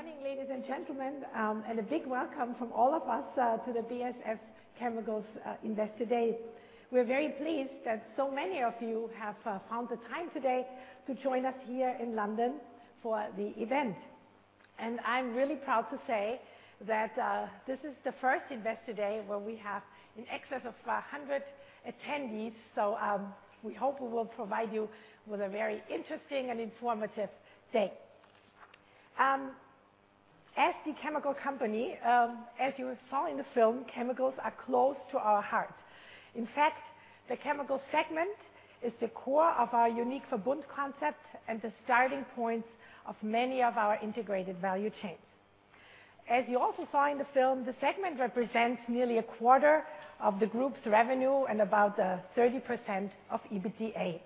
Yeah, good morning, ladies and gentlemen, and a big welcome from all of us to the BASF Chemicals Investor Day. We're very pleased that so many of you have found the time today to join us here in London for the event. I'm really proud to say that this is the first Investor Day where we have in excess of 100 attendees. We hope we will provide you with a very interesting and informative day. As the chemical company, as you saw in the film, chemicals are close to our heart. In fact, the chemical segment is the core of our unique Verbund concept and the starting point of many of our integrated value chains. As you also saw in the film, the segment represents nearly a quarter of the group's revenue and about 30% of EBITDA.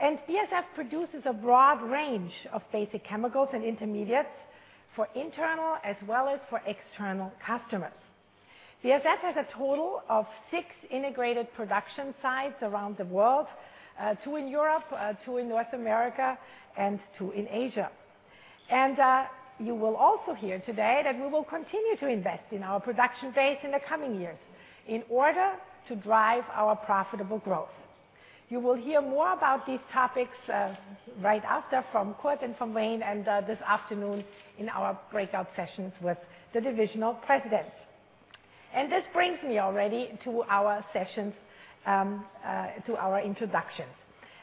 BASF produces a broad range of basic chemicals and intermediates for internal as well as for external customers. BASF has a total of six integrated production sites around the world, two in Europe, two in North America, and two in Asia. You will also hear today that we will continue to invest in our production base in the coming years in order to drive our profitable growth. You will hear more about these topics, right after from Kurt and from Wayne, and this afternoon in our breakout sessions with the divisional presidents. This brings me already to our sessions, to our introductions.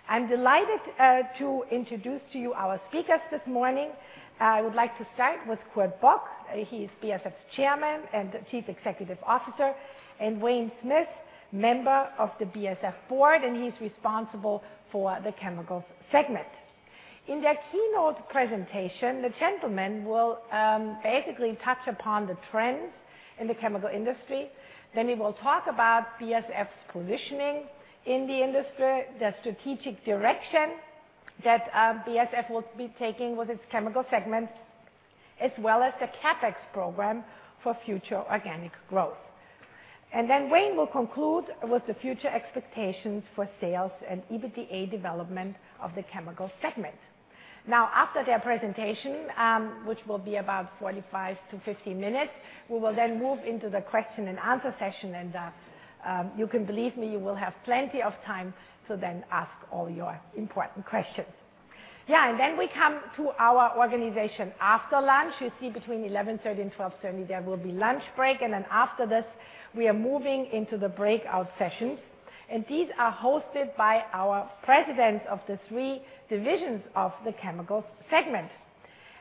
I'm delighted to introduce to you our speakers this morning. I would like to start with Kurt Bock, he is BASF's Chairman and Chief Executive Officer, and Wayne Smith, member of the BASF board, and he's responsible for the Chemicals segment. In their keynote presentation, the gentlemen will basically touch upon the trends in the chemical industry, then we will talk about BASF's positioning in the industry, the strategic direction that BASF will be taking with its Chemicals segment, as well as the Capex program for future organic growth. Then Wayne will conclude with the future expectations for sales and EBITDA development of the Chemicals segment. Now, after their presentation, which will be about 45-50 minutes, we will then move into the question and answer session. You can believe me, you will have plenty of time to then ask all your important questions. We come to our organization after lunch. You see between 11:30 A.M. and 12:30 P.M., there will be lunch break, and then after this we are moving into the breakout sessions, and these are hosted by our presidents of the three divisions of the Chemicals segment.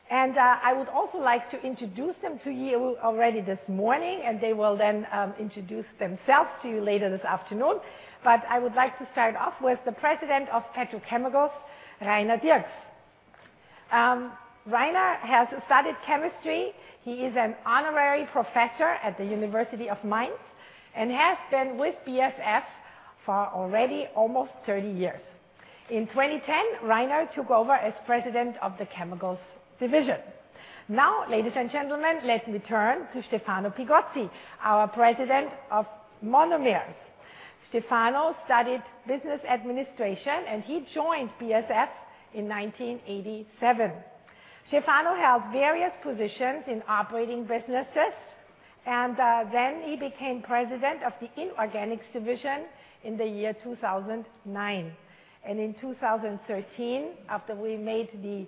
I would also like to introduce them to you already this morning, and they will then introduce themselves to you later this afternoon. I would like to start off with the President of Petrochemicals, Rainer Diercks. Rainer has studied chemistry. He is an honorary professor at the University of Mainz and has been with BASF for already almost 30 years. In 2010, Rainer took over as president of the Chemicals division. Now, ladies and gentlemen, let me turn to Stefano Pigozzi, our President of Monomers. Stefano studied business administration, and he joined BASF in 1987. Stefano held various positions in operating businesses, and then he became president of the Inorganics division in the year 2009. In 2013, after we made the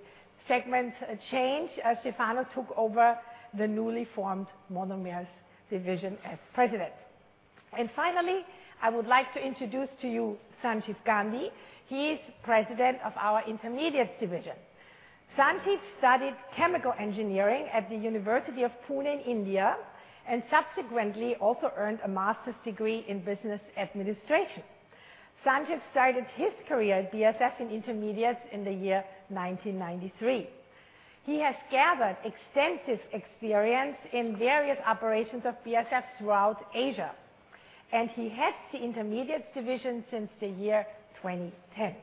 segment change, Stefano took over the newly formed Monomers division as president. Finally, I would like to introduce to you Sanjeev Gandhi. He is President of our Intermediates division. Sanjeev studied Chemical Engineering at the University of Pune in India, and subsequently also earned a master's degree in Business Administration. Sanjeev started his career at BASF in Intermediates in the year 1993. He has gathered extensive experience in various operations of BASF throughout Asia, and he heads the Intermediates division since the year 2010.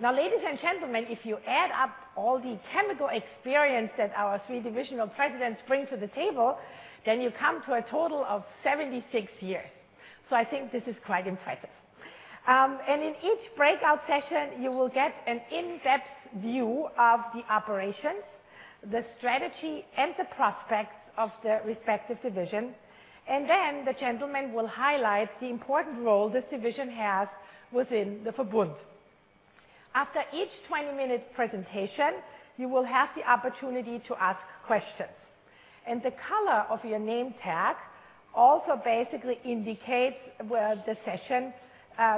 Now, ladies and gentlemen, if you add up all the chemical experience that our three divisional presidents bring to the table, then you come to a total of 76 years, so I think this is quite impressive. In each breakout session you will get an in-depth view of the operations, the strategy, and the prospects of the respective division. The gentleman will highlight the important role this division has within the Verbund. After each 20-minute presentation, you will have the opportunity to ask questions, and the color of your name tag also basically indicates where the session,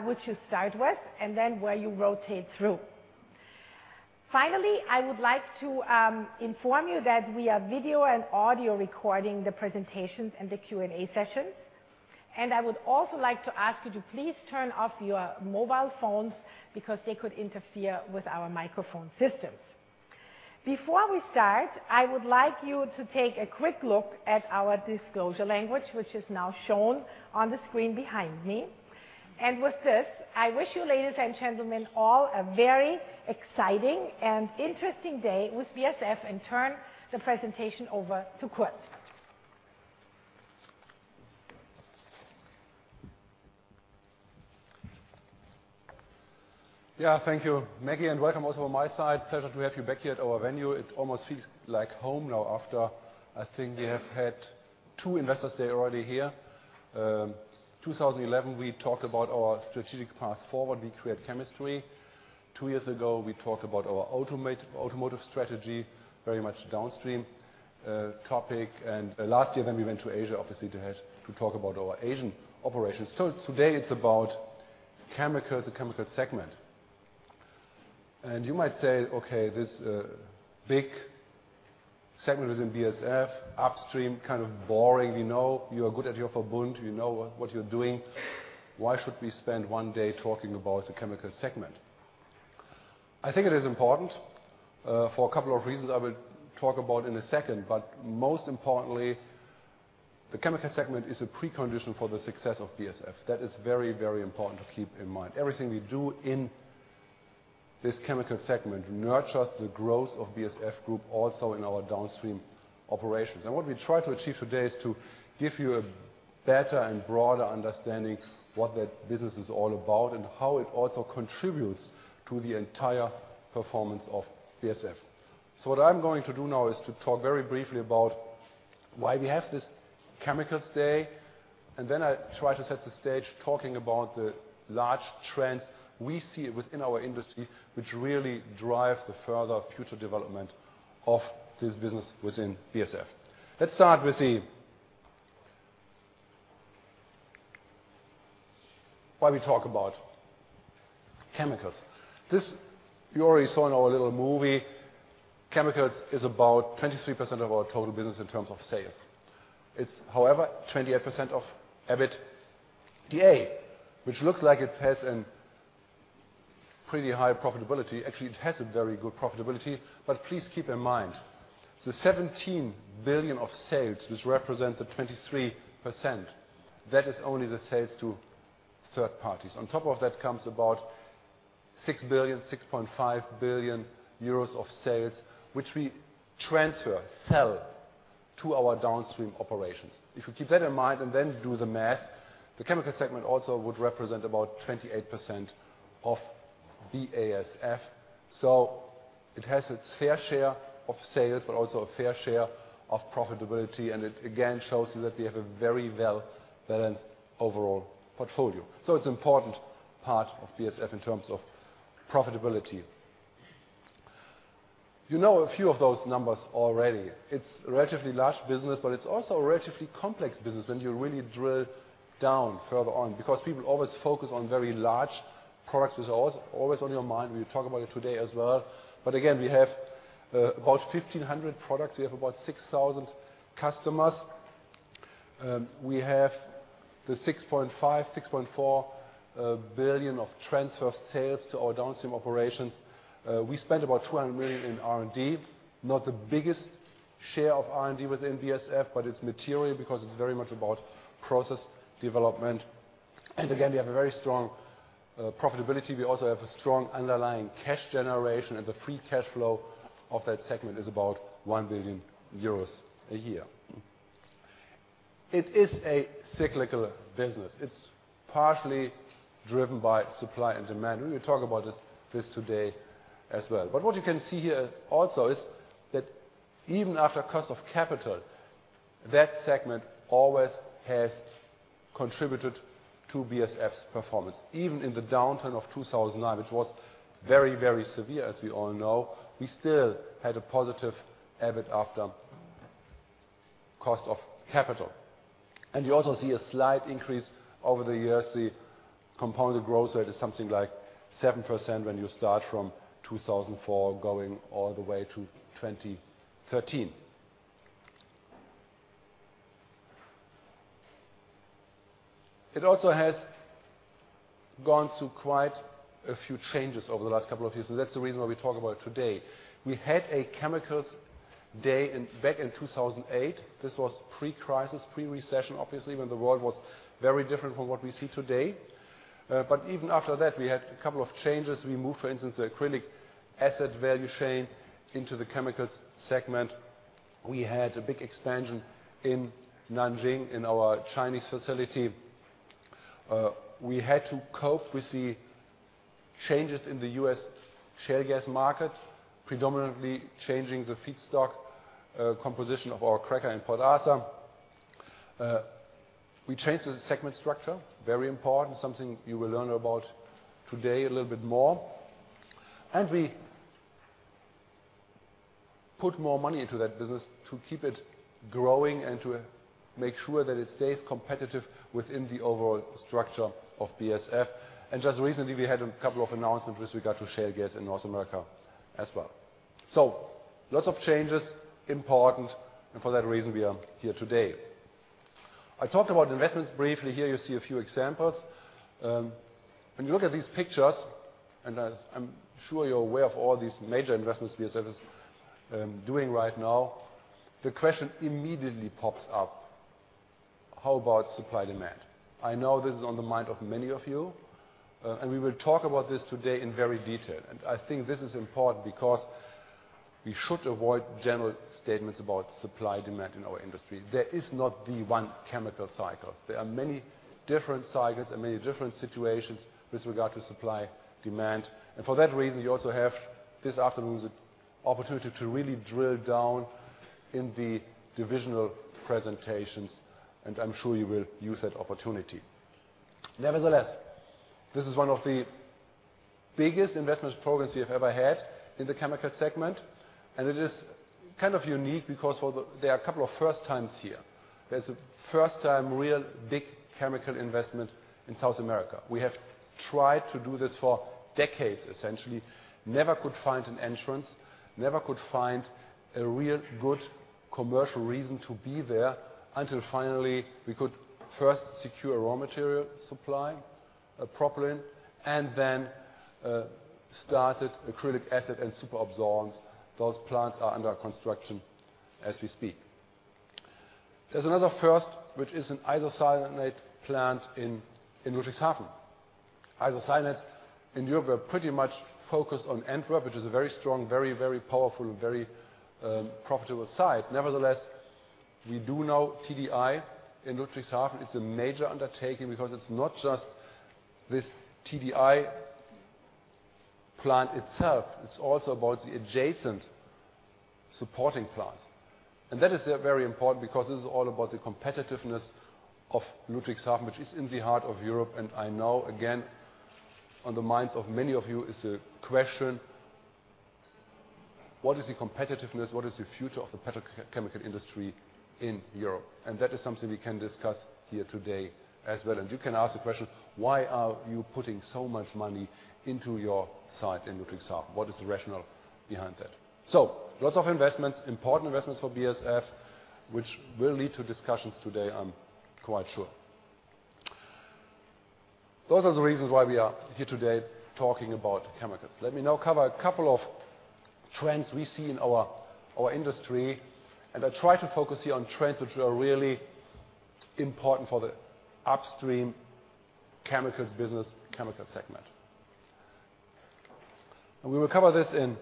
which you start with and then where you rotate through. Finally, I would like to inform you that we are video and audio recording the presentations and the Q&A sessions. I would also like to ask you to please turn off your mobile phones because they could interfere with our microphone systems. Before we start, I would like you to take a quick look at our disclosure language, which is now shown on the screen behind me. With this, I wish you, ladies and gentlemen, all a very exciting and interesting day with BASF and turn the presentation over to Kurt. Yeah. Thank you, Maggie, and welcome also on my side. Pleasure to have you back here at our venue. It almost feels like home now after I think we have had two investor days already here. 2011, we talked about our strategic path forward, We Create Chemistry. Two years ago, we talked about our automotive strategy, very much downstream topic. Last year then we went to Asia, obviously, to talk about our Asian operations. Today, it's about chemicals and chemical segment. You might say, "Okay, this big segment is in BASF upstream, kind of boring. We know you are good at your Verbund. We know what you're doing. Why should we spend one day talking about the chemical segment?" I think it is important for a couple of reasons I will talk about in a second, but most importantly, the chemical segment is a precondition for the success of BASF. That is very, very important to keep in mind. Everything we do in this chemical segment nurtures the growth of BASF Group also in our downstream operations. What we try to achieve today is to give you a better and broader understanding what that business is all about and how it also contributes to the entire performance of BASF. What I'm going to do now is to talk very briefly about why we have this chemicals day, and then I try to set the stage talking about the large trends we see within our industry which really drive the further future development of this business within BASF. Let's start with why we talk about chemicals. This you already saw in our little movie. Chemicals is about 23% of our total business in terms of sales. It's, however, 28% of EBITDA, which looks like it has a pretty high profitability. Actually, it has a very good profitability. Please keep in mind, the 17 billion of sales which represent the 23%, that is only the sales to third parties. On top of that comes about 6 billion, 6.5 billion euros of sales, which we transfer, sell to our downstream operations. If you keep that in mind and then do the math, the chemical segment also would represent about 28% of BASF. It has its fair share of sales, but also a fair share of profitability. It again shows you that we have a very well-balanced overall portfolio. It's important part of BASF in terms of profitability. You know a few of those numbers already. It's a relatively large business, but it's also a relatively complex business when you really drill down further on, because people always focus on very large products. It's always on your mind, and we'll talk about it today as well. Again, we have about 1,500 products. We have about 6,000 customers. We have the 6.5, 6.4 billion of transfer sales to our downstream operations. We spend about 200 million in R&D, not the biggest share of R&D within BASF, but it's material because it's very much about process development. Again, we have a very strong profitability. We also have a strong underlying cash generation, and the free cash flow of that segment is about 1 billion euros a year. It is a cyclical business. It's partially driven by supply and demand. We will talk about it, this today as well. What you can see here also is that even after cost of capital, that segment always has contributed to BASF's performance. Even in the downturn of 2009, which was very, very severe, as we all know, we still had a positive EBIT after cost of capital. You also see a slight increase over the years. The compounded growth rate is something like 7% when you start from 2004 going all the way to 2013. It also has gone through quite a few changes over the last couple of years, and that's the reason why we talk about it today. We had a Chemicals day back in 2008. This was pre-crisis, pre-recession, obviously, when the world was very different from what we see today. Even after that, we had a couple of changes. We moved, for instance, the acrylic acid value chain into the Chemicals segment. We had a big expansion in Nanjing, in our Chinese facility. We had to cope with the changes in the U.S. shale gas market, predominantly changing the feedstock composition of our cracker in Port Arthur. We changed the segment structure, very important, something you will learn about today a little bit more. We put more money into that business to keep it growing and to make sure that it stays competitive within the overall structure of BASF. Just recently, we had a couple of announcements with regard to shale gas in North America as well. Lots of changes, important, and for that reason, we are here today. I talked about investments briefly. Here you see a few examples. When you look at these pictures, and I'm sure you're aware of all these major investments BASF is doing right now, the question immediately pops up, how about supply and demand? I know this is on the mind of many of you, and we will talk about this today in very detail. I think this is important because we should avoid general statements about supply-demand in our industry. There is not the one chemical cycle. There are many different cycles and many different situations with regard to supply-demand. For that reason, you also have this afternoon's opportunity to really drill down in the divisional presentations, and I'm sure you will use that opportunity. Nevertheless, this is one of the biggest investment programs we have ever had in the chemical segment, and it is kind of unique because for the there are a couple of first times here. There's a first-time real big chemical investment in South America. We have tried to do this for decades, essentially. Never could find an entrance, never could find a real good commercial reason to be there until finally we could first secure a raw material supply, propylene, and then started acrylic acid and superabsorbents. Those plants are under construction as we speak. There's another first, which is an isocyanate plant in Ludwigshafen. Isocyanate in Europe, we're pretty much focused on Antwerp, which is a very strong, powerful, profitable site. Nevertheless, we now do TDI in Ludwigshafen. It's a major undertaking because it's not just this TDI plant itself, it's also about the adjacent supporting plants. That is very important because this is all about the competitiveness of Ludwigshafen, which is in the heart of Europe. I know, again, on the minds of many of you is the question, what is the competitiveness, what is the future of the petrochemical industry in Europe? That is something we can discuss here today as well. You can ask the question, why are you putting so much money into your site in Ludwigshafen? What is the rationale behind that? Lots of investments, important investments for BASF, which will lead to discussions today, I'm quite sure. Those are the reasons why we are here today talking about chemicals. Let me now cover a couple of trends we see in our industry, and I try to focus here on trends which are really important for the upstream chemicals business, chemicals segment. We will cover this in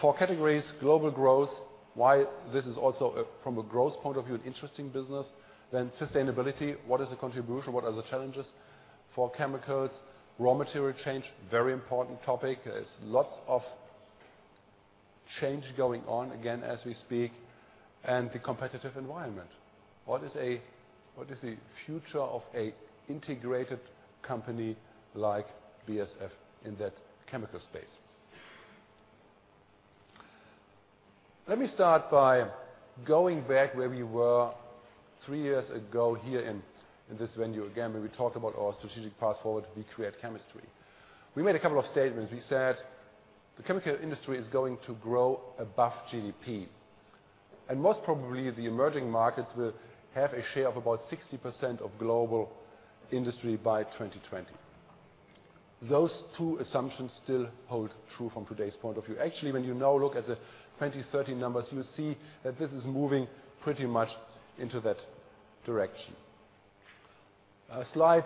four categories, global growth, why this is also from a growth point of view an interesting business, then sustainability, what is the contribution, what are the challenges for chemicals, raw material change, very important topic, there's lots of change going on, again, as we speak, and the competitive environment, what is the future of an integrated company like BASF in that chemical space? Let me start by going back where we were three years ago here in this venue again, where we talked about our strategic path forward, We Create Chemistry. We made a couple of statements. We said the chemical industry is going to grow above GDP, and most probably the emerging markets will have a share of about 60% of global industry by 2020. Those two assumptions still hold true from today's point of view. Actually, when you now look at the 2013 numbers, you see that this is moving pretty much into that direction. A slight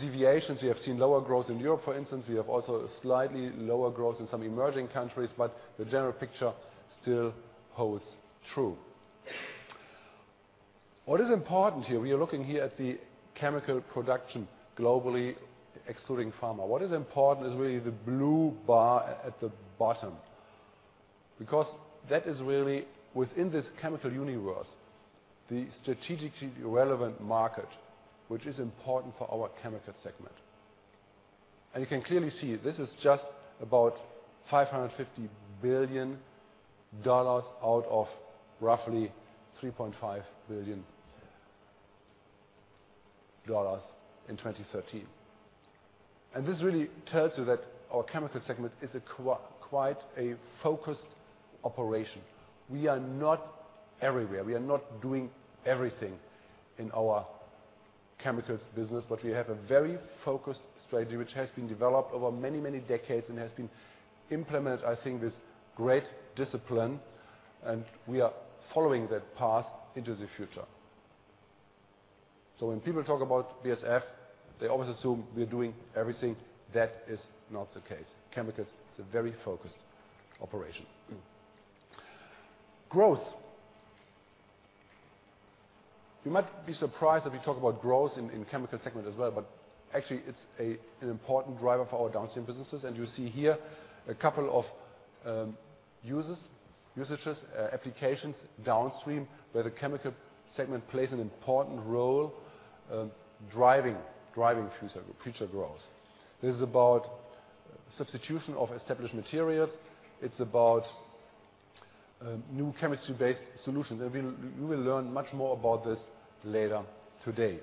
deviations, we have seen lower growth in Europe, for instance. We have also slightly lower growth in some emerging countries, but the general picture still holds true. What is important here, we are looking here at the chemical production globally, excluding pharma. What is important is really the blue bar at the bottom because that is really within this chemical universe, the strategically relevant market, which is important for our chemicals segment. You can clearly see this is just about $550 billion out of roughly $3.5 billion in 2013. This really tells you that our chemicals segment is quite a focused operation. We are not everywhere. We are not doing everything in our chemicals business, but we have a very focused strategy which has been developed over many, many decades and has been implemented, I think, with great discipline, and we are following that path into the future. When people talk about BASF, they always assume we are doing everything. That is not the case. Chemicals is a very focused operation. Growth. You might be surprised that we talk about growth in chemicals segment as well, but actually it's an important driver for our downstream businesses. You see here a couple of applications downstream where the chemical segment plays an important role, driving future growth. This is about substitution of established materials. It's about new chemistry-based solutions. You will learn much more about this later today.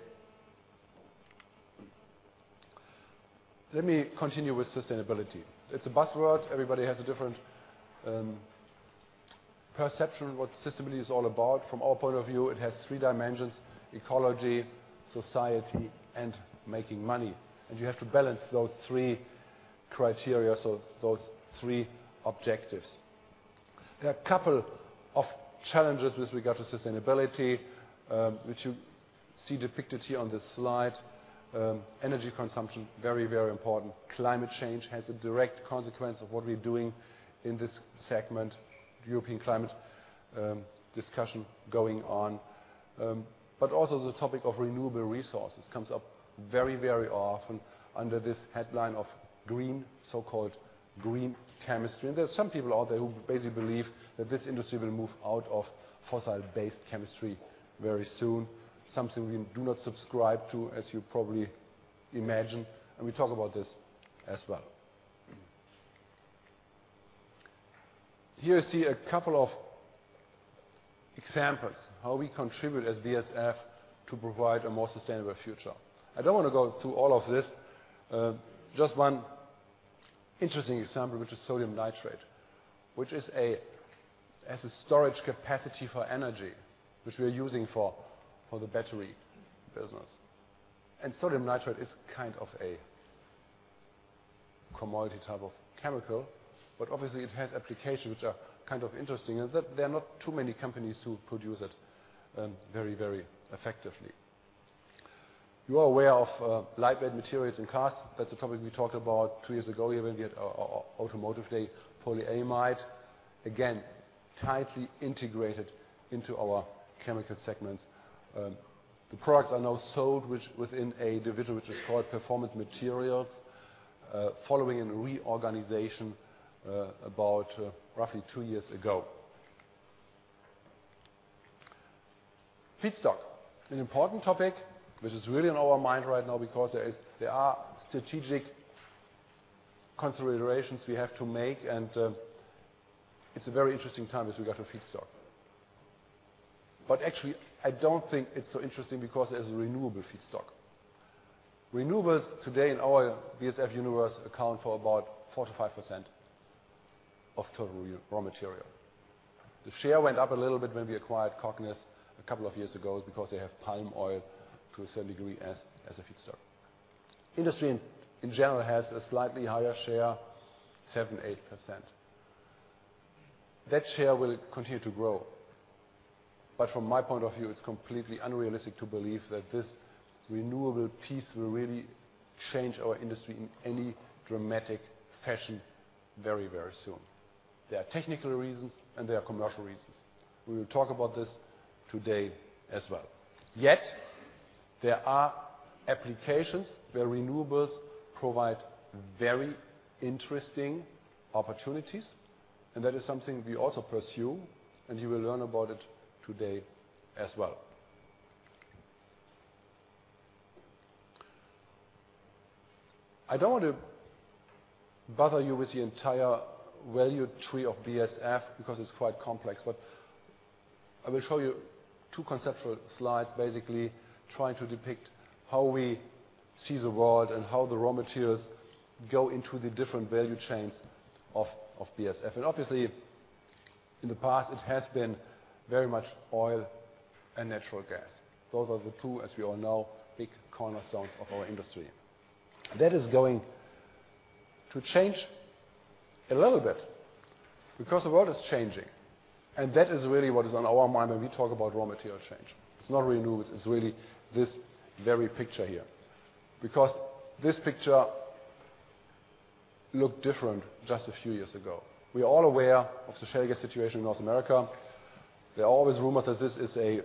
Let me continue with sustainability. It's a buzzword. Everybody has a different perception of what sustainability is all about. From our point of view, it has three dimensions: ecology, society, and making money. You have to balance those three criteria, so those three objectives. There are a couple of challenges with regard to sustainability, which you see depicted here on the slide, energy consumption, very, very important. Climate change has a direct consequence of what we're doing in this segment. European climate discussion going on. Also, the topic of renewable resources comes up very, very often under this headline of green, so-called green chemistry. There's some people out there who basically believe that this industry will move out of fossil-based chemistry very soon. Something we do not subscribe to, as you probably imagine, and we talk about this as well. Here you see a couple of examples how we contribute as BASF to provide a more sustainable future. I don't wanna go through all of this. Just one interesting example, which is sodium nitrate, which is as a storage capacity for energy, which we're using for the battery business. Sodium nitrate is kind of a commodity type of chemical, but obviously it has applications which are kind of interesting in that there are not too many companies who produce it, very, very effectively. You are aware of lightweight materials in cars. That's a topic we talked about two years ago here when we had our Automotive Day. Polyamide, again, tightly integrated into our chemical segments. The products are now sold within a division which is called Performance Materials, following a reorganization, about roughly two years ago. Feedstock, an important topic, which is really on our mind right now because there are strategic considerations we have to make, and it's a very interesting time as we got to feedstock. Actually, I don't think it's so interesting because there's a renewable feedstock. Renewables today in our BASF universe account for about 4%-5% of total raw material. The share went up a little bit when we acquired Cognis a couple of years ago because they have palm oil to a certain degree as a feedstock. Industry in general has a slightly higher share, 7%-8%. That share will continue to grow, but from my point of view, it's completely unrealistic to believe that this renewable piece will really change our industry in any dramatic fashion very soon. There are technical reasons, and there are commercial reasons. We will talk about this today as well. Yet, there are applications where renewables provide very interesting opportunities, and that is something we also pursue, and you will learn about it today as well. I don't want to bother you with the entire value tree of BASF because it's quite complex, but I will show you two conceptual slides basically trying to depict how we see the world and how the raw materials go into the different value chains of BASF. Obviously, in the past, it has been very much oil and natural gas. Those are the two, as we all know, big cornerstones of our industry. That is going to change a little bit because the world is changing, and that is really what is on our mind when we talk about raw material change. It's not renewables, it's really this very picture here. Because this picture looked different just a few years ago. We are all aware of the shale gas situation in North America. There are always rumors that this is a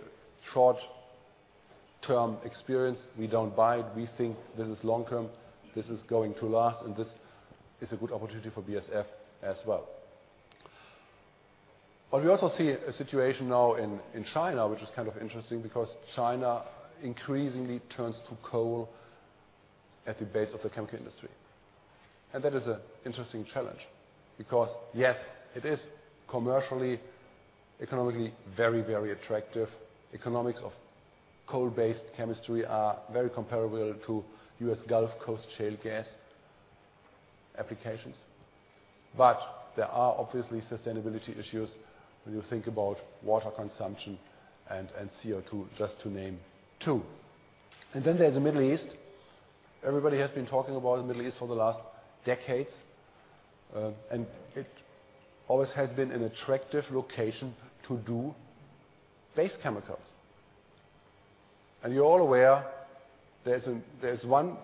short-term experience. We don't buy it. We think this is long term, this is going to last, and this is a good opportunity for BASF as well. We also see a situation now in China, which is kind of interesting because China increasingly turns to coal at the base of the chemical industry. That is an interesting challenge because, yes, it is commercially, economically very, very attractive. Economics of coal-based chemistry are very comparable to U.S. Gulf Coast shale gas applications. There are obviously sustainability issues when you think about water consumption and CO2, just to name two. Then there's the Middle East. Everybody has been talking about the Middle East for the last decades, and it always has been an attractive location to do base chemicals. You're all aware there's one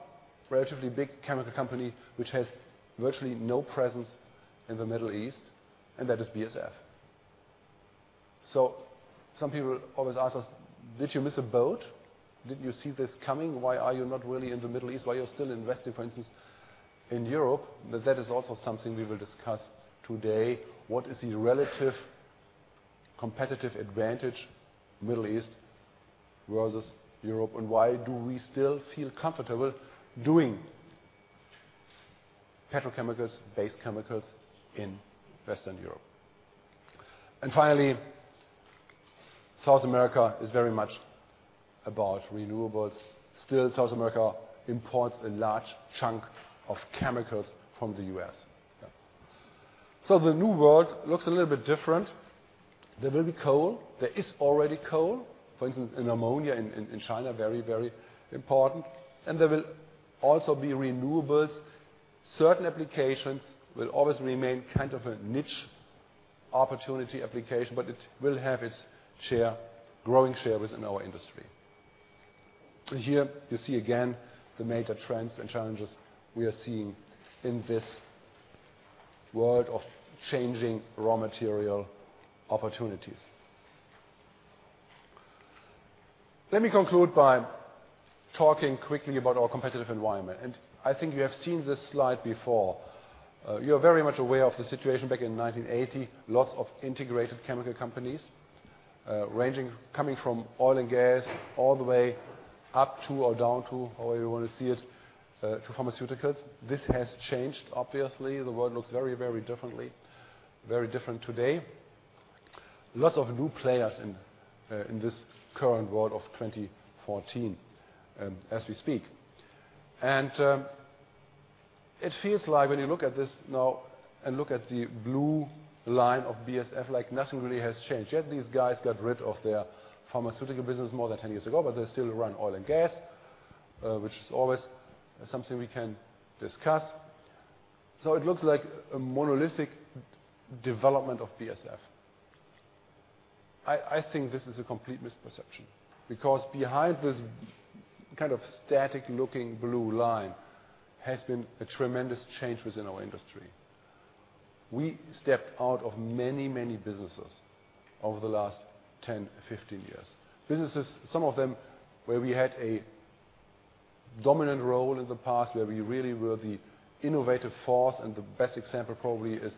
relatively big chemical company which has virtually no presence in the Middle East, and that is BASF. Some people always ask us, "Did you miss a boat? Didn't you see this coming? Why are you not really in the Middle East? Why are you still investing, for instance, in Europe?" That is also something we will discuss today. What is the relative competitive advantage, Middle East versus Europe, and why do we still feel comfortable doing petrochemicals, base chemicals in Western Europe? Finally, South America is very much about renewables. Still, South America imports a large chunk of chemicals from the U.S. The new world looks a little bit different. There will be coal. There is already coal, for instance, in ammonia in China, very, very important. There will also be renewables. Certain applications will always remain kind of a niche opportunity application, but it will have its share, growing share within our industry. Here you see again the major trends and challenges we are seeing in this world of changing raw material opportunities. Let me conclude by talking quickly about our competitive environment. I think you have seen this slide before. You are very much aware of the situation back in 1980, lots of integrated chemical companies, ranging from oil and gas all the way up to or down to, however you wanna see it, to pharmaceuticals. This has changed obviously. The world looks very, very differently, very different today. Lots of new players in this current world of 2014 as we speak. It feels like when you look at this now and look at the blue line of BASF, like nothing really has changed. Yet these guys got rid of their pharmaceutical business more than 10 years ago, but they still run oil and gas, which is always something we can discuss. It looks like a monolithic development of BASF. I think this is a complete misperception because behind this kind of static-looking blue line has been a tremendous change within our industry. We stepped out of many, many businesses over the last 10, 15 years. Businesses, some of them where we had a dominant role in the past, where we really were the innovative force, and the best example probably is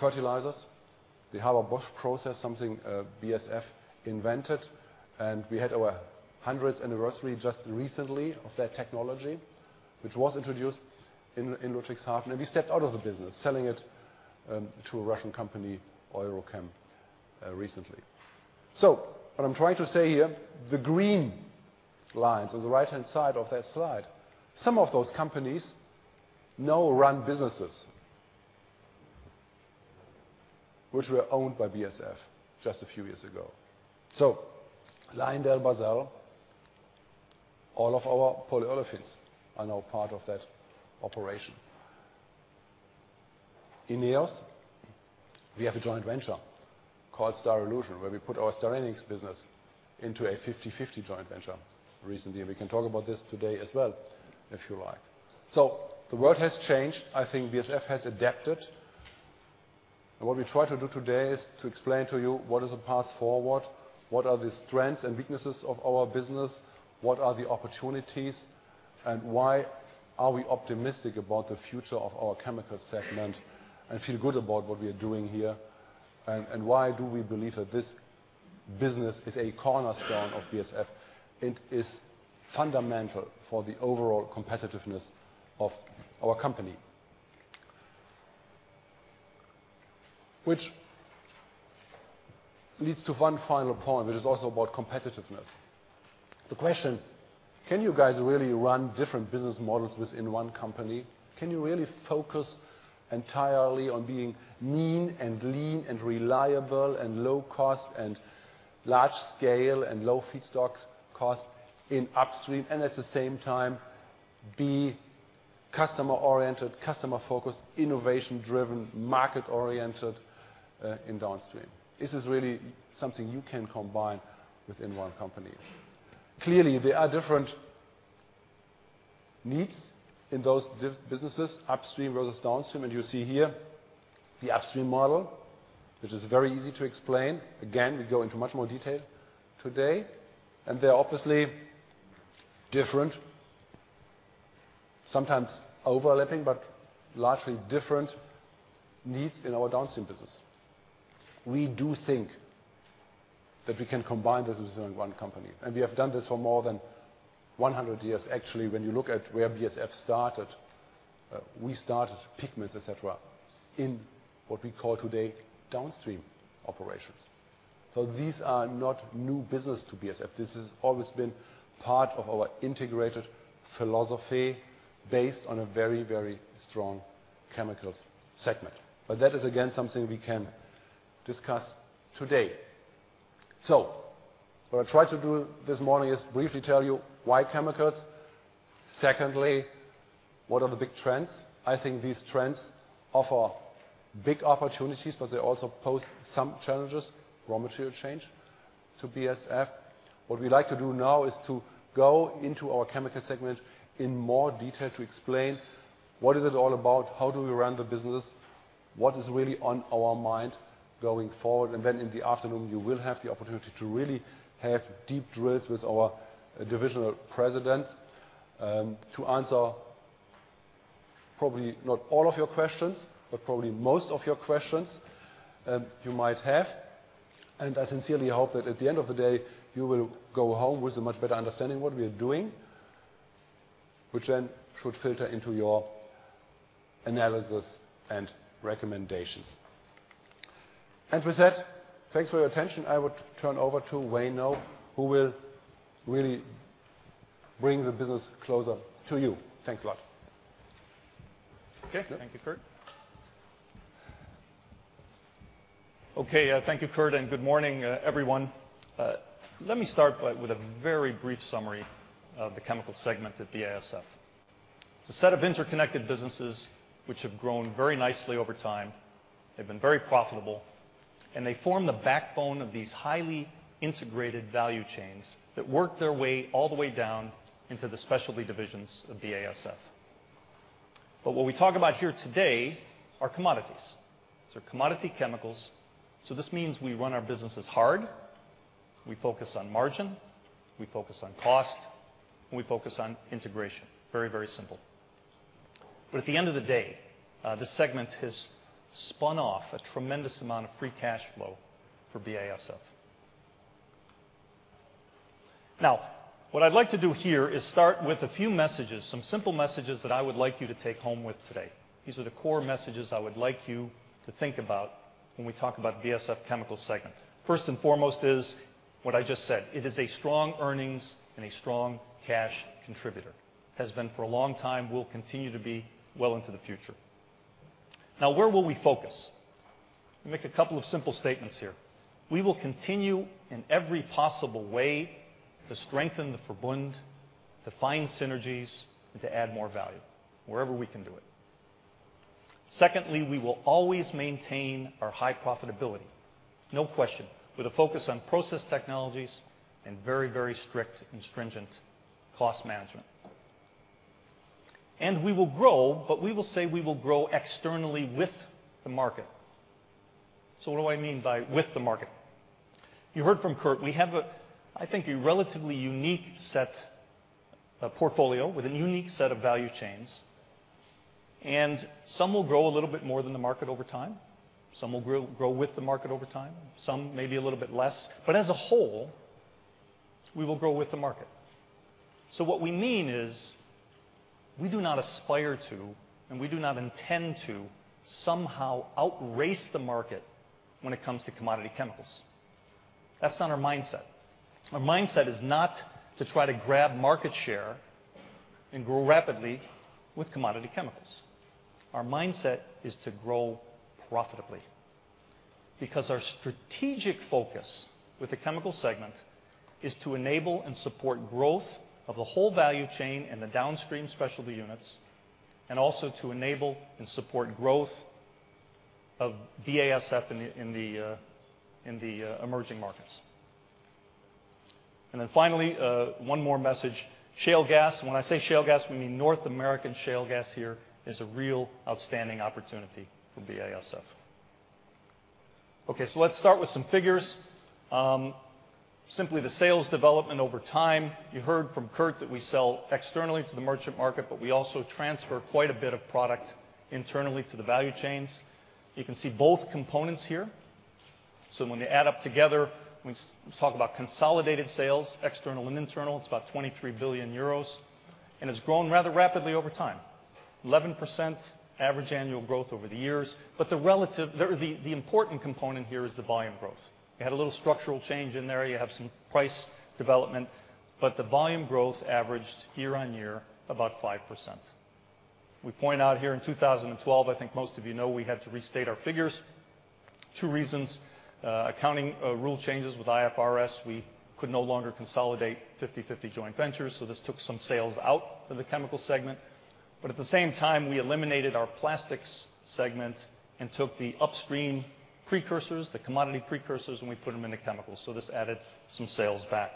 fertilizers. The Haber-Bosch process BASF invented, and we had our hundredth anniversary just recently of that technology, which was introduced in Ludwigshafen, and we stepped out of the business, selling it to a Russian company, EuroChem, recently. What I'm trying to say here, the green lines on the right-hand side of that slide, some of those companies now run businesses which were owned by BASF just a few years ago. LyondellBasell, all of our polyolefins are now part of that operation. INEOS, we have a joint venture called Styrolution, where we put our styrene business into a 50-50 joint venture recently. We can talk about this today as well, if you like. The world has changed. I think BASF has adapted. What we try to do today is to explain to you what is the path forward, what are the strengths and weaknesses of our business, what are the opportunities, and why are we optimistic about the future of our chemical segment and feel good about what we are doing here, and why do we believe that this business is a cornerstone of BASF. It is fundamental for the overall competitiveness of our company. Which leads to one final point, which is also about competitiveness. The question, can you guys really run different business models within one company? Can you really focus entirely on being mean and lean and reliable and low cost and large scale and low feedstock cost in upstream, and at the same time be customer-oriented, customer-focused, innovation-driven, market-oriented, in downstream? Is this really something you can combine within one company? Clearly, there are different needs in those different businesses, upstream versus downstream. You see here the upstream model, which is very easy to explain. Again, we go into much more detail today. There are obviously different, sometimes overlapping, but largely different needs in our downstream business. We do think that we can combine the business in one company, and we have done this for more than 100 years. Actually, when you look at where BASF started, we started pigments, et cetera, in what we call today downstream operations. These are not new business to BASF. This has always been part of our integrated philosophy based on a very, very strong chemicals segment. That is again, something we can discuss today. What I'll try to do this morning is briefly tell you why chemicals. Secondly, what are the big trends? I think these trends offer big opportunities, but they also pose some challenges, raw material change to BASF. What we like to do now is to go into our chemical segment in more detail to explain what is it all about, how do we run the business, what is really on our mind going forward. Then in the afternoon, you will have the opportunity to really have deep dives with our divisional presidents, to answer probably not all of your questions, but probably most of your questions, you might have. I sincerely hope that at the end of the day, you will go home with a much better understanding what we are doing, which then should filter into your analysis and recommendations. With that, thanks for your attention. I would turn over to Wayne now, who will really bring the business closer to you. Thanks a lot. Okay. Thank you, Kurt, and good morning, everyone. Let me start with a very brief summary of the chemical segment at BASF. It's a set of interconnected businesses which have grown very nicely over time. They've been very profitable, and they form the backbone of these highly integrated value chains that work their way all the way down into the specialty divisions of BASF. What we talk about here today are commodities. These are commodity chemicals, so this means we run our businesses hard, we focus on margin, we focus on cost, and we focus on integration. Very, very simple. At the end of the day, this segment has spun off a tremendous amount of free cash flow for BASF. Now, what I'd like to do here is start with a few messages, some simple messages that I would like you to take home with you today. These are the core messages I would like you to think about when we talk about BASF Chemicals segment. First and foremost is what I just said. It is a strong earnings and a strong cash contributor. Has been for a long time, will continue to be well into the future. Now, where will we focus? Let me make a couple of simple statements here. We will continue in every possible way to strengthen the Verbund, to find synergies, and to add more value wherever we can do it. Secondly, we will always maintain our high profitability, no question, with a focus on process technologies and very, very strict and stringent cost management. We will grow, but we will say we will grow externally with the market. What do I mean by with the market? You heard from Kurt, we have a, I think a relatively unique set of portfolio with a unique set of value chains, and some will grow a little bit more than the market over time, some will grow with the market over time, some maybe a little bit less. As a whole, we will grow with the market. What we mean is we do not aspire to, and we do not intend to somehow outrace the market when it comes to commodity chemicals. That's not our mindset. Our mindset is not to try to grab market share and grow rapidly with commodity chemicals. Our mindset is to grow profitably because our strategic focus with the Chemical segment is to enable and support growth of the whole value chain and the downstream specialty units, and also to enable and support growth of BASF in the emerging markets. Finally, one more message. Shale gas, and when I say shale gas, we mean North American shale gas here, is a real outstanding opportunity for BASF. Okay, let's start with some figures. Simply the sales development over time. You heard from Kurt that we sell externally to the merchant market, but we also transfer quite a bit of product internally to the value chains. You can see both components here. When they add up together, we talk about consolidated sales, external and internal, it's about 23 billion euros, and it's grown rather rapidly over time. 11% average annual growth over the years. The important component here is the volume growth. You had a little structural change in there. You have some price development, but the volume growth averaged year-on-year about 5%. We point out here in 2012, I think most of you know we had to restate our figures. Two reasons, accounting rule changes with IFRS, we could no longer consolidate 50/50 joint ventures, so this took some sales out of the Chemicals segment. But at the same time, we eliminated our Plastics segment and took the upstream precursors, the commodity precursors, and we put them into Chemicals, so this added some sales back.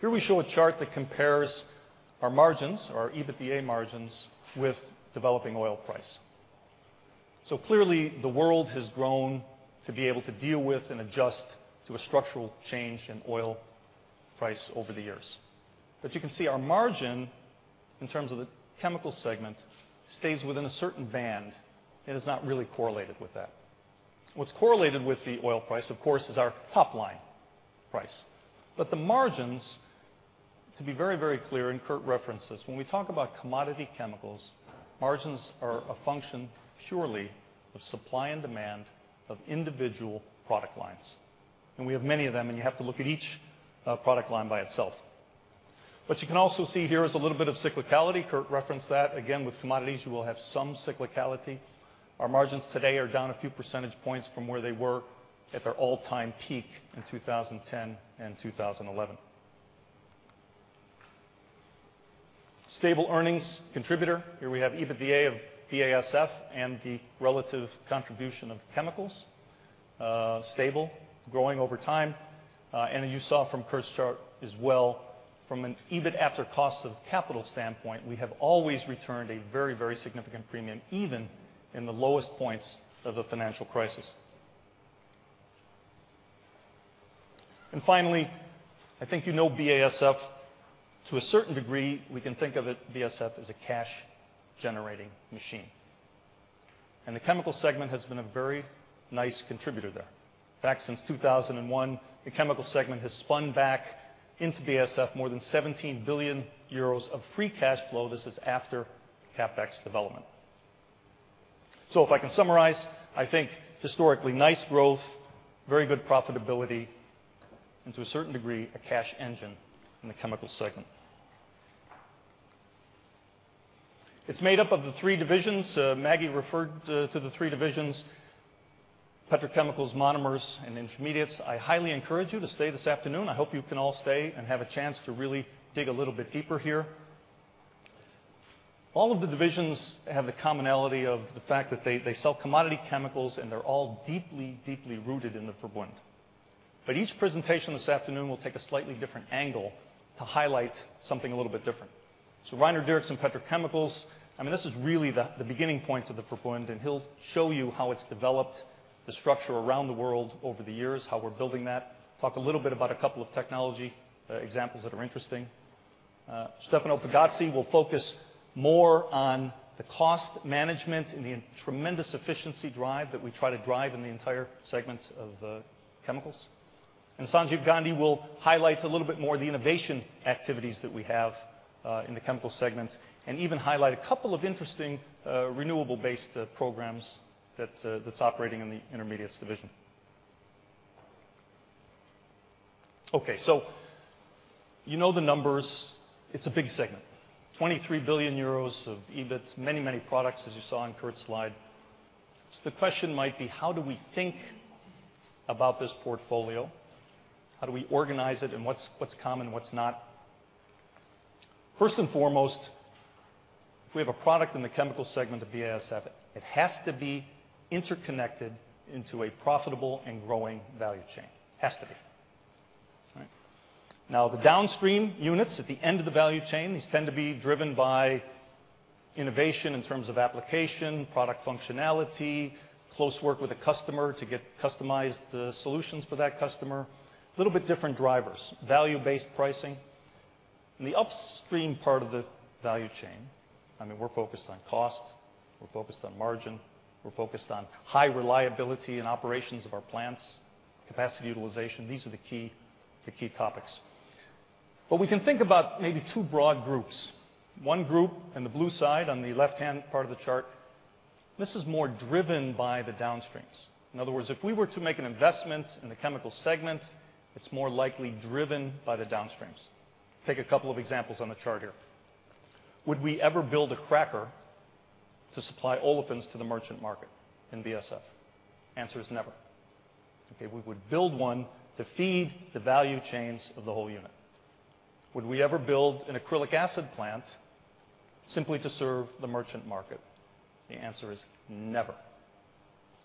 Here we show a chart that compares our margins, our EBITDA margins, with developing oil price. Clearly, the world has grown to be able to deal with and adjust to a structural change in oil price over the years. You can see our margin, in terms of the Chemical segment, stays within a certain band and is not really correlated with that. What's correlated with the oil price, of course, is our top line price. The margins, to be very, very clear, and Kurt referenced this, when we talk about commodity chemicals, margins are a function purely of supply and demand of individual product lines. We have many of them, and you have to look at each product line by itself. You can also see here is a little bit of cyclicality. Kurt referenced that. Again, with commodities, you will have some cyclicality. Our margins today are down a few percentage points from where they were at their all-time peak in 2010 and 2011. Stable earnings contributor. Here we have EBITDA of BASF and the relative contribution of Chemicals, stable, growing over time. As you saw from Kurt's chart as well, from an EBIT after cost of capital standpoint, we have always returned a very, very significant premium, even in the lowest points of the financial crisis. Finally, I think you know BASF, to a certain degree, we can think of it, BASF, as a cash-generating machine. The Chemical segment has been a very nice contributor there. In fact, since 2001, the Chemical segment has spun back into BASF more than 17 billion euros of free cash flow. This is after Capex development. If I can summarize, I think historically nice growth, very good profitability, and to a certain degree, a cash engine in the Chemical segment. It's made up of the three divisions. Maggie referred to the three divisions: Petrochemicals, Monomers, and Intermediates. I highly encourage you to stay this afternoon. I hope you can all stay and have a chance to really dig a little bit deeper here. All of the divisions have the commonality of the fact that they sell commodity chemicals, and they're all deeply rooted in the Verbund. Each presentation this afternoon will take a slightly different angle to highlight something a little bit different. Rainer Diercks in Petrochemicals, I mean, this is really the beginning point of the Verbund, and he'll show you how it's developed the structure around the world over the years, how we're building that. Talk a little bit about a couple of technology examples that are interesting. Stefano Pigozzi will focus more on the cost management and the tremendous efficiency drive that we try to drive in the entire segments of chemicals. Sanjeev Gandhi will highlight a little bit more the innovation activities that we have in the Chemical segment, and even highlight a couple of interesting renewable-based programs that's operating in the Intermediates division. Okay. You know the numbers. It's a big segment, 23 billion euros of EBIT. Many, many products as you saw in Kurt's slide. The question might be. How do we think about this portfolio? How do we organize it? What's common, what's not? First and foremost, if we have a product in the Chemical segment at BASF, it has to be interconnected into a profitable and growing value chain. Has to be. All right? Now, the downstream units at the end of the value chain, these tend to be driven by innovation in terms of application, product functionality, close work with the customer to get customized solutions for that customer. Little bit different drivers. Value-based pricing. In the upstream part of the value chain, I mean, we're focused on cost, we're focused on margin, we're focused on high reliability and operations of our plants, capacity utilization. These are the key topics. But we can think about maybe two broad groups. One group in the blue side on the left-hand part of the chart, this is more driven by the downstreams. In other words, if we were to make an investment in the Chemical segment, it's more likely driven by the downstreams. Take a couple of examples on the chart here. Would we ever build a cracker to supply olefins to the merchant market in BASF? Answer is never. Okay? We would build one to feed the value chains of the whole unit. Would we ever build an acrylic acid plant simply to serve the merchant market? The answer is never.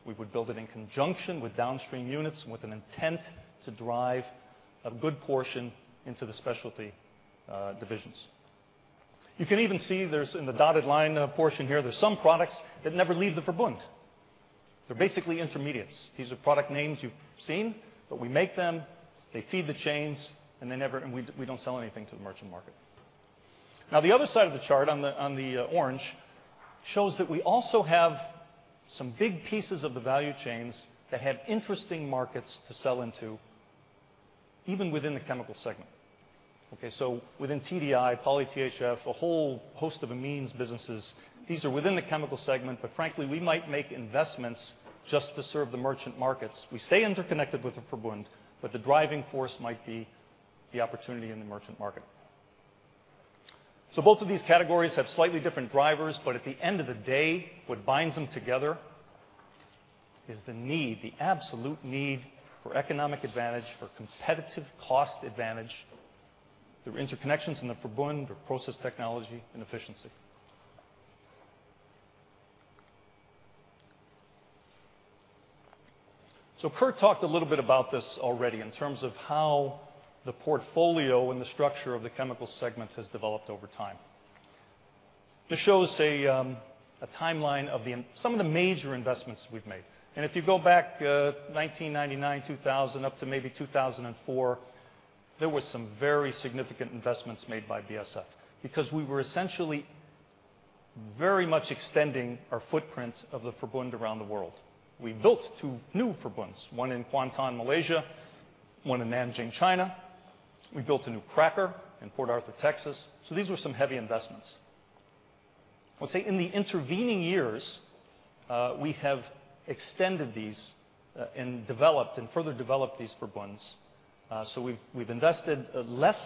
We would build it in conjunction with downstream units with an intent to drive a good portion into the specialty divisions. You can even see there's, in the dotted line portion here, there's some products that never leave the Verbund. They're basically intermediates. These are product names you've seen, but we make them, they feed the chains, and they never. We don't sell anything to the merchant market. Now, the other side of the chart on the orange shows that we also have some big pieces of the value chains that have interesting markets to sell into, even within the Chemical segment. Within TDI, poly-THF, a whole host of amines businesses, these are within the Chemical segment, but frankly, we might make investments just to serve the merchant markets. We stay interconnected with the Verbund, but the driving force might be the opportunity in the merchant market. Both of these categories have slightly different drivers, but at the end of the day, what binds them together is the need, the absolute need for economic advantage, for competitive cost advantage through interconnections in the Verbund, through process technology and efficiency. Kurt talked a little bit about this already in terms of how the portfolio and the structure of the Chemical segment has developed over time. This shows a timeline of some of the major investments we've made. If you go back, 1999, 2000, up to maybe 2004, there were some very significant investments made by BASF because we were essentially very much extending our footprint of the Verbund around the world. We built two new Verbunds, one in Kuantan, Malaysia, one in Nanjing, China. We built a new cracker in Port Arthur, Texas. These were some heavy investments. I'll say in the intervening years, we have extended these and developed, and further developed these Verbunds. We've invested less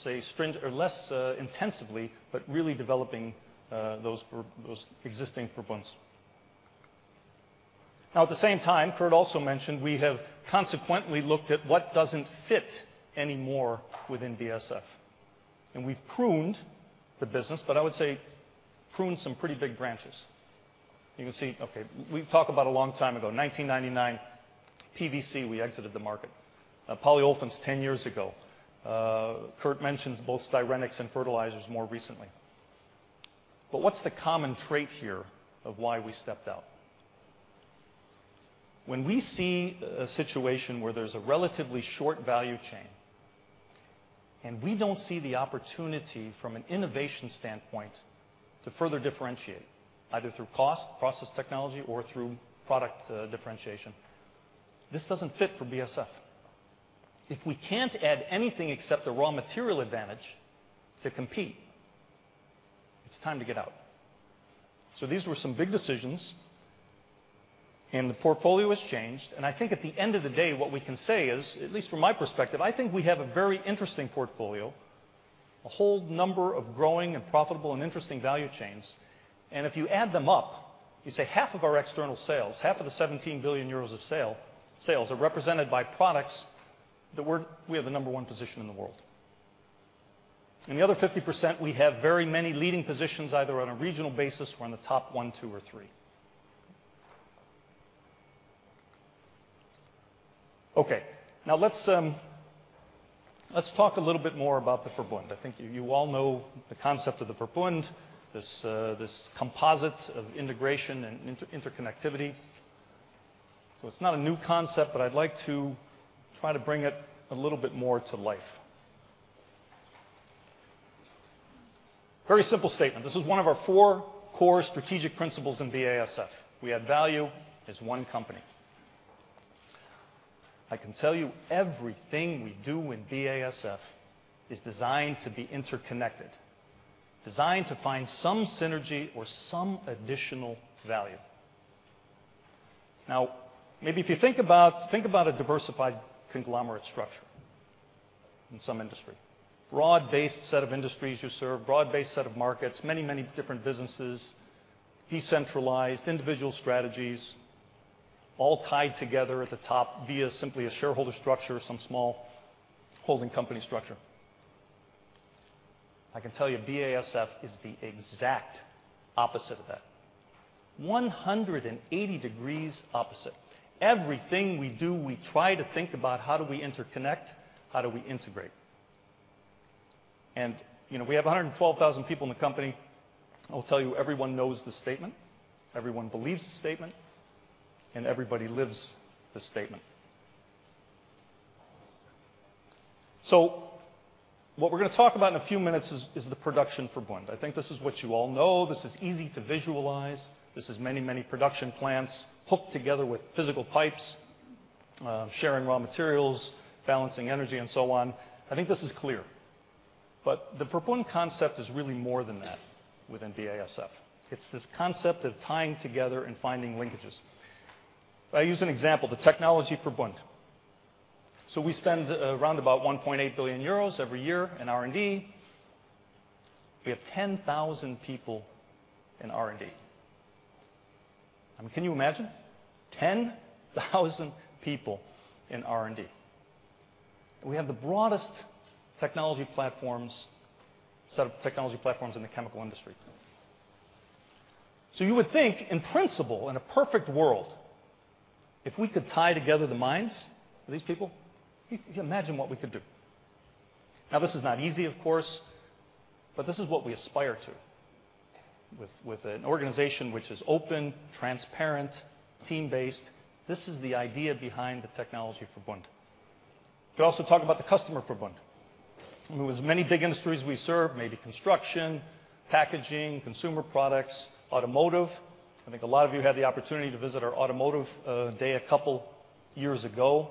stringently or less intensively, but really developing those existing Verbunds. Now, at the same time, Kurt also mentioned we have consequently looked at what doesn't fit anymore within BASF, and we've pruned the business, but I would say pruned some pretty big branches. You can see. Okay, we've talked about a long time ago, 1999, PVC, we exited the market. Polyolefins 10 years ago. Kurt mentions both styrenics and fertilizers more recently. What's the common trait here of why we stepped out? When we see a situation where there's a relatively short value chain and we don't see the opportunity from an innovation standpoint to further differentiate either through cost, process technology, or through product differentiation, this doesn't fit for BASF. If we can't add anything except the raw material advantage to compete, it's time to get out. These were some big decisions. The portfolio has changed. I think at the end of the day what we can say is, at least from my perspective, I think we have a very interesting portfolio, a whole number of growing and profitable and interesting value chains. If you add them up, you say half of our external sales, half of the 17 billion euros in sales are represented by products that we have the number one position in the world. The other 50%, we have very many leading positions, either on a regional basis, we're on the top one, two or three. Okay. Now, let's talk a little bit more about the Verbund. I think you all know the concept of the Verbund, this composite of integration and interconnectivity. It's not a new concept, but I'd like to try to bring it a little bit more to life. Very simple statement. This is one of our 4 core strategic principles in BASF. We add value as one company. I can tell you everything we do in BASF is designed to be interconnected, designed to find some synergy or some additional value. Now, maybe if you think about a diversified conglomerate structure in some industry. Broad-based set of industries you serve, broad-based set of markets, many different businesses, decentralized individual strategies all tied together at the top via simply a shareholder structure or some small holding company structure. I can tell you BASF is the exact opposite of that, 180 degrees opposite. Everything we do, we try to think about how do we interconnect? How do we integrate? You know, we have 112,000 people in the company. I'll tell you, everyone knows this statement, everyone believes this statement, and everybody lives this statement. What we're gonna talk about in a few minutes is the production Verbund. I think this is what you all know. This is easy to visualize. This is many, many production plants hooked together with physical pipes, sharing raw materials, balancing energy, and so on. I think this is clear. The Verbund concept is really more than that within BASF. It's this concept of tying together and finding linkages. If I use an example, the technology Verbund. We spend around about 1.8 billion euros every year in R&D. We have 10,000 people in R&D. I mean, can you imagine? 10,000 people in R&D. We have the broadest technology platforms, set of technology platforms in the chemical industry. You would think, in principle, in a perfect world, if we could tie together the minds of these people, can you imagine what we could do? This is not easy, of course, but this is what we aspire to with an organization which is open, transparent, team-based. This is the idea behind the technology Verbund. We also talk about the customer Verbund. With as many big industries we serve, maybe construction, packaging, consumer products, automotive. I think a lot of you had the opportunity to visit our Automotive Day a couple years ago,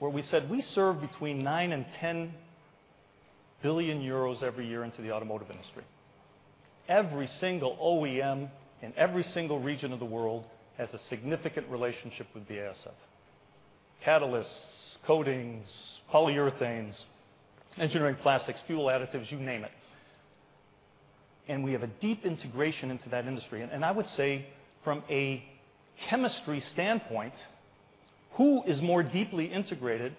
where we said we serve between 9 billion and 10 billion euros every year into the automotive industry. Every single OEM in every single region of the world has a significant relationship with BASF. Catalysts, coatings, polyurethanes, engineering plastics, fuel additives, you name it. We have a deep integration into that industry. I would say from a chemistry standpoint, who is more deeply integrated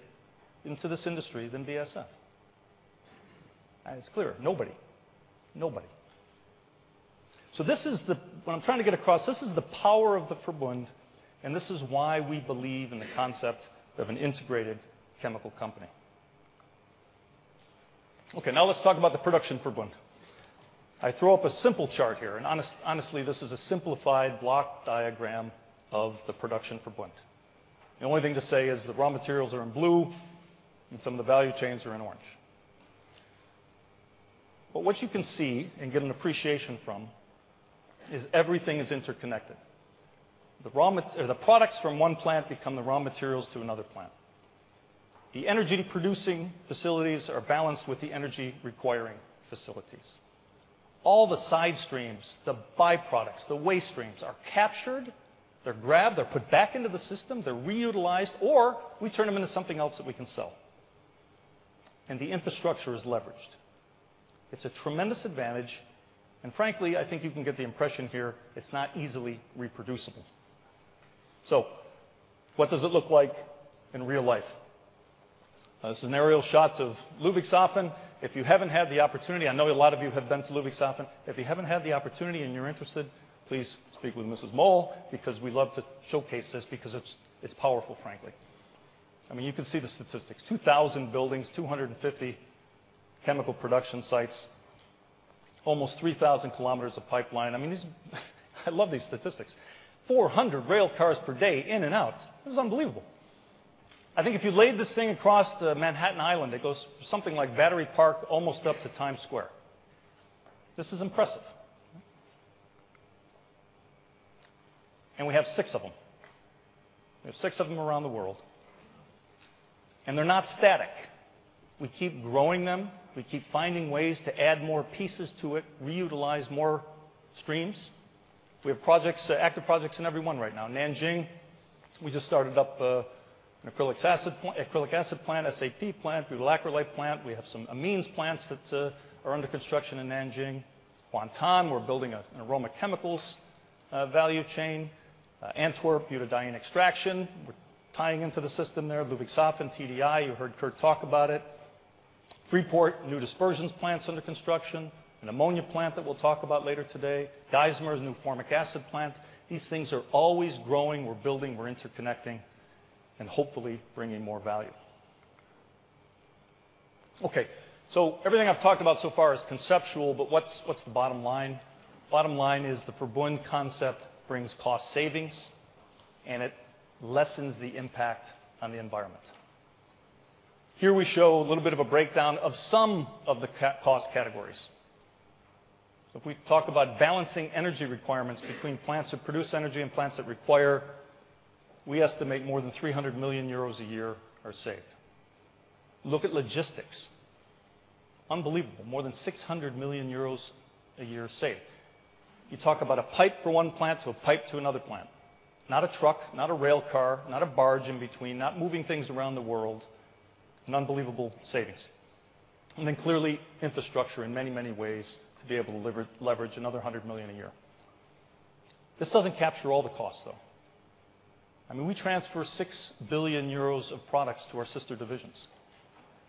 into this industry than BASF? It's clear. Nobody. What I'm trying to get across, this is the power of the Verbund, and this is why we believe in the concept of an integrated chemical company. Okay, now let's talk about the production Verbund. I throw up a simple chart here, and honestly, this is a simplified block diagram of the production Verbund. The only thing to say is the raw materials are in blue and some of the value chains are in orange. What you can see and get an appreciation from is everything is interconnected. The products from one plant become the raw materials to another plant. The energy producing facilities are balanced with the energy requiring facilities. All the side streams, the byproducts, the waste streams are captured, they're grabbed, they're put back into the system, they're reutilized, or we turn them into something else that we can sell, and the infrastructure is leveraged. It's a tremendous advantage, and frankly, I think you can get the impression here it's not easily reproducible. What does it look like in real life? This is an aerial shots of Ludwigshafen. If you haven't had the opportunity, I know a lot of you have been to Ludwigshafen. If you haven't had the opportunity and you're interested, please speak with Mrs. Moll, because we love to showcase this because it's powerful, frankly. I mean, you can see the statistics. 2,000 buildings, 250 chemical production sites, almost 3,000 kilometers of pipeline. I mean, these. I love these statistics. 400 rail cars per day in and out. This is unbelievable. I think if you laid this thing across the Manhattan Island, it goes something like Battery Park almost up to Times Square. This is impressive. We have six of them. We have six of them around the world. They're not static. We keep growing them. We keep finding ways to add more pieces to it, reutilize more streams. We have projects, active projects in every one right now. Nanjing, we just started up an acrylic acid plant, SAP plant, butyl acrylate plant. We have some amines plants that are under construction in Nanjing. Kuantan, we're building an aroma chemicals value chain. Antwerp butadiene extraction, we're tying into the system there. Ludwigshafen TDI, you heard Kurt talk about it. Freeport, new dispersions plants under construction, an ammonia plant that we'll talk about later today. Geismar's new formic acid plant. These things are always growing. We're building, we're interconnecting and hopefully bringing more value. Okay, everything I've talked about so far is conceptual, but what's the bottom line? Bottom line is the Verbund concept brings cost savings, and it lessens the impact on the environment. Here we show a little bit of a breakdown of some of the cost categories. If we talk about balancing energy requirements between plants that produce energy and plants that require, we estimate more than 300 million euros a year are saved. Look at logistics. Unbelievable. More than 600 million euros a year saved. You talk about a pipe for one plant to a pipe to another plant. Not a truck, not a rail car, not a barge in between, not moving things around the world. An unbelievable savings. Then clearly, infrastructure in many, many ways to be able to leverage another 100 million a year. This doesn't capture all the costs, though. I mean, we transfer 6 billion euros of products to our sister divisions.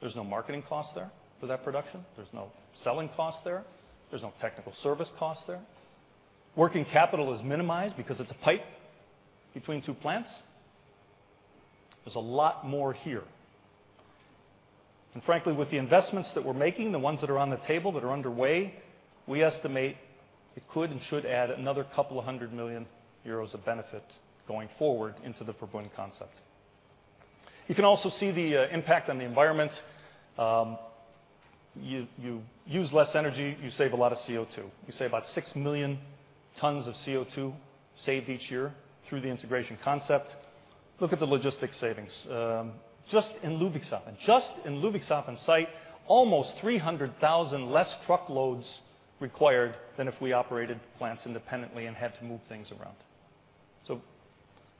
There's no marketing cost there for that production. There's no selling cost there. There's no technical service cost there. Working capital is minimized because it's a pipe between two plants. There's a lot more here. Frankly, with the investments that we're making, the ones that are on the table that are underway, we estimate it could and should add another couple of hundred million EUR of benefit going forward into the Verbund concept. You can also see the impact on the environment. You use less energy, you save a lot of CO2. You save about 6 million tons of CO2 each year through the integration concept. Look at the logistics savings just in Ludwigshafen site, almost 300,000 less truckloads required than if we operated plants independently and had to move things around.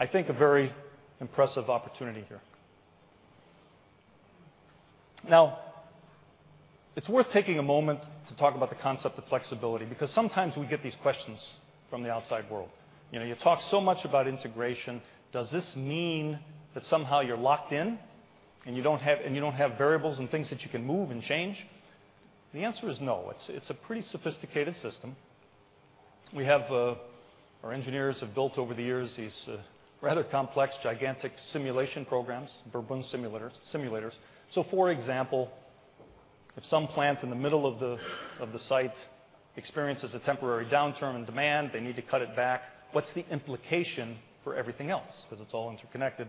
I think a very impressive opportunity here. It's worth taking a moment to talk about the concept of flexibility, because sometimes we get these questions from the outside world. You know, you talk so much about integration, does this mean that somehow you're locked in, and you don't have variables and things that you can move and change? The answer is no. It's a pretty sophisticated system. We have our engineers have built over the years these rather complex, gigantic simulation programs, Verbund simulators. So, for example, if some plant in the middle of the site experiences a temporary downturn in demand, they need to cut it back, what's the implication for everything else? 'Cause it's all interconnected.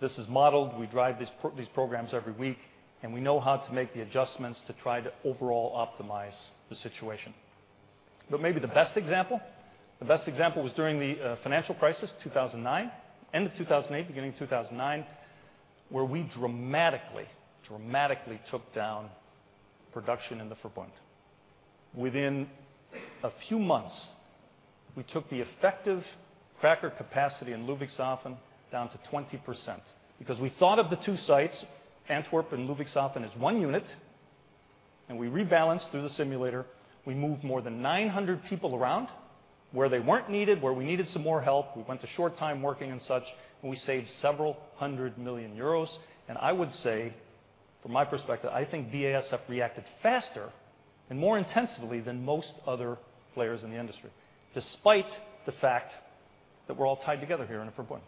This is modeled. We drive these programs every week, and we know how to make the adjustments to try to overall optimize the situation. Maybe the best example was during the financial crisis, 2009, end of 2008, beginning of 2009, where we dramatically took down production in the Verbund. Within a few months, we took the effective cracker capacity in Ludwigshafen down to 20% because we thought of the two sites, Antwerp and Ludwigshafen, as one unit, and we rebalanced through the simulator. We moved more than 900 people around where they weren't needed, where we needed some more help. We went to short time working and such, and we saved several hundred million EUR. I would say, from my perspective, I think BASF reacted faster and more intensively than most other players in the industry, despite the fact that we're all tied together here in a Verbund.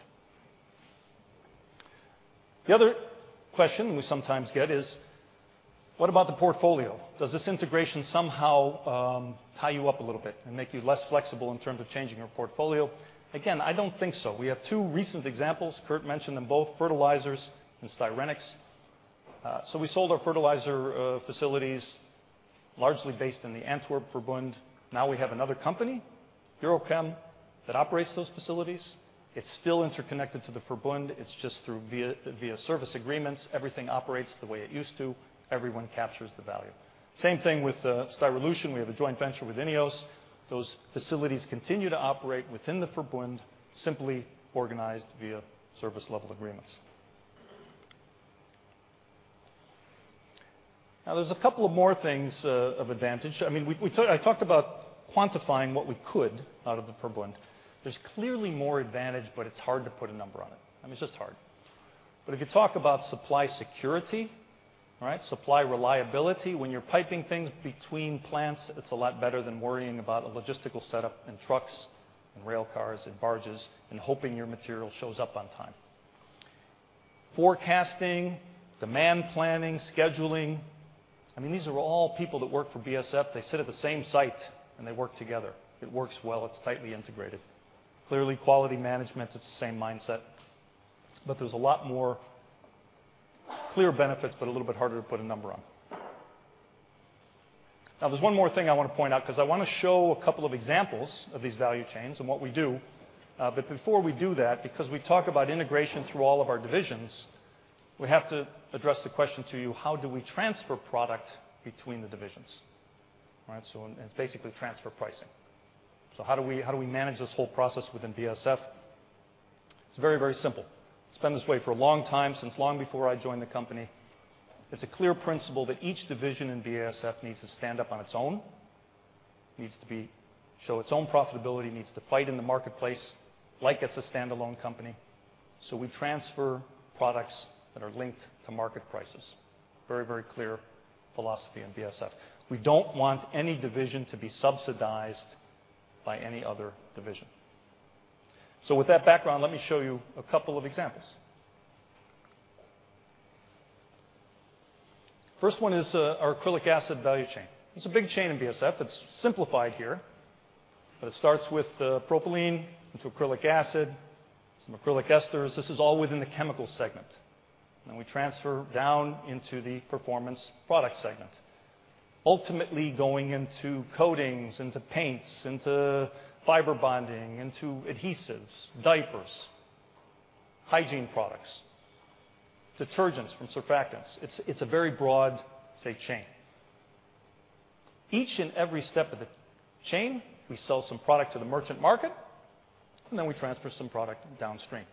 The other question we sometimes get is, "What about the portfolio? Does this integration somehow tie you up a little bit and make you less flexible in terms of changing your portfolio?" Again, I don't think so. We have two recent examples. Kurt mentioned them both, fertilizers and styrenics. So we sold our fertilizer facilities largely based on the Antwerp Verbund. Now we have another company, EuroChem, that operates those facilities. It's still interconnected to the Verbund. It's just through via service agreements. Everything operates the way it used to. Everyone captures the value. Same thing with Styrolution. We have a joint venture with INEOS. Those facilities continue to operate within the Verbund, simply organized via service level agreements. Now, there's a couple of more things of advantage. I mean, I talked about quantifying what we could out of the Verbund. There's clearly more advantage, but it's hard to put a number on it. I mean, it's just hard. If you talk about supply security, right, supply reliability, when you're piping things between plants, it's a lot better than worrying about a logistical setup in trucks and rail cars and barges and hoping your material shows up on time. Forecasting, demand planning, scheduling, I mean, these are all people that work for BASF. They sit at the same site, and they work together. It works well. It's tightly integrated. Clearly, quality management, it's the same mindset, but there's a lot more clear benefits but a little bit harder to put a number on. Now there's one more thing I wanna point out 'cause I wanna show a couple of examples of these value chains and what we do. Before we do that, because we talk about integration through all of our divisions, we have to address the question to you, how do we transfer product between the divisions? Right? It's basically transfer pricing. How do we manage this whole process within BASF? It's very, very simple. It's been this way for a long time, since long before I joined the company. It's a clear principle that each division in BASF needs to stand up on its own, needs to show its own profitability, needs to fight in the marketplace like it's a standalone company, so we transfer products that are linked to market prices. Very, very clear philosophy in BASF. We don't want any division to be subsidized by any other division. With that background, let me show you a couple of examples. First one is our acrylic acid value chain. It's a big chain in BASF. It's simplified here, but it starts with propylene into acrylic acid, some acrylic esters. This is all within the chemical segment. Then we transfer down into the Performance Products segment, ultimately going into coatings, into paints, into fiber bonding, into adhesives, diapers, hygiene products, detergents from surfactants. It's a very broad, say, chain. Each and every step of the chain, we sell some product to the merchant market, and then we transfer some product downstream.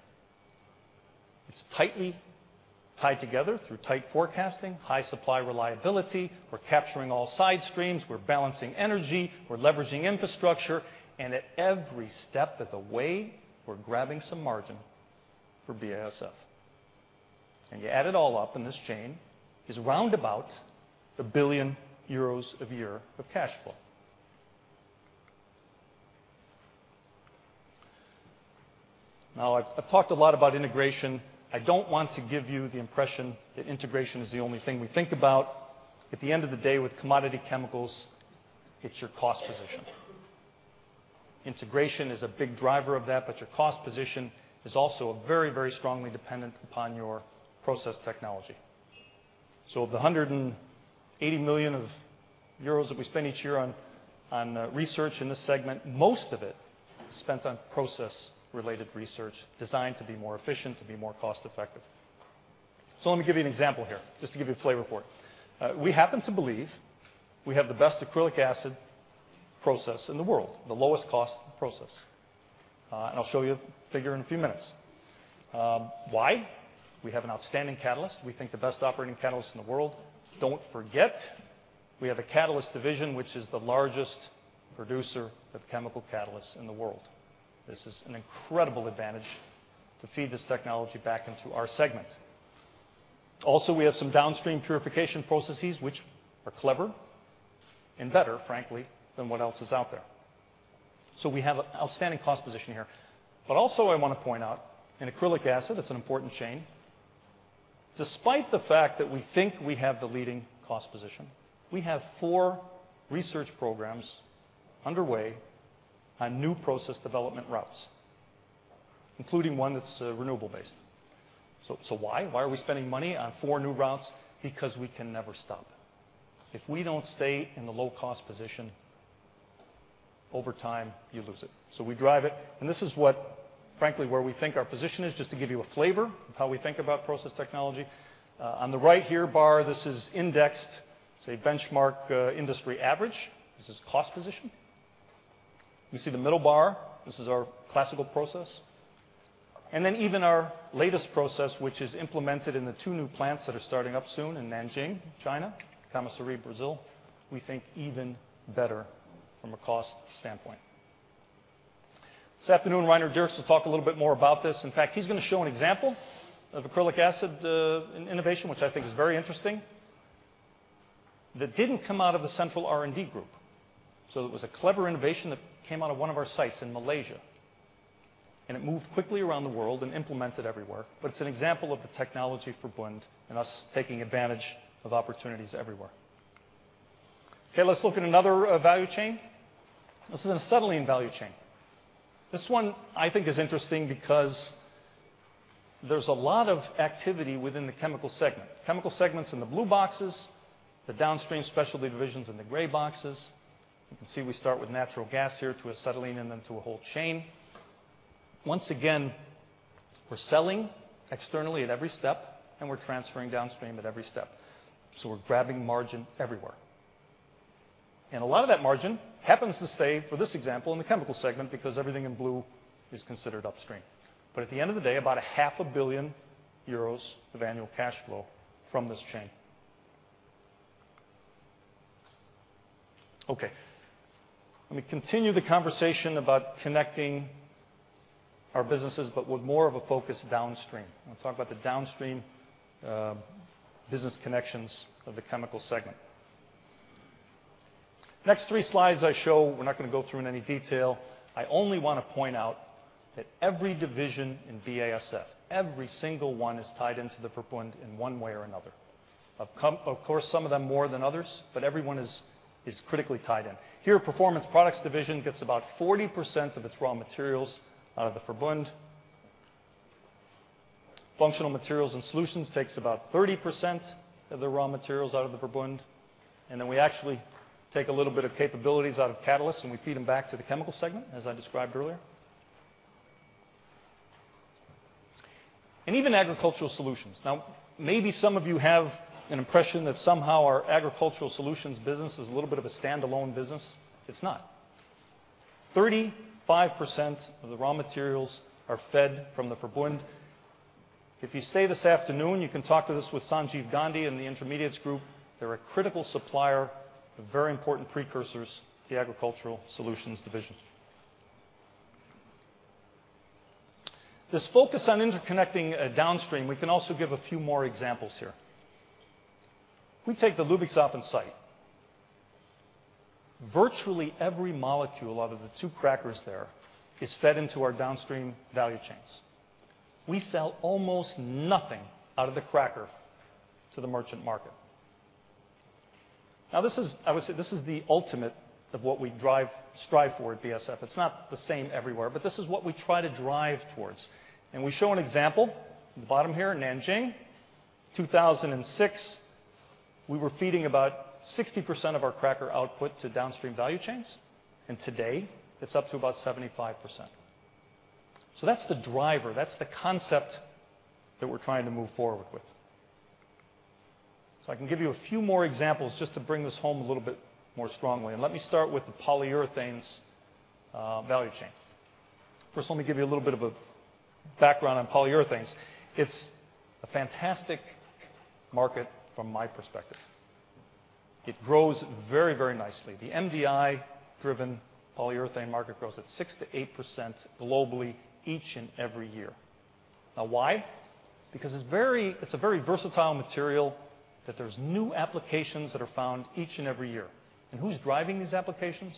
It's tightly tied together through tight forecasting, high supply reliability. We're capturing all side streams, we're balancing energy, we're leveraging infrastructure, and at every step of the way, we're grabbing some margin for BASF. You add it all up in this chain, it's round about 1 billion euros a year of cash flow. Now I've talked a lot about integration. I don't want to give you the impression that integration is the only thing we think about. At the end of the day, with commodity chemicals, it's your cost position. Integration is a big driver of that, but your cost position is also very, very strongly dependent upon your process technology. Of the 180 million euros that we spend each year on research in this segment, most of it is spent on process-related research designed to be more efficient, to be more cost-effective. Let me give you an example here, just to give you a flavor for it. We happen to believe we have the best acrylic acid process in the world, the lowest cost process, and I'll show you a figure in a few minutes. Why? We have an outstanding catalyst. We think the best operating catalyst in the world. Don't forget, we have a catalyst division which is the largest producer of chemical catalysts in the world. This is an incredible advantage to feed this technology back into our segment. We have some downstream purification processes which are clever and better, frankly, than what else is out there. We have outstanding cost position here. I wanna point out, in acrylic acid, it's an important chain, despite the fact that we think we have the leading cost position, we have four research programs underway on new process development routes, including one that's renewable-based. Why? Why are we spending money on four new routes? Because we can never stop. If we don't stay in the low-cost position, over time you lose it. We drive it. This is what, frankly, where we think our position is, just to give you a flavor of how we think about process technology. On the right here bar, this is indexed, say, benchmark, industry average. This is cost position. You see the middle bar, this is our classical process. Then even our latest process, which is implemented in the two new plants that are starting up soon in Nanjing, China, Camaçari, Brazil, we think even better from a cost standpoint. This afternoon, Rainer Diercks will talk a little bit more about this. In fact, he's gonna show an example of acrylic acid, innovation, which I think is very interesting, that didn't come out of the central R&D group. It was a clever innovation that came out of one of our sites in Malaysia, and it moved quickly around the world and implemented everywhere. It's an example of the technology for Verbund and us taking advantage of opportunities everywhere. Okay, let's look at another value chain. This is an acetylene value chain. This one I think is interesting because there's a lot of activity within the chemical segment. Chemical segment's in the blue boxes, the downstream specialty divisions in the gray boxes. You can see we start with natural gas here to acetylene and then to a whole chain. Once again, we're selling externally at every step, and we're transferring downstream at every step. We're grabbing margin everywhere. A lot of that margin happens to stay, for this example, in the chemicals segment because everything in blue is considered upstream. At the end of the day, about half a billion EUR of annual cash flow from this chain. Okay. Let me continue the conversation about connecting our businesses, but with more of a focus downstream. I wanna talk about the downstream, business connections of the chemical segment. Next three slides I show, we're not gonna go through in any detail. I only wanna point out that every division in BASF, every single one is tied into the Verbund in one way or another. Of course, some of them more than others, but every one is critically tied in. Here, Performance Products Division gets about 40% of its raw materials out of the Verbund. Functional Materials and Solutions takes about 30% of the raw materials out of the Verbund, and then we actually take a little bit of capabilities out of catalysts, and we feed them back to the chemical segment, as I described earlier. Even Agricultural Solutions. Now maybe some of you have an impression that somehow our Agricultural Solutions business is a little bit of a standalone business. It's not. 35% of the raw materials are fed from the Verbund. If you stay this afternoon, you can talk to this with Sanjiv Gandhi and the Intermediates group. They're a critical supplier of very important precursors to the Agricultural Solutions division. This focus on interconnecting, downstream, we can also give a few more examples here. If we take the Ludwigshafen site. Virtually every molecule out of the two crackers there is fed into our downstream value chains. We sell almost nothing out of the cracker to the merchant market. Now this is, I would say, the ultimate of what we strive for at BASF. It's not the same everywhere, but this is what we try to drive towards. We show an example at the bottom here, Nanjing. In 2006, we were feeding about 60% of our cracker output to downstream value chains, and today it's up to about 75%. That's the driver, that's the concept that we're trying to move forward with. I can give you a few more examples just to bring this home a little bit more strongly, and let me start with the polyurethanes value chain. First, let me give you a little bit of a background on polyurethanes. It's a fantastic market from my perspective. It grows very, very nicely. The MDI-driven polyurethane market grows at 6%-8% globally each and every year. Now why? Because it's a very versatile material that there are new applications that are found each and every year. Who's driving these applications?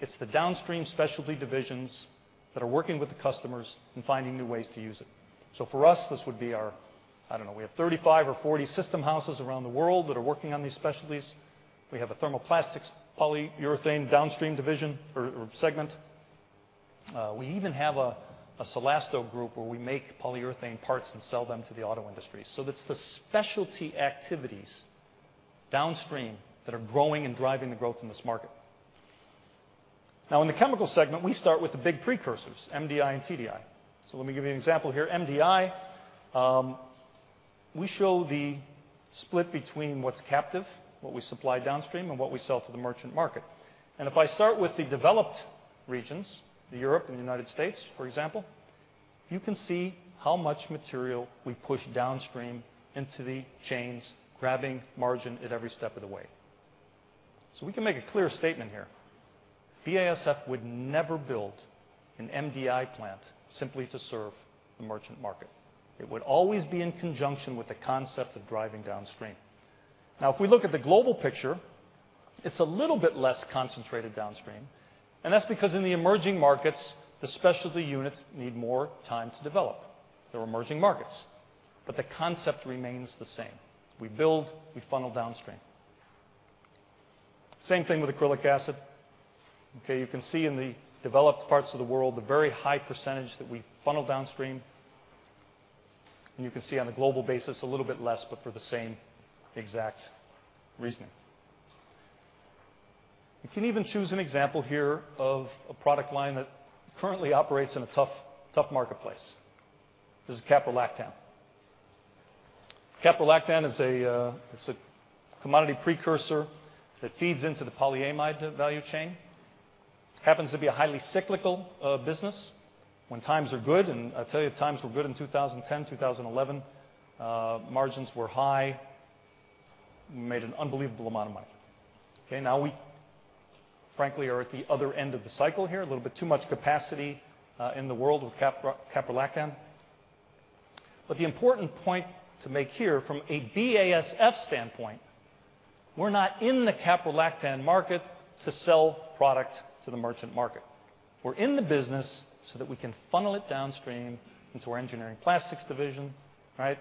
It's the downstream specialty divisions that are working with the customers and finding new ways to use it. For us, this would be our, I don't know, we have 35 or 40 system houses around the world that are working on these specialties. We have a thermoplastics polyurethane downstream division or segment. We even have a Cellasto group where we make polyurethane parts and sell them to the auto industry. It's the specialty activities downstream that are growing and driving the growth in this market. Now in the chemical segment, we start with the big precursors, MDI and TDI. Let me give you an example here. MDI, we show the split between what's captive, what we supply downstream, and what we sell to the merchant market. If I start with the developed regions, the Europe and United States, for example, you can see how much material we push downstream into the chains, grabbing margin at every step of the way. We can make a clear statement here. BASF would never build an MDI plant simply to serve the merchant market. It would always be in conjunction with the concept of driving downstream. Now if we look at the global picture, it's a little bit less concentrated downstream, and that's because in the emerging markets, the specialty units need more time to develop. They're emerging markets. The concept remains the same. We build, we funnel downstream. Same thing with acrylic acid. Okay. You can see in the developed parts of the world, the very high percentage that we funnel downstream. You can see on a global basis, a little bit less, but for the same exact reasoning. You can even choose an example here of a product line that currently operates in a tough marketplace. This is Caprolactam. Caprolactam is a, it's a commodity precursor that feeds into the polyamide value chain. It happens to be a highly cyclical business. When times are good, and I'll tell you times were good in 2010, 2011, margins were high, made an unbelievable amount of money. Okay? Now we frankly are at the other end of the cycle here, a little bit too much capacity in the world with Caprolactam. But the important point to make here from a BASF standpoint, we're not in the Caprolactam market to sell product to the merchant market. We're in the business so that we can funnel it downstream into our engineering plastics division, right,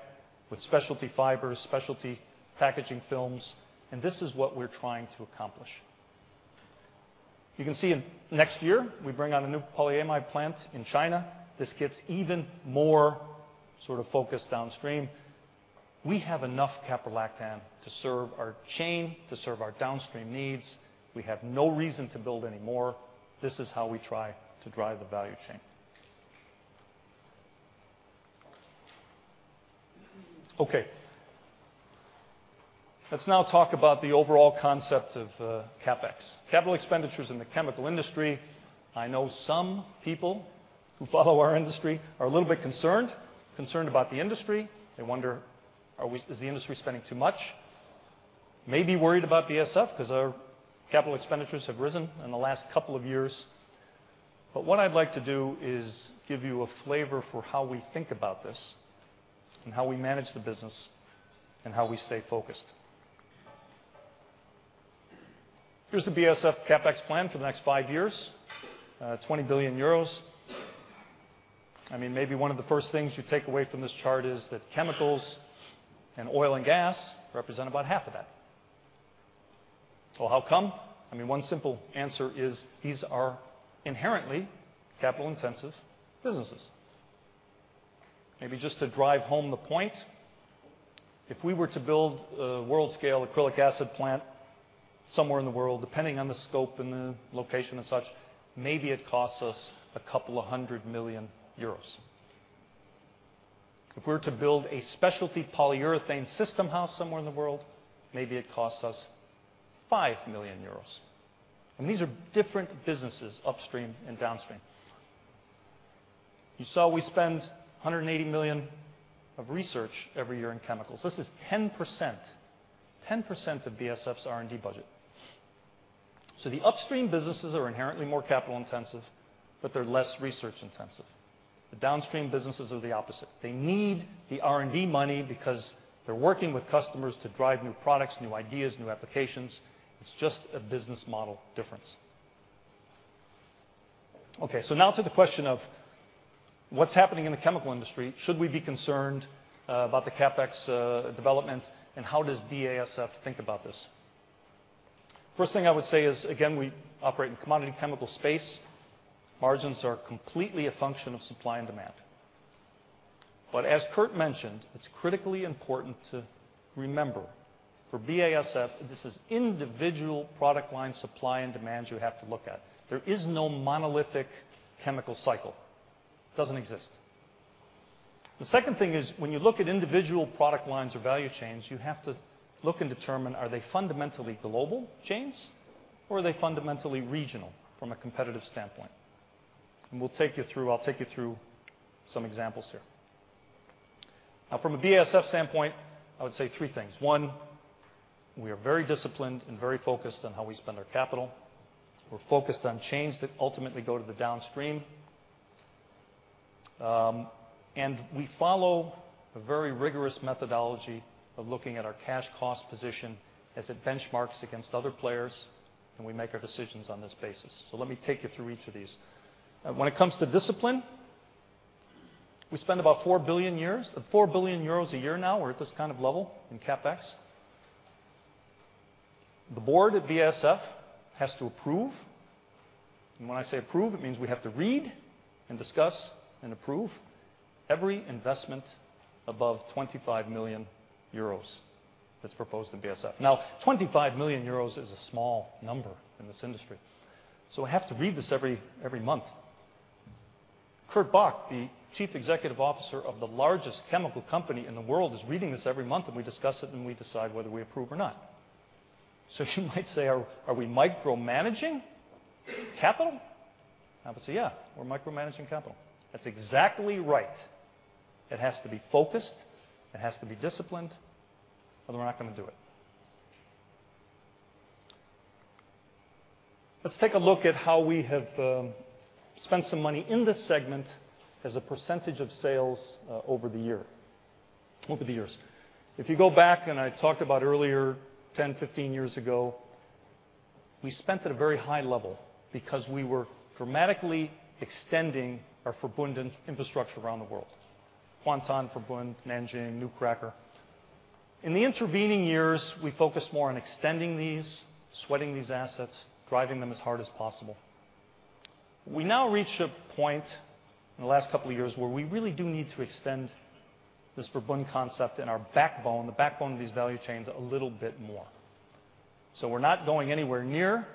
with specialty fibers, specialty packaging films, and this is what we're trying to accomplish. You can see in next year we bring on a new polyamide plant in China. This gets even more sort of focused downstream. We have enough caprolactam to serve our chain, to serve our downstream needs. We have no reason to build any more. This is how we try to drive the value chain. Okay. Let's now talk about the overall concept of Capex. Capital expenditures in the chemical industry, I know some people who follow our industry are a little bit concerned. Concerned about the industry. They wonder, is the industry spending too much? Maybe worried about BASF because our capital expenditures have risen in the last couple of years. What I'd like to do is give you a flavor for how we think about this and how we manage the business and how we stay focused. Here's the BASF Capex plan for the next five years. 20 billion euros. I mean, maybe one of the first things you take away from this chart is that chemicals and oil and gas represent about half of that. Well, how come? I mean, one simple answer is these are inherently capital-intensive businesses. Maybe just to drive home the point, if we were to build a world-scale acrylic acid plant somewhere in the world, depending on the scope and the location and such, maybe it costs us a couple of hundred million euros. If we were to build a specialty polyurethane system house somewhere in the world, maybe it costs us 5 million euros. These are different businesses upstream and downstream. You saw we spend 180 million on research every year in chemicals. This is 10% of BASF's R&D budget. The upstream businesses are inherently more capital-intensive, but they're less research-intensive. The downstream businesses are the opposite. They need the R&D money because they're working with customers to drive new products, new ideas, new applications. It's just a business model difference. Okay, now to the question of what's happening in the chemical industry. Should we be concerned about the Capex development, and how does BASF think about this? First thing I would say is, again, we operate in commodity chemical space. Margins are completely a function of supply and demand. As Kurt mentioned, it's critically important to remember for BASF, this is individual product line supply and demand you have to look at. There is no monolithic chemical cycle. Doesn't exist. The second thing is when you look at individual product lines or value chains, you have to look and determine are they fundamentally global chains, or are they fundamentally regional from a competitive standpoint. I'll take you through some examples here. Now from a BASF standpoint, I would say three things. One, we are very disciplined and very focused on how we spend our capital. We're focused on chains that ultimately go to the downstream. We follow a very rigorous methodology of looking at our cash cost position as it benchmarks against other players, and we make our decisions on this basis. Let me take you through each of these. When it comes to discipline, we spend about 4 billion euros a year now. We're at this kind of level in Capex. The board at BASF has to approve, and when I say approve, it means we have to read and discuss and approve every investment above 25 million euros that's proposed to BASF. Now, 25 million euros is a small number in this industry, so I have to read this every month. Kurt Bock, the Chief Executive Officer of the largest chemical company in the world, is reading this every month, and we discuss it, and we decide whether we approve or not. You might say, are we micromanaging capital? I would say, yeah, we're micromanaging capital. That's exactly right. It has to be focused. It has to be disciplined, or we're not gonna do it. Let's take a look at how we have spent some money in this segment as a percentage of sales over the years. If you go back, and I talked about earlier, 10, 15 years ago, we spent at a very high level because we were dramatically extending our Verbund infrastructure around the world. Kuantan Verbund, Nanjing, new cracker. In the intervening years, we focused more on extending these, sweating these assets, driving them as hard as possible. We now reached a point in the last couple of years where we really do need to extend this Verbund concept and our backbone, the backbone of these value chains, a little bit more. We're not going anywhere near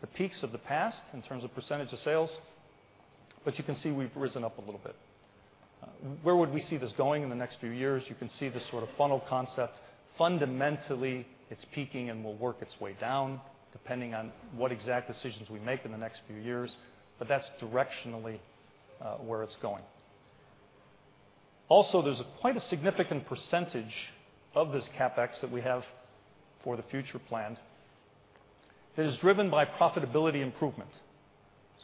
the peaks of the past in terms of percentage of sales, but you can see we've risen up a little bit. Where would we see this going in the next few years? You can see this sort of funnel concept. Fundamentally, it's peaking and will work its way down, depending on what exact decisions we make in the next few years, but that's directionally where it's going. Also, there's quite a significant percentage of this Capex that we have for the future planned that is driven by profitability improvement.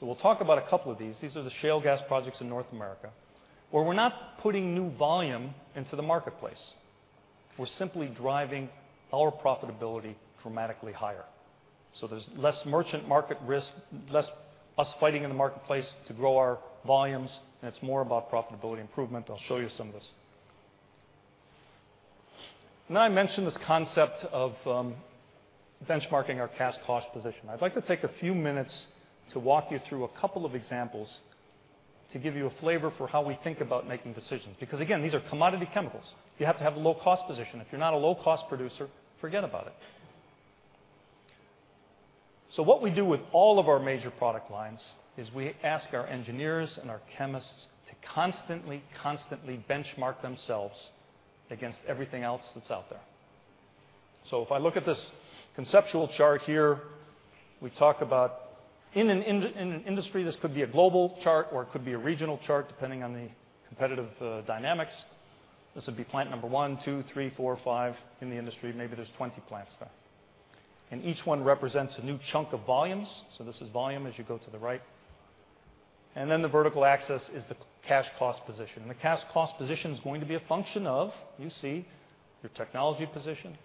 We'll talk about a couple of these. These are the shale gas projects in North America, where we're not putting new volume into the marketplace. We're simply driving our profitability dramatically higher. There's less merchant market risk, less us fighting in the marketplace to grow our volumes, and it's more about profitability improvement. I'll show you some of this. Now I mentioned this concept of benchmarking our cash cost position. I'd like to take a few minutes to walk you through a couple of examples to give you a flavor for how we think about making decisions because, again, these are commodity chemicals. You have to have a low-cost position. If you're not a low-cost producer, forget about it. What we do with all of our major product lines is we ask our engineers and our chemists to constantly benchmark themselves against everything else that's out there. If I look at this conceptual chart here, we talk about in an industry, this could be a global chart, or it could be a regional chart, depending on the competitive dynamics. This would be plant number one, two, three, four, five in the industry. Maybe there's 20 plants there. Each one represents a new chunk of volumes. This is volume as you go to the right. The vertical axis is the cash cost position. The cash cost position is going to be a function of, you see, your technology position,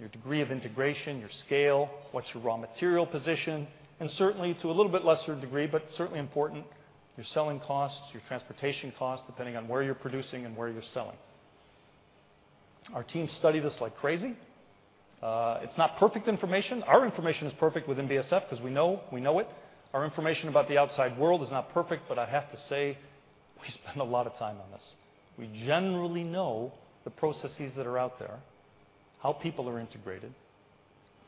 your degree of integration, your scale, what's your raw material position, and certainly to a little bit lesser degree, but certainly important, your selling costs, your transportation costs, depending on where you're producing and where you're selling. Our team studied this like crazy. It's not perfect information. Our information is perfect within BASF 'cause we know it. Our information about the outside world is not perfect, but I have to say, we spend a lot of time on this. We generally know the processes that are out there, how people are integrated,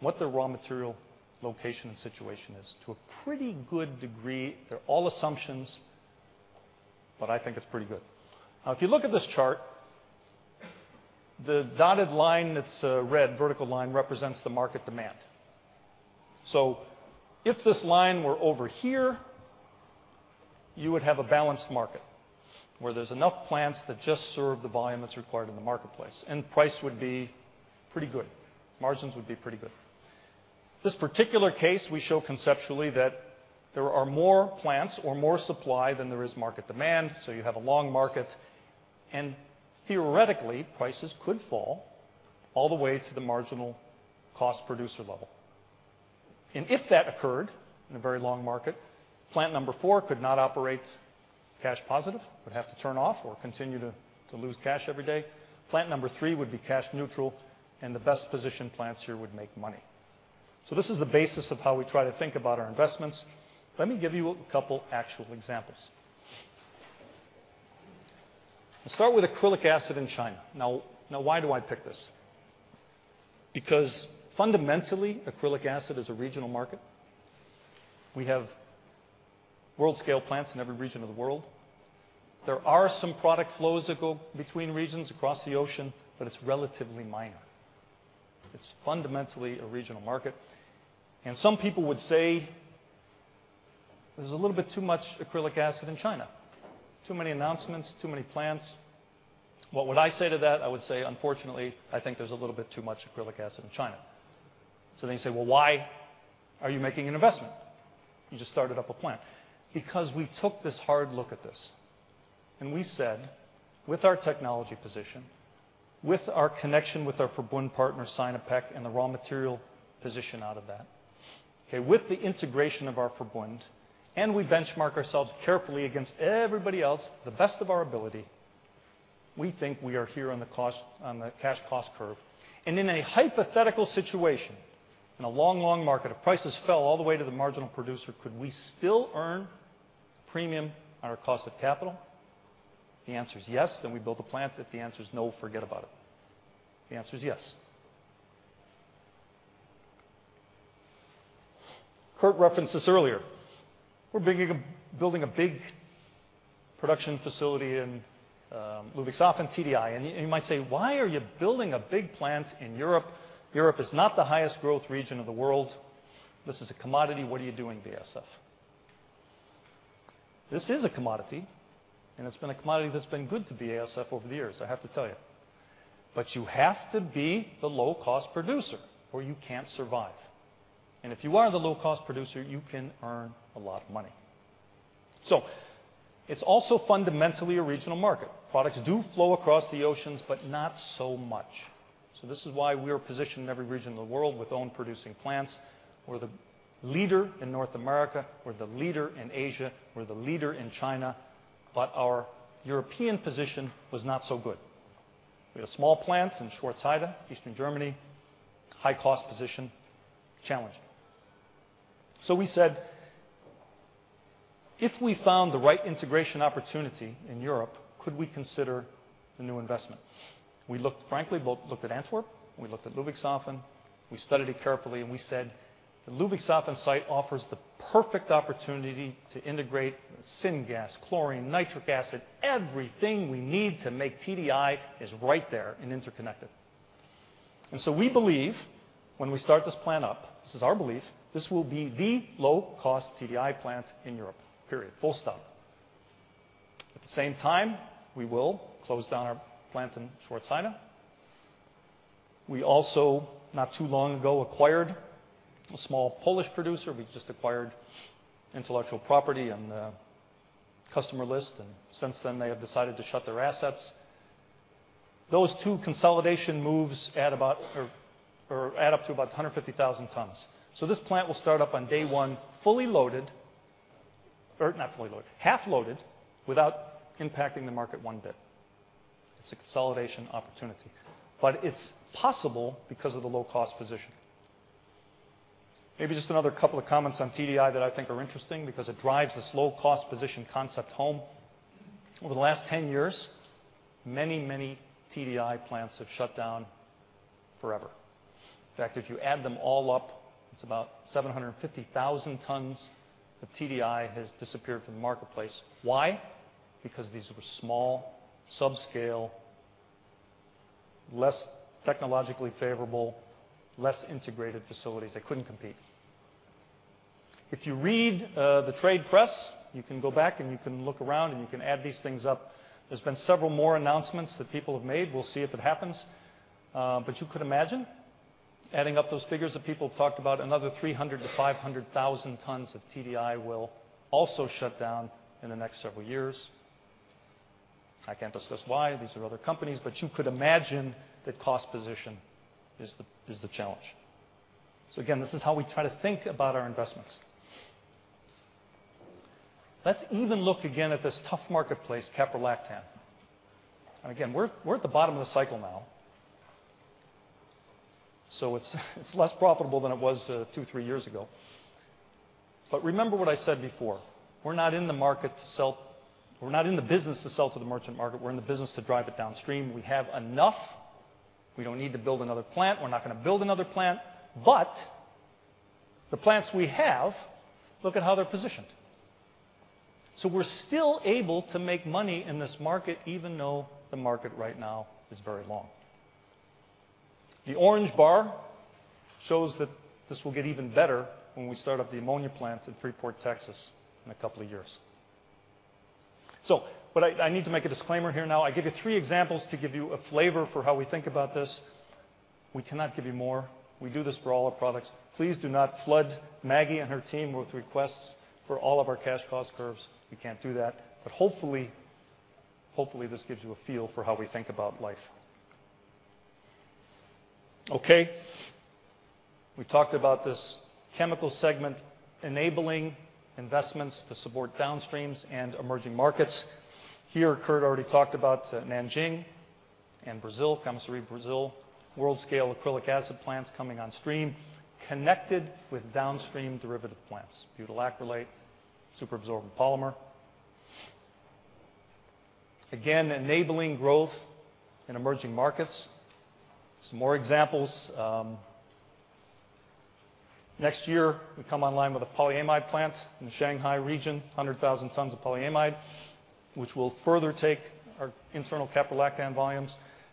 what their raw material location and situation is to a pretty good degree. They're all assumptions, but I think it's pretty good. Now, if you look at this chart, the dotted line that's red, vertical line, represents the market demand. If this line were over here, you would have a balanced market where there's enough plants that just serve the volume that's required in the marketplace, and price would be pretty good. Margins would be pretty good. This particular case, we show conceptually that there are more plants or more supply than there is market demand, so you have a long market. Theoretically, prices could fall all the way to the marginal cost producer level. If that occurred in a very long market, plant number four could not operate cash positive, would have to turn off or continue to lose cash every day. Plant number three would be cash neutral, and the best positioned plants here would make money. This is the basis of how we try to think about our investments. Let me give you a couple actual examples. Let's start with acrylic acid in China. Now why do I pick this? Because fundamentally, acrylic acid is a regional market. We have world-scale plants in every region of the world. There are some product flows that go between regions across the ocean, but it's relatively minor. It's fundamentally a regional market. Some people would say there's a little bit too much acrylic acid in China. Too many announcements, too many plants. What would I say to that? I would say, unfortunately, I think there's a little bit too much acrylic acid in China. Then you say, "Well, why are you making an investment? You just started up a plant." Because we took this hard look at this, and we said, with our technology position, with our connection with our Verbund partner, Sinopec, and the raw material position out of that, okay, with the integration of our Verbund, and we benchmark ourselves carefully against everybody else to the best of our ability, we think we are here on the cash cost curve. In a hypothetical situation, in a long, long market, if prices fell all the way to the marginal producer, could we still earn premium on our cost of capital? If the answer is yes, then we build a plant. If the answer is no, forget about it. The answer is yes. Kurt referenced this earlier. We're building a big production facility in Ludwigshafen TDI. You might say, "Why are you building a big plant in Europe? Europe is not the highest growth region of the world. This is a commodity. What are you doing, BASF?" This is a commodity, and it's been a commodity that's been good to BASF over the years, I have to tell you. You have to be the low-cost producer or you can't survive. If you are the low-cost producer, you can earn a lot of money. It's also fundamentally a regional market. Products do flow across the oceans, but not so much. This is why we are positioned in every region in the world with own producing plants. We're the leader in North America. We're the leader in Asia. We're the leader in China. Our European position was not so good. We had a small plant in Schwarzheide, Eastern Germany, high cost position, challenged. We said, "If we found the right integration opportunity in Europe, could we consider a new investment?" We looked, frankly, both looked at Antwerp, and we looked at Ludwigshafen. We studied it carefully, and we said, "The Ludwigshafen site offers the perfect opportunity to integrate syngas, chlorine, nitric acid. Everything we need to make TDI is right there and interconnected." We believe when we start this plant up, this is our belief, this will be the low cost TDI plant in Europe. Period. Full stop. At the same time, we will close down our plant in Schwarzheide. We also, not too long ago, acquired a small Polish producer. We just acquired intellectual property and a customer list, and since then they have decided to shut their assets. Those two consolidation moves add up to about 150,000 tons. This plant will start up on day one, fully loaded or not fully loaded, half loaded without impacting the market one bit. It's a consolidation opportunity, but it's possible because of the low cost position. Maybe just another couple of comments on TDI that I think are interesting because it drives this low cost position concept home. Over the last 10 years, many, many TDI plants have shut down forever. In fact, if you add them all up, it's about 750,000 tons of TDI that has disappeared from the marketplace. Why? Because these were small, subscale, less technologically favorable, less integrated facilities. They couldn't compete. If you read the trade press, you can go back and you can look around and you can add these things up. There's been several more announcements that people have made. We'll see if it happens, but you could imagine adding up those figures that people have talked about, another 300-500,000 tons of TDI will also shut down in the next several years. I can't discuss why, these are other companies, but you could imagine that cost position is the challenge. Again, this is how we try to think about our investments. Let's even look again at this tough marketplace, Caprolactam. Again, we're at the bottom of the cycle now. It's less profitable than it was two to three years ago. Remember what I said before: We're not in the business to sell to the merchant market. We're in the business to drive it downstream. We have enough. We don't need to build another plant. We're not gonna build another plant. The plants we have, look at how they're positioned. We're still able to make money in this market, even though the market right now is very long. The orange bar shows that this will get even better when we start up the ammonia plant in Freeport, Texas, in a couple of years. I need to make a disclaimer here now. I gave you three examples to give you a flavor for how we think about this. We cannot give you more. We do this for all our products. Please do not flood Maggie and her team with requests for all of our cash cost curves. We can't do that. Hopefully, this gives you a feel for how we think about life. Okay. We talked about this chemical segment enabling investments to support downstreams and emerging markets. Here, Kurt already talked about Nanjing and Brazil, Chemicals Brazil, world-scale acrylic acid plants coming on stream, connected with downstream derivative plants, butyl acrylate, superabsorbent polymer. Again, enabling growth in emerging markets. Some more examples. Next year, we come online with a polyamide plant in the Shanghai region, 100,000 tons of polyamide, which will further take our internal caprolactam volumes.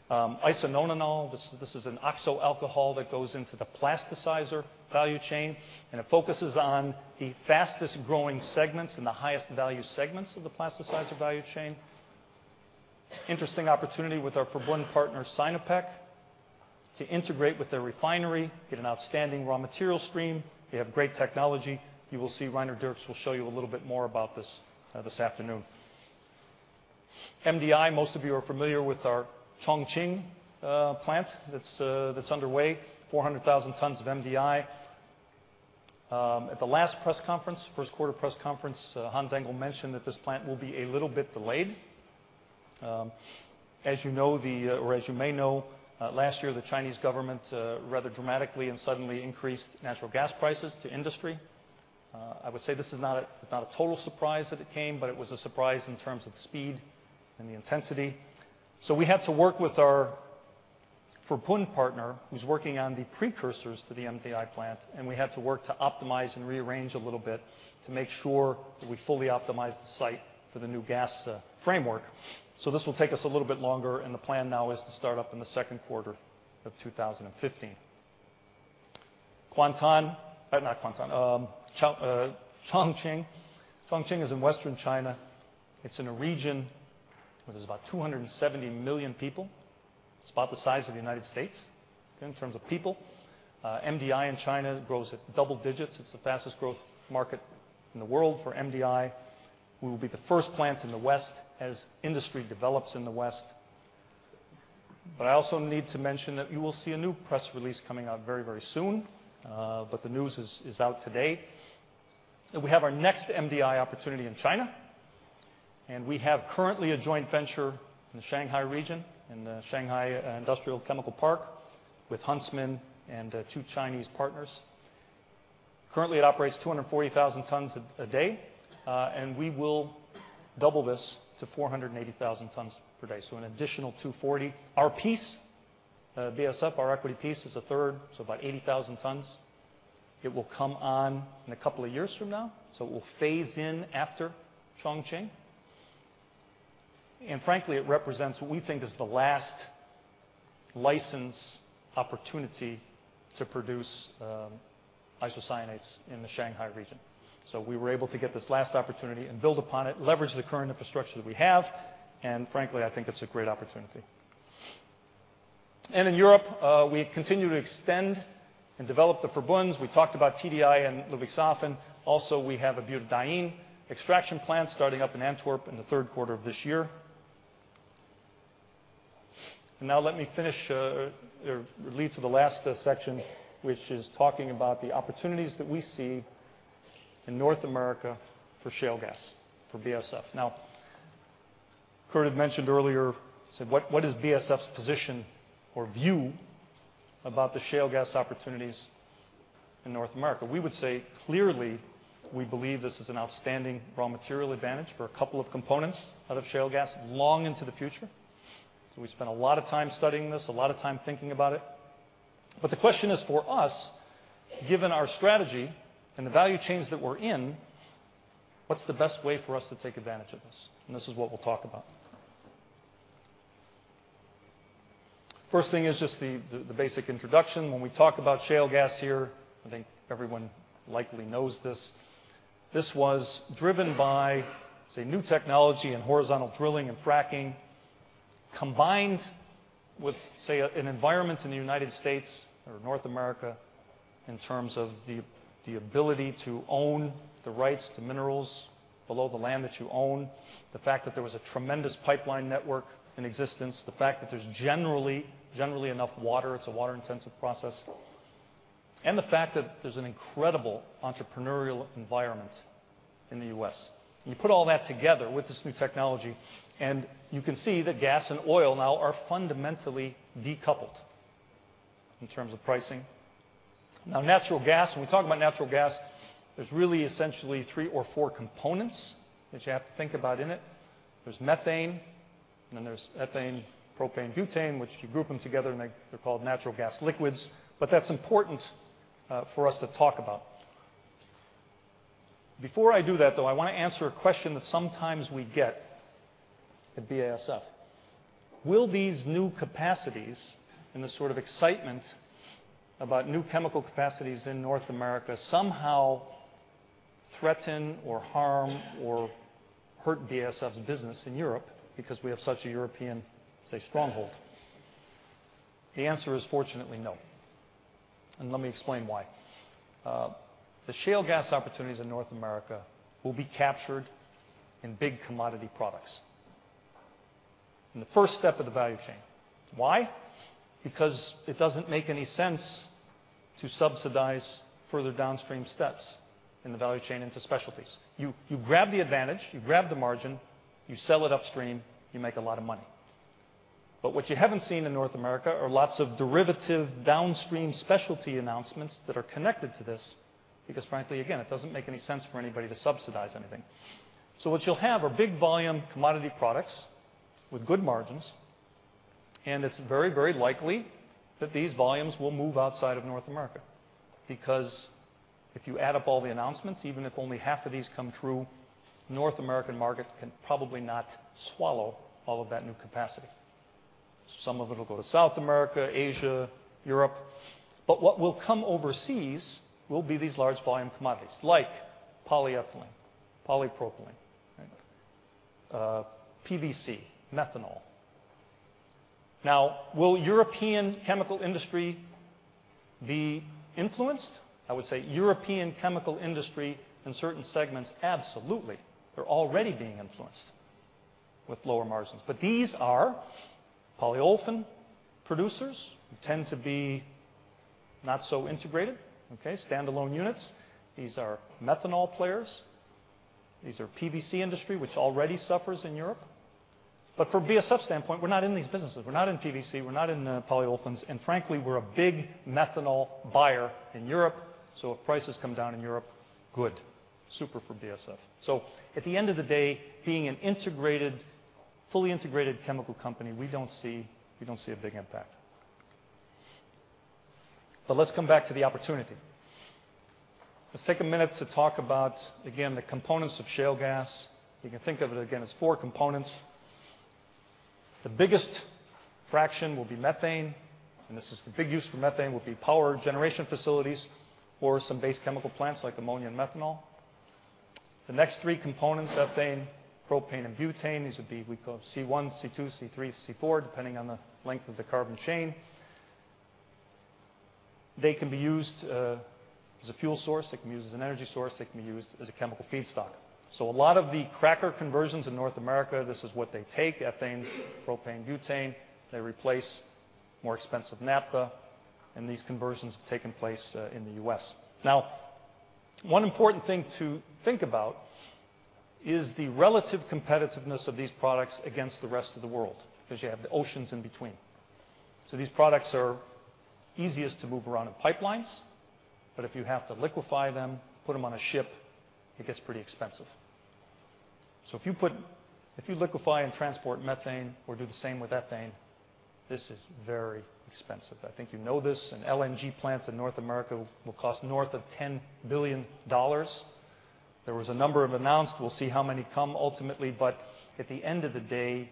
Isononanol, this is an oxo alcohol that goes into the plasticizer value chain, and it focuses on the fastest-growing segments and the highest-value segments of the plasticizer value chain. Interesting opportunity with our Verbund partner, Sinopec, to integrate with their refinery, get an outstanding raw material stream. They have great technology. You will see Rainer Diercks will show you a little bit more about this afternoon. MDI, most of you are familiar with our Chongqing plant that's underway, 400,000 tons of MDI. At the last press conference, first quarter press conference, Hans Engel mentioned that this plant will be a little bit delayed. As you know, or as you may know, last year, the Chinese government rather dramatically and suddenly increased natural gas prices to industry. I would say this is not a total surprise that it came, but it was a surprise in terms of the speed and the intensity. We had to work with our Verbund partner, who's working on the precursors to the MDI plant, and we had to work to optimize and rearrange a little bit to make sure that we fully optimized the site for the new gas framework. This will take us a little bit longer, and the plan now is to start up in the second quarter of 2015. Chongqing is in western China. It's in a region where there's about 270 million people. It's about the size of the United States in terms of people. MDI in China grows at double digits. It's the fastest growth market in the world for MDI. We will be the first plant in the West as industry develops in the West. I also need to mention that you will see a new press release coming out very, very soon, but the news is out today, that we have our next MDI opportunity in China, and we have currently a joint venture in the Shanghai region, in the Shanghai Industrial Chemical Park, with Huntsman and two Chinese partners. Currently, it operates 240,000 tons a day, and we will double this to 480,000 tons per day, so an additional 240,000. Our piece, BASF, our equity piece is a third, so about 80,000 tons. It will come on in a couple of years from now, so it will phase in after Chongqing. Frankly, it represents what we think is the last license opportunity to produce isocyanates in the Shanghai region. We were able to get this last opportunity and build upon it, leverage the current infrastructure that we have, and frankly, I think it's a great opportunity. In Europe, we continue to extend and develop the Verbunds. We talked about TDI and Ludwigshafen. Also, we have a butadiene extraction plant starting up in Antwerp in the third quarter of this year. Now let me finish or lead to the last section, which is talking about the opportunities that we see in North America for shale gas for BASF. Now, Kurt had mentioned earlier, said, "What is BASF's position or view about the shale gas opportunities in North America?" We would say, clearly, we believe this is an outstanding raw material advantage for a couple of components out of shale gas long into the future. We spent a lot of time studying this, a lot of time thinking about it. The question is for us, given our strategy and the value chains that we're in, what's the best way for us to take advantage of this? This is what we'll talk about. First thing is just the basic introduction. When we talk about shale gas here, I think everyone likely knows this. This was driven by, say, new technology and horizontal drilling and fracking, combined with, say, an environment in the United States or North America in terms of the ability to own the rights to minerals below the land that you own, the fact that there was a tremendous pipeline network in existence, the fact that there's generally enough water. It's a water-intensive process. The fact that there's an incredible entrepreneurial environment in the U.S. You put all that together with this new technology, and you can see that gas and oil now are fundamentally decoupled in terms of pricing. Now natural gas, when we talk about natural gas, there's really essentially three or four components that you have to think about in it. There's methane, and then there's ethane, propane, butane, which if you group them together they're called natural gas liquids. That's important for us to talk about. Before I do that, though, I wanna answer a question that sometimes we get at BASF. Will these new capacities and the sort of excitement about new chemical capacities in North America somehow threaten or harm or hurt BASF's business in Europe because we have such a European, say, stronghold? The answer is fortunately no, and let me explain why. The shale gas opportunities in North America will be captured in big commodity products in the first step of the value chain. Why? Because it doesn't make any sense to subsidize further downstream steps in the value chain into specialties. You grab the advantage, you grab the margin, you sell it upstream, you make a lot of money. What you haven't seen in North America are lots of derivative downstream specialty announcements that are connected to this because frankly, again, it doesn't make any sense for anybody to subsidize anything. What you'll have are big volume commodity products with good margins, and it's very, very likely that these volumes will move outside of North America, because if you add up all the announcements, even if only half of these come true, North American market can probably not swallow all of that new capacity. Some of it will go to South America, Asia, Europe. What will come overseas will be these large volume commodities like polyethylene, polypropylene, right? PVC, methanol. Now, will European chemical industry be influenced? I would say European chemical industry in certain segments, absolutely. They're already being influenced with lower margins. These are polyolefin producers who tend to be not so integrated. Okay? Standalone units. These are methanol players. These are PVC industry, which already suffers in Europe. From BASF standpoint, we're not in these businesses. We're not in PVC, we're not in the polyolefins, and frankly, we're a big methanol buyer in Europe, so if prices come down in Europe, good. Super for BASF. At the end of the day, being an integrated, fully integrated chemical company, we don't see a big impact. Let's come back to the opportunity. Let's take a minute to talk about, again, the components of shale gas. You can think of it again as four components. The biggest fraction will be methane, and this is the big use for methane will be power generation facilities or some base chemical plants like ammonia and methanol. The next three components, ethane, propane and butane, these would be we call C1, C2, C3, C4, depending on the length of the carbon chain. They can be used as a fuel source. They can be used as an energy source. They can be used as a chemical feedstock. A lot of the cracker conversions in North America, this is what they take, ethane, propane, butane. They replace more expensive naphtha, and these conversions have taken place in the U.S. Now, one important thing to think about is the relative competitiveness of these products against the rest of the world, because you have the oceans in between. These products are easiest to move around in pipelines. If you have to liquefy them, put them on a ship, it gets pretty expensive. If you liquefy and transport methane or do the same with ethane, this is very expensive. I think you know this. An LNG plant in North America will cost north of $10 billion. There was a number of announced. We'll see how many come ultimately, but at the end of the day,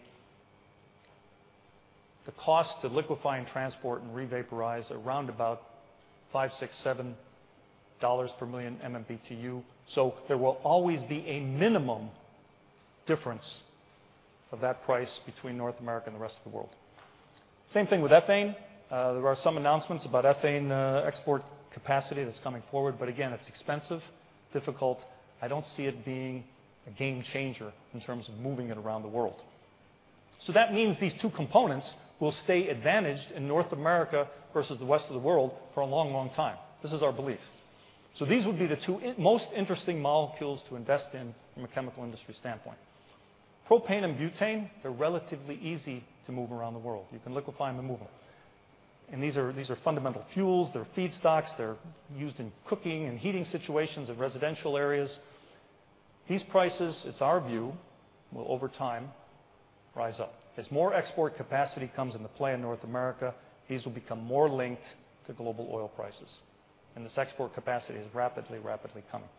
the cost to liquefy and transport and revaporize around about $5, $6, $7 per million MMBtu. There will always be a minimum difference of that price between North America and the rest of the world. Same thing with ethane. There are some announcements about ethane export capacity that's coming forward, but again, it's expensive, difficult. I don't see it being a game changer in terms of moving it around the world. That means these two components will stay advantaged in North America versus the rest of the world for a long, long time. This is our belief. These would be the two most interesting molecules to invest in from a chemical industry standpoint. Propane and butane, they're relatively easy to move around the world. You can liquefy and remove them. These are fundamental fuels. They're feedstocks. They're used in cooking and heating situations of residential areas. These prices, it's our view, will over time rise up. As more export capacity comes into play in North America, these will become more linked to global oil prices. This export capacity is rapidly coming.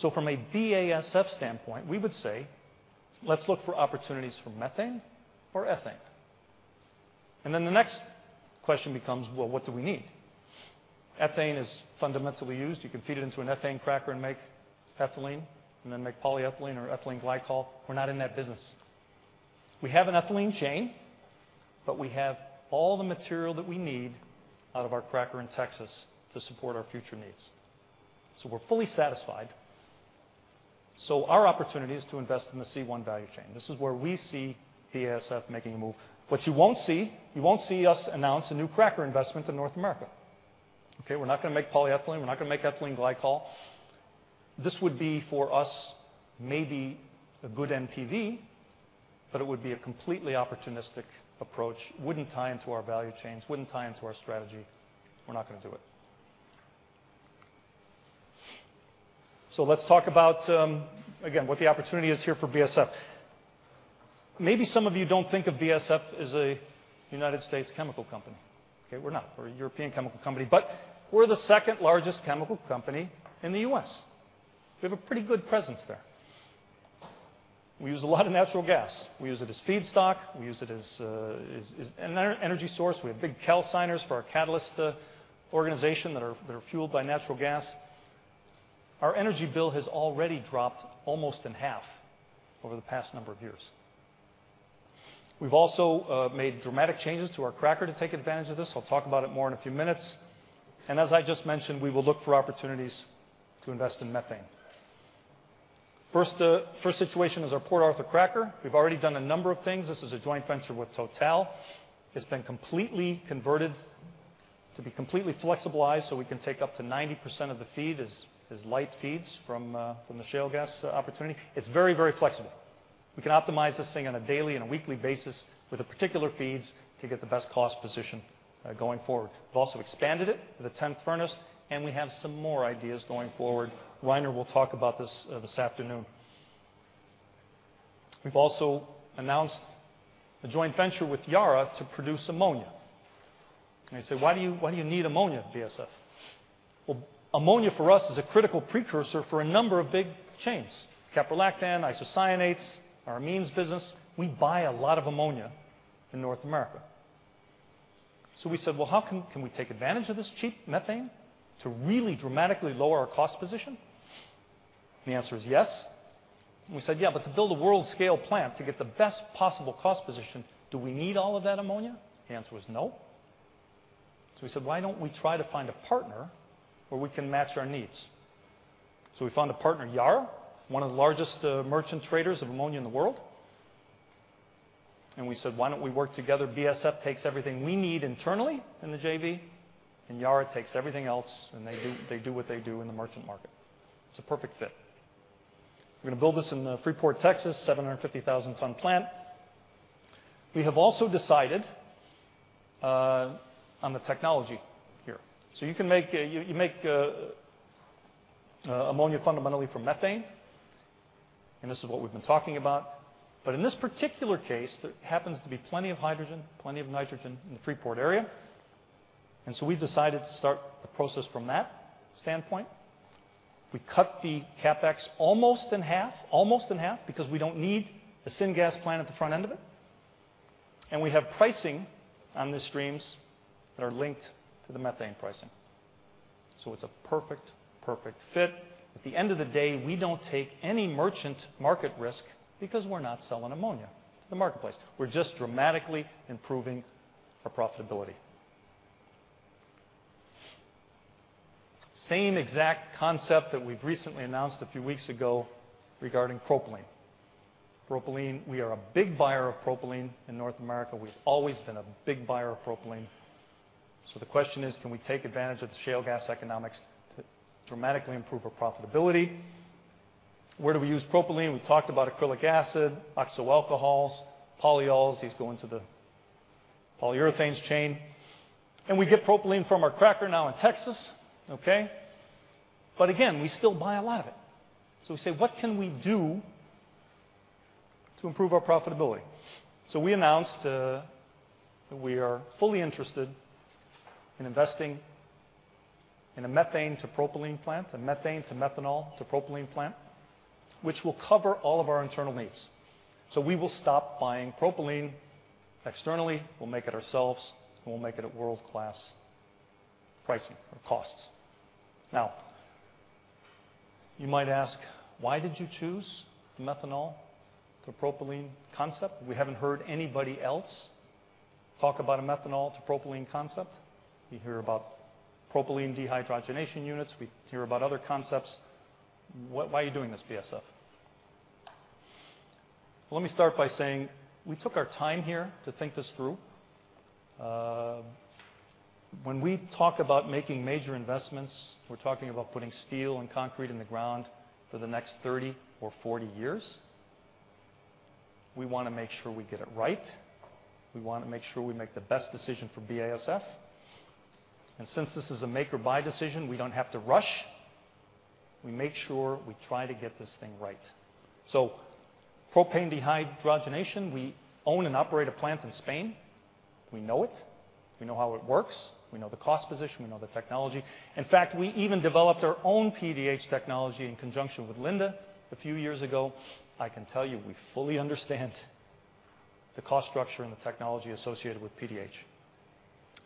From a BASF standpoint, we would say, "Let's look for opportunities for methane or ethane." The next question becomes, "Well, what do we need?" Ethane is fundamentally used. You can feed it into an ethane cracker and make ethylene, and then make polyethylene or ethylene glycol. We're not in that business. We have an ethylene chain, but we have all the material that we need out of our cracker in Texas to support our future needs. We're fully satisfied. Our opportunity is to invest in the C1 value chain. This is where we see BASF making a move. What you won't see, you won't see us announce a new cracker investment in North America. Okay? We're not gonna make polyethylene. We're not gonna make ethylene glycol. This would be for us maybe a good NPV, but it would be a completely opportunistic approach. Wouldn't tie into our value chains, wouldn't tie into our strategy. We're not gonna do it. Let's talk about, again, what the opportunity is here for BASF. Maybe some of you don't think of BASF as a United States chemical company. Okay. We're not. We're a European chemical company, but we're the second largest chemical company in the U.S. We have a pretty good presence there. We use a lot of natural gas. We use it as feedstock and energy source. We have big calciners for our catalyst organization that are fueled by natural gas. Our energy bill has already dropped almost in half over the past number of years. We've also made dramatic changes to our cracker to take advantage of this. I'll talk about it more in a few minutes. As I just mentioned, we will look for opportunities to invest in methane. First situation is our Port Arthur cracker. We've already done a number of things. This is a joint venture with Total. It's been completely converted to be completely flexibilized, so we can take up to 90% of the feed as light feeds from the shale gas opportunity. It's very, very flexible. We can optimize this thing on a daily and a weekly basis with the particular feeds to get the best cost position going forward. We've also expanded it with a 10th furnace, and we have some more ideas going forward. Rainer will talk about this this afternoon. We've also announced a joint venture with Yara to produce ammonia. You say, "Why do you need ammonia at BASF?" Well, ammonia for us is a critical precursor for a number of big chains: Caprolactam, isocyanates, our amines business. We buy a lot of ammonia in North America. We said, "Well, how can we take advantage of this cheap methane to really dramatically lower our cost position?" The answer is yes. We said, "Yeah, but to build a world scale plant to get the best possible cost position, do we need all of that ammonia?" The answer is no. We said, "Why don't we try to find a partner where we can match our needs?" We found a partner, Yara, one of the largest merchant traders of ammonia in the world. We said, "Why don't we work together?" BASF takes everything we need internally in the JV, and Yara takes everything else, and they do what they do in the merchant market. It's a perfect fit. We're gonna build this in Freeport, Texas, 750,000-ton plant. We have also decided on the technology here. You can make ammonia fundamentally from methane, and this is what we've been talking about. In this particular case, there happens to be plenty of hydrogen, plenty of nitrogen in the Freeport area, and we've decided to start the process from that standpoint. We cut the Capex almost in half because we don't need a syngas plant at the front end of it. We have pricing on the streams that are linked to the methane pricing. It's a perfect fit. At the end of the day, we don't take any merchant market risk because we're not selling ammonia to the marketplace. We're just dramatically improving our profitability. Same exact concept that we've recently announced a few weeks ago regarding propylene. Propylene, we are a big buyer of propylene in North America. We've always been a big buyer of propylene. The question is: Can we take advantage of the shale gas economics to dramatically improve our profitability? Where do we use propylene? We talked about acrylic acid, oxoalcohols, polyols. These go into the polyurethanes chain. We get propylene from our cracker now in Texas, okay? Again, we still buy a lot of it. We say, "What can we do to improve our profitability?" We announced that we are fully interested in investing in a methanol to propylene plant and methanol to methanol to propylene plant, which will cover all of our internal needs. We will stop buying propylene externally. We'll make it ourselves, and we'll make it at world-class pricing or costs. Now, you might ask: "Why did you choose the methanol to propylene concept? We haven't heard anybody else talk about a methanol to propylene concept. We hear about propylene dehydrogenation units. We hear about other concepts. Why are you doing this, BASF?" Let me start by saying we took our time here to think this through. When we talk about making major investments, we're talking about putting steel and concrete in the ground for the next 30 or 40 years. We wanna make sure we get it right. We wanna make sure we make the best decision for BASF. Since this is a make or buy decision, we don't have to rush. We make sure we try to get this thing right. Propane dehydrogenation, we own and operate a plant in Spain. We know it. We know how it works. We know the cost position. We know the technology. In fact, we even developed our own PDH technology in conjunction with Linde a few years ago. I can tell you, we fully understand the cost structure and the technology associated with PDH.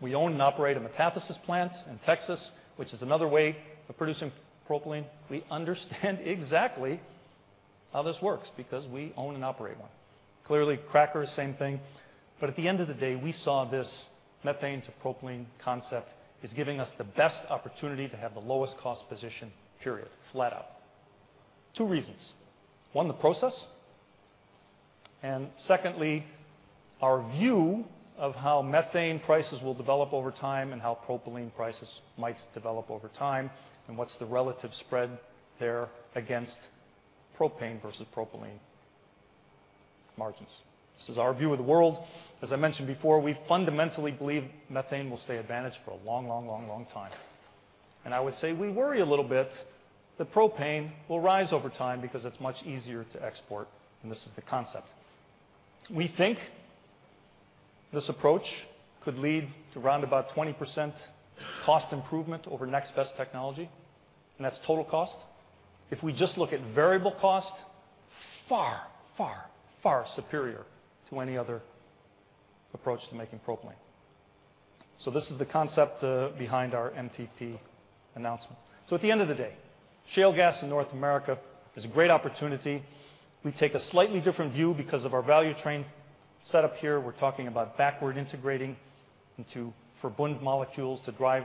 We own and operate a metathesis plant in Texas, which is another way of producing propylene. We understand exactly how this works because we own and operate one. Clearly, cracker, same thing. At the end of the day, we saw this methanol to propylene concept is giving us the best opportunity to have the lowest cost position, period. Flat out. Two reasons. One, the process, and secondly, our view of how methanol prices will develop over time and how propylene prices might develop over time, and what's the relative spread there against propane versus propylene margins. This is our view of the world. As I mentioned before, we fundamentally believe methanol will stay advantaged for a long, long, long, long time. I would say we worry a little bit that propane will rise over time because it's much easier to export, and this is the concept. We think this approach could lead to around about 20% cost improvement over next best technology, and that's total cost. If we just look at variable cost, far superior to any other approach to making propylene. This is the concept behind our MTP announcement. At the end of the day, shale gas in North America is a great opportunity. We take a slightly different view because of our value chain setup here. We're talking about backward integrating into Verbund molecules to drive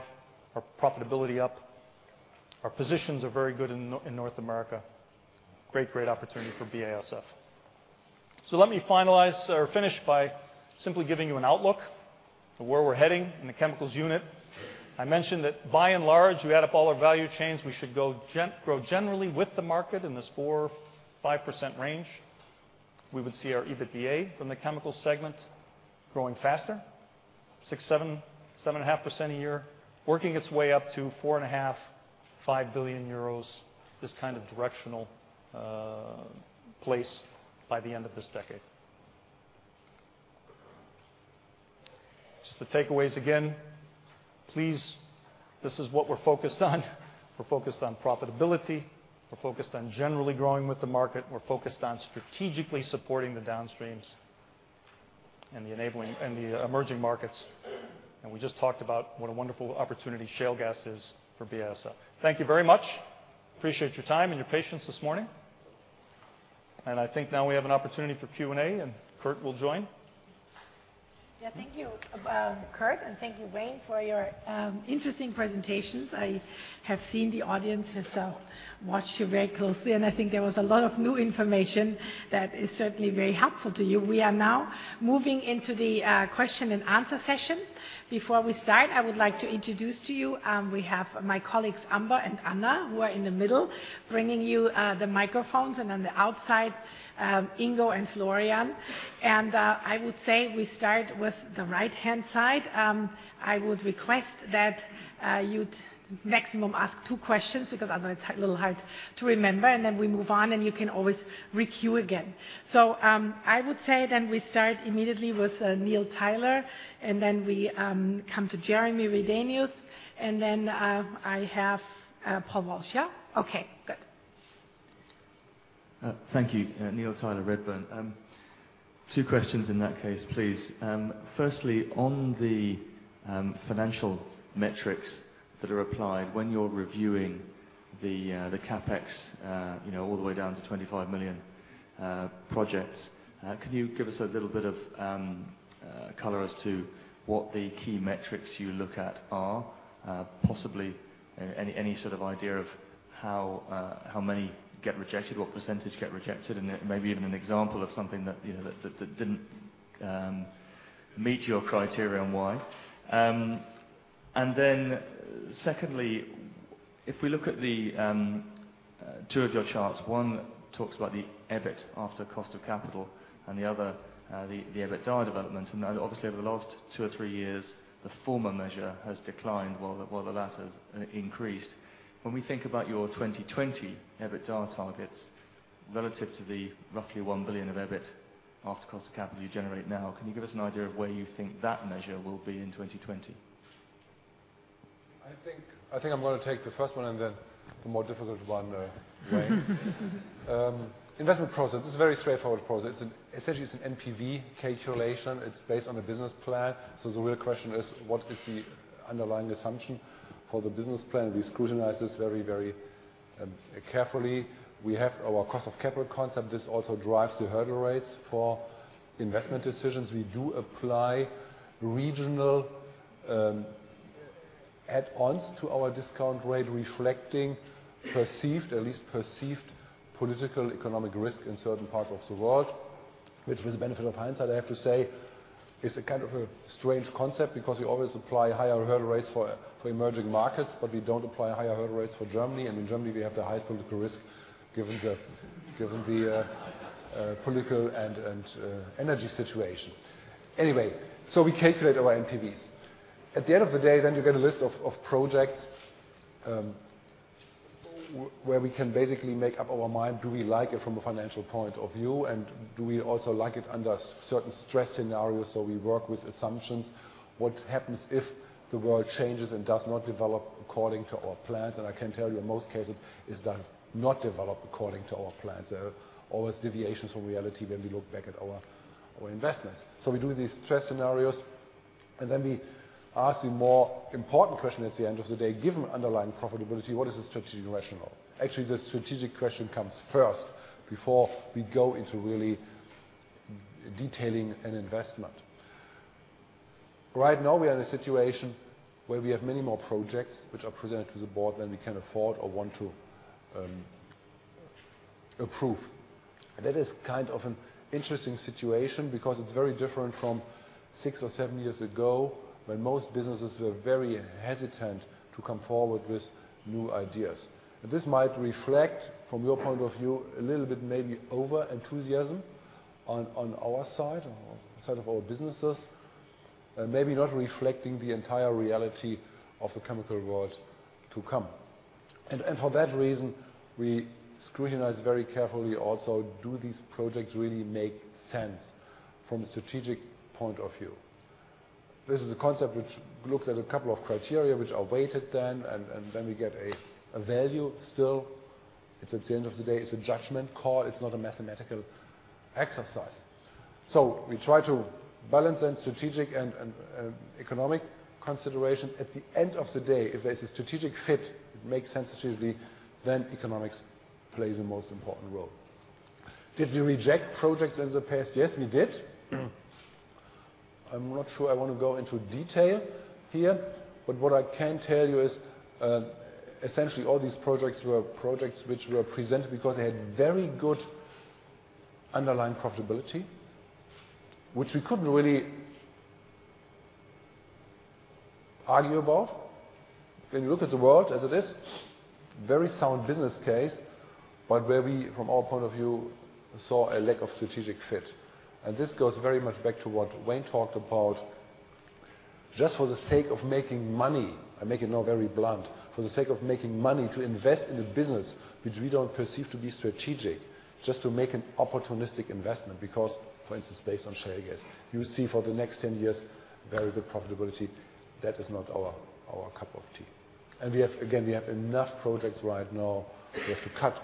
our profitability up. Our positions are very good in North America. Great opportunity for BASF. Let me finalize or finish by simply giving you an outlook for where we're heading in the chemicals unit. I mentioned that by and large, we add up all our value chains, we should generally grow with the market in this 4%-5% range. We would see our EBITDA from the chemical segment growing faster, 6%, 7.5% a year, working its way up to 4.5 billion-5 billion euros, this kind of directional placeholder by the end of this decade. Just the takeaways again. Please, this is what we're focused on. We're focused on profitability. We're focused on generally growing with the market. We're focused on strategically supporting the downstreams and enabling in the emerging markets. We just talked about what a wonderful opportunity shale gas is for BASF. Thank you very much. Appreciate your time and your patience this morning. I think now we have an opportunity for Q&A, and Kurt will join. Yeah, thank you, Kurt, and thank you, Wayne, for your interesting presentations. I have seen the audience has watched you very closely, and I think there was a lot of new information that is certainly very helpful to you. We are now moving into the question and answer session. Before we start, I would like to introduce to you we have my colleagues, Amber and Anna, who are in the middle, bringing you the microphones. On the outside, Ingo and Florian. I would say we start with the right-hand side. I would request that you'd maximum ask two questions because otherwise it's a little hard to remember. Then we move on, and you can always requeue again. I would say then we start immediately with Neil Tyler, and then we come to Jeremy Redenius, and then I have Paul Walsh here. Okay, good. Thank you. Neil Tyler, Redburn. Two questions in that case, please. Firstly, on the financial metrics that are applied when you're reviewing the Capex, you know, all the way down to 25 million projects, can you give us a little bit of color as to what the key metrics you look at are? Possibly any sort of idea of how many get rejected, what percentage get rejected, and maybe even an example of something that, you know, that didn't meet your criteria and why? And then secondly, if we look at the two of your charts, one talks about the EBIT after cost of capital and the other, the EBITDA development. Obviously, over the last two or three years, the former measure has declined while the latter has increased. When we think about your 2020 EBITDA targets relative to the roughly 1 billion of EBIT after cost of capital you generate now, can you give us an idea of where you think that measure will be in 2020? I think I'm gonna take the first one and then the more difficult one, Wayne. Investment process, this is a very straightforward process. Essentially, it's an NPV calculation. It's based on a business plan. The real question is, what is the underlying assumption for the business plan? We scrutinize this very, very carefully. We have our cost of capital concept. This also drives the hurdle rates for investment decisions. We do apply regional add-ons to our discount rate reflecting perceived, at least perceived, political economic risk in certain parts of the world. Which with the benefit of hindsight, I have to say, is a kind of a strange concept because we always apply higher hurdle rates for emerging markets, but we don't apply higher hurdle rates for Germany. In Germany, we have the high political risk given the political and energy situation. Anyway, we calculate our NPVs. At the end of the day, you get a list of projects where we can basically make up our mind, do we like it from a financial point of view, and do we also like it under certain stress scenarios? We work with assumptions. What happens if the world changes and does not develop according to our plans? I can tell you in most cases, it does not develop according to our plans. There are always deviations from reality when we look back at our investments. We do these stress scenarios. Then we ask the more important question at the end of the day, given underlying profitability, what is the strategic rationale? Actually, the strategic question comes first before we go into really detailing an investment. Right now, we are in a situation where we have many more projects which are presented to the board than we can afford or want to approve. That is kind of an interesting situation because it's very different from six or seven years ago, when most businesses were very hesitant to come forward with new ideas. This might reflect, from your point of view, a little bit maybe over-enthusiasm on our side or side of our businesses, and maybe not reflecting the entire reality of the chemical world to come. For that reason, we scrutinize very carefully also, do these projects really make sense from a strategic point of view? This is a concept which looks at a couple of criteria which are weighted, and then we get a value still. It's at the end of the day, it's a judgment call. It's not a mathematical exercise. We try to balance then strategic and economic consideration. At the end of the day, if there's a strategic fit, it makes sense strategically, then economics plays the most important role. Did we reject projects in the past? Yes, we did. I'm not sure I wanna go into detail here, but what I can tell you is, essentially all these projects were projects which were presented because they had very good underlying profitability, which we couldn't really argue about. When you look at the world as it is, very sound business case, but where we, from our point of view, saw a lack of strategic fit. This goes very much back to what Wayne talked about. Just for the sake of making money, I make it now very blunt, for the sake of making money to invest in a business which we don't perceive to be strategic, just to make an opportunistic investment because, for instance, based on shale gas. You see for the next ten years, very good profitability. That is not our cup of tea. Again, we have enough projects right now. We have to cut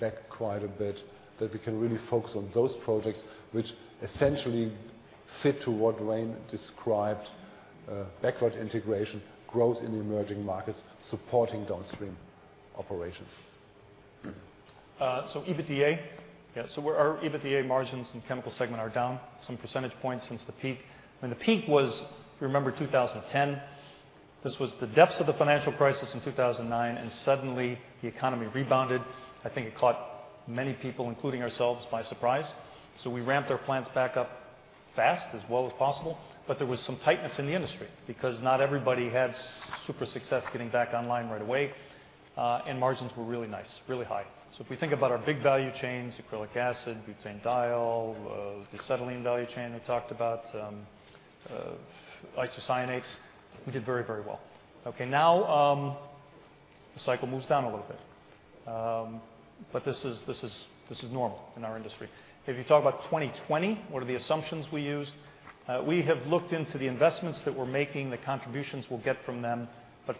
back quite a bit, that we can really focus on those projects which essentially fit to what Wayne described, backward integration, growth in the emerging markets, supporting downstream operations. Our EBITDA margins in chemical segment are down some percentage points since the peak. The peak was, if you remember, 2010. This was the depths of the financial crisis in 2009, and suddenly the economy rebounded. I think it caught many people, including ourselves, by surprise. We ramped our plants back up fast as well as possible. There was some tightness in the industry because not everybody had super success getting back online right away. Margins were really nice, really high. If we think about our big value chains, acrylic acid, butanediol, the acetylene value chain we talked about, isocyanates, we did very, very well. The cycle moves down a little bit. This is normal in our industry. If you talk about 2020, what are the assumptions we used? We have looked into the investments that we're making, the contributions we'll get from them.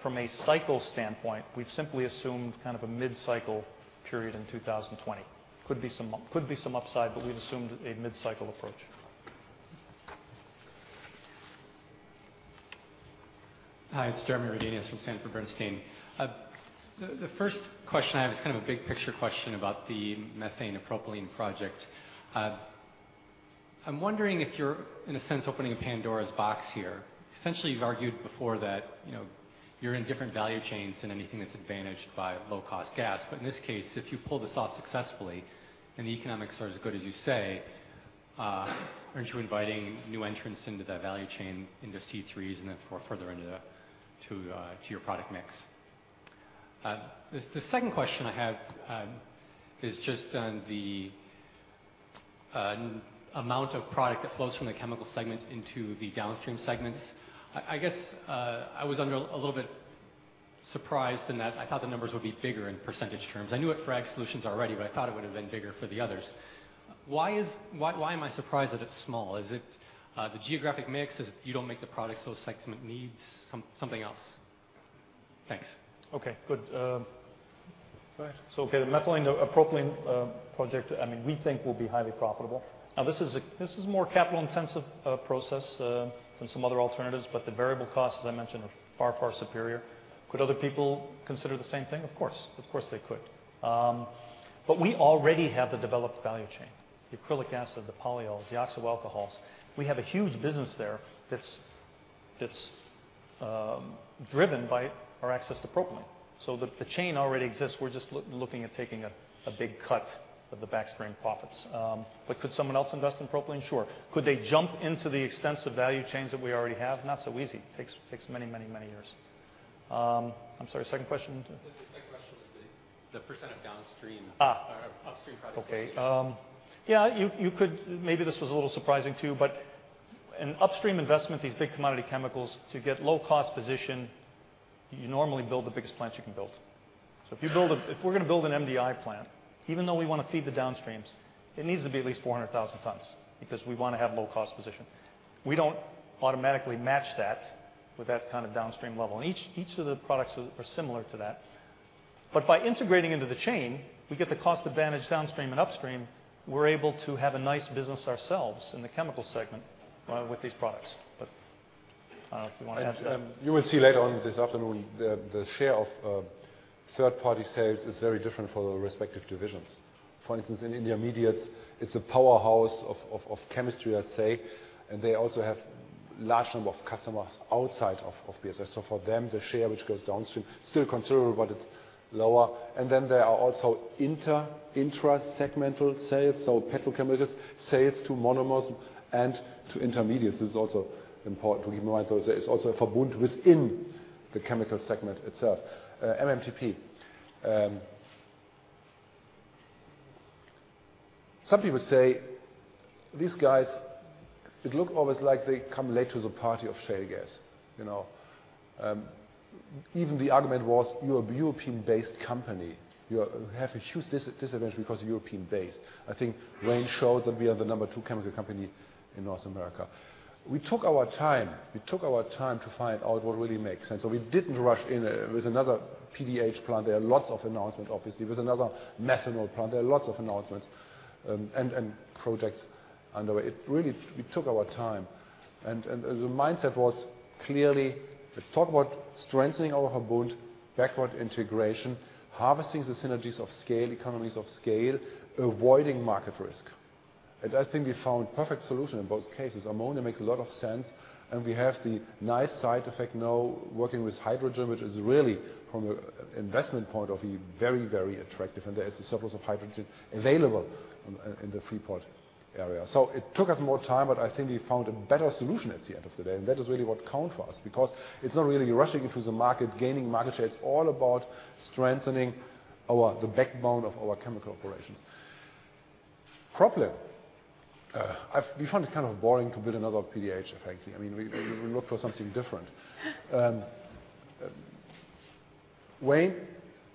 From a cycle standpoint, we've simply assumed kind of a mid-cycle period in 2020. Could be some upside, but we've assumed a mid-cycle approach. Hi, it's Jeremy Redenius from Sanford Bernstein. The first question I have is kind of a big picture question about the methanol to propylene project. I'm wondering if you're, in a sense, opening a Pandora's box here. Essentially, you've argued before that, you know, you're in different value chains than anything that's advantaged by low cost gas. But in this case, if you pull this off successfully and the economics are as good as you say, aren't you inviting new entrants into that value chain, into C3s and then further into your product mix? The second question I have is just on the amount of product that flows from the chemical segment into the downstream segments. I guess I was a little bit surprised in that I thought the numbers would be bigger in percentage terms. I knew it for Solutions already, but I thought it would have been bigger for the others. Why am I surprised that it's small? Is it the geographic mix? Is it you don't make the products those segments need something else? Thanks. Okay, good. Go ahead. Okay, the methanol to propylene project, I mean, we think will be highly profitable. Now, this is more capital intensive process than some other alternatives, but the variable costs, as I mentioned, are far, far superior. Could other people consider the same thing? Of course. Of course, they could. We already have the developed value chain, the acrylic acid, the polyols, the oxo alcohols. We have a huge business there that's driven by our access to propylene. The chain already exists. We're just looking at taking a big cut of the upstream profits. Could someone else invest in propylene? Sure. Could they jump into the extensive value chains that we already have? Not so easy. It takes many years. I'm sorry, second question. The second question was the percent of downstream- Upstream products. Okay. Yeah, you could. Maybe this was a little surprising too, but an upstream investment, these big commodity chemicals, to get low cost position, you normally build the biggest plant you can build. If we're gonna build an MDI plant, even though we wanna feed the downstreams, it needs to be at least 400,000 tons because we wanna have low cost position. We don't automatically match that with that kind of downstream level. Each of the products are similar to that. By integrating into the chain, we get the cost advantage downstream and upstream. We're able to have a nice business ourselves in the chemical segment, with these products. If you wanna add to that. You will see later on this afternoon the share of third-party sales is very different for the respective divisions. For instance, in intermediates, it's a powerhouse of chemistry, I'd say. They also have large number of customers outside of BASF. For them, the share which goes downstream, still considerable, but it's lower. Then there are also intra-segmental sales. Petrochemical sales to monomers and to intermediates is also important to keep in mind. There is also a Verbund within the chemical segment itself. MTP. Some people say these guys, it look almost like they come late to the party of shale gas. You know, even the argument was, you're a European-based company. You have a huge disadvantage because you're European based. I think Wayne showed that we are the number two chemical company in North America. We took our time to find out what really makes sense. We didn't rush in with another PDH plant. There are lots of announcements, obviously, with another methanol plant. There are lots of announcements, and projects underway. We took our time, and the mindset was clearly, let's talk about strengthening our Verbund, backward integration, harvesting the synergies of scale, economies of scale, avoiding market risk. I think we found perfect solution in both cases. Ammonia makes a lot of sense, and we have the nice side effect now working with hydrogen, which is really, from an investment point of view, very, very attractive. There is a surplus of hydrogen available in the Freeport area. It took us more time, but I think we found a better solution at the end of the day. That is really what count for us because it's not really rushing into the market, gaining market shares. It's all about strengthening the backbone of our chemical operations. Propylene, we found it kind of boring to build another PDH, frankly. I mean, we look for something different. Wayne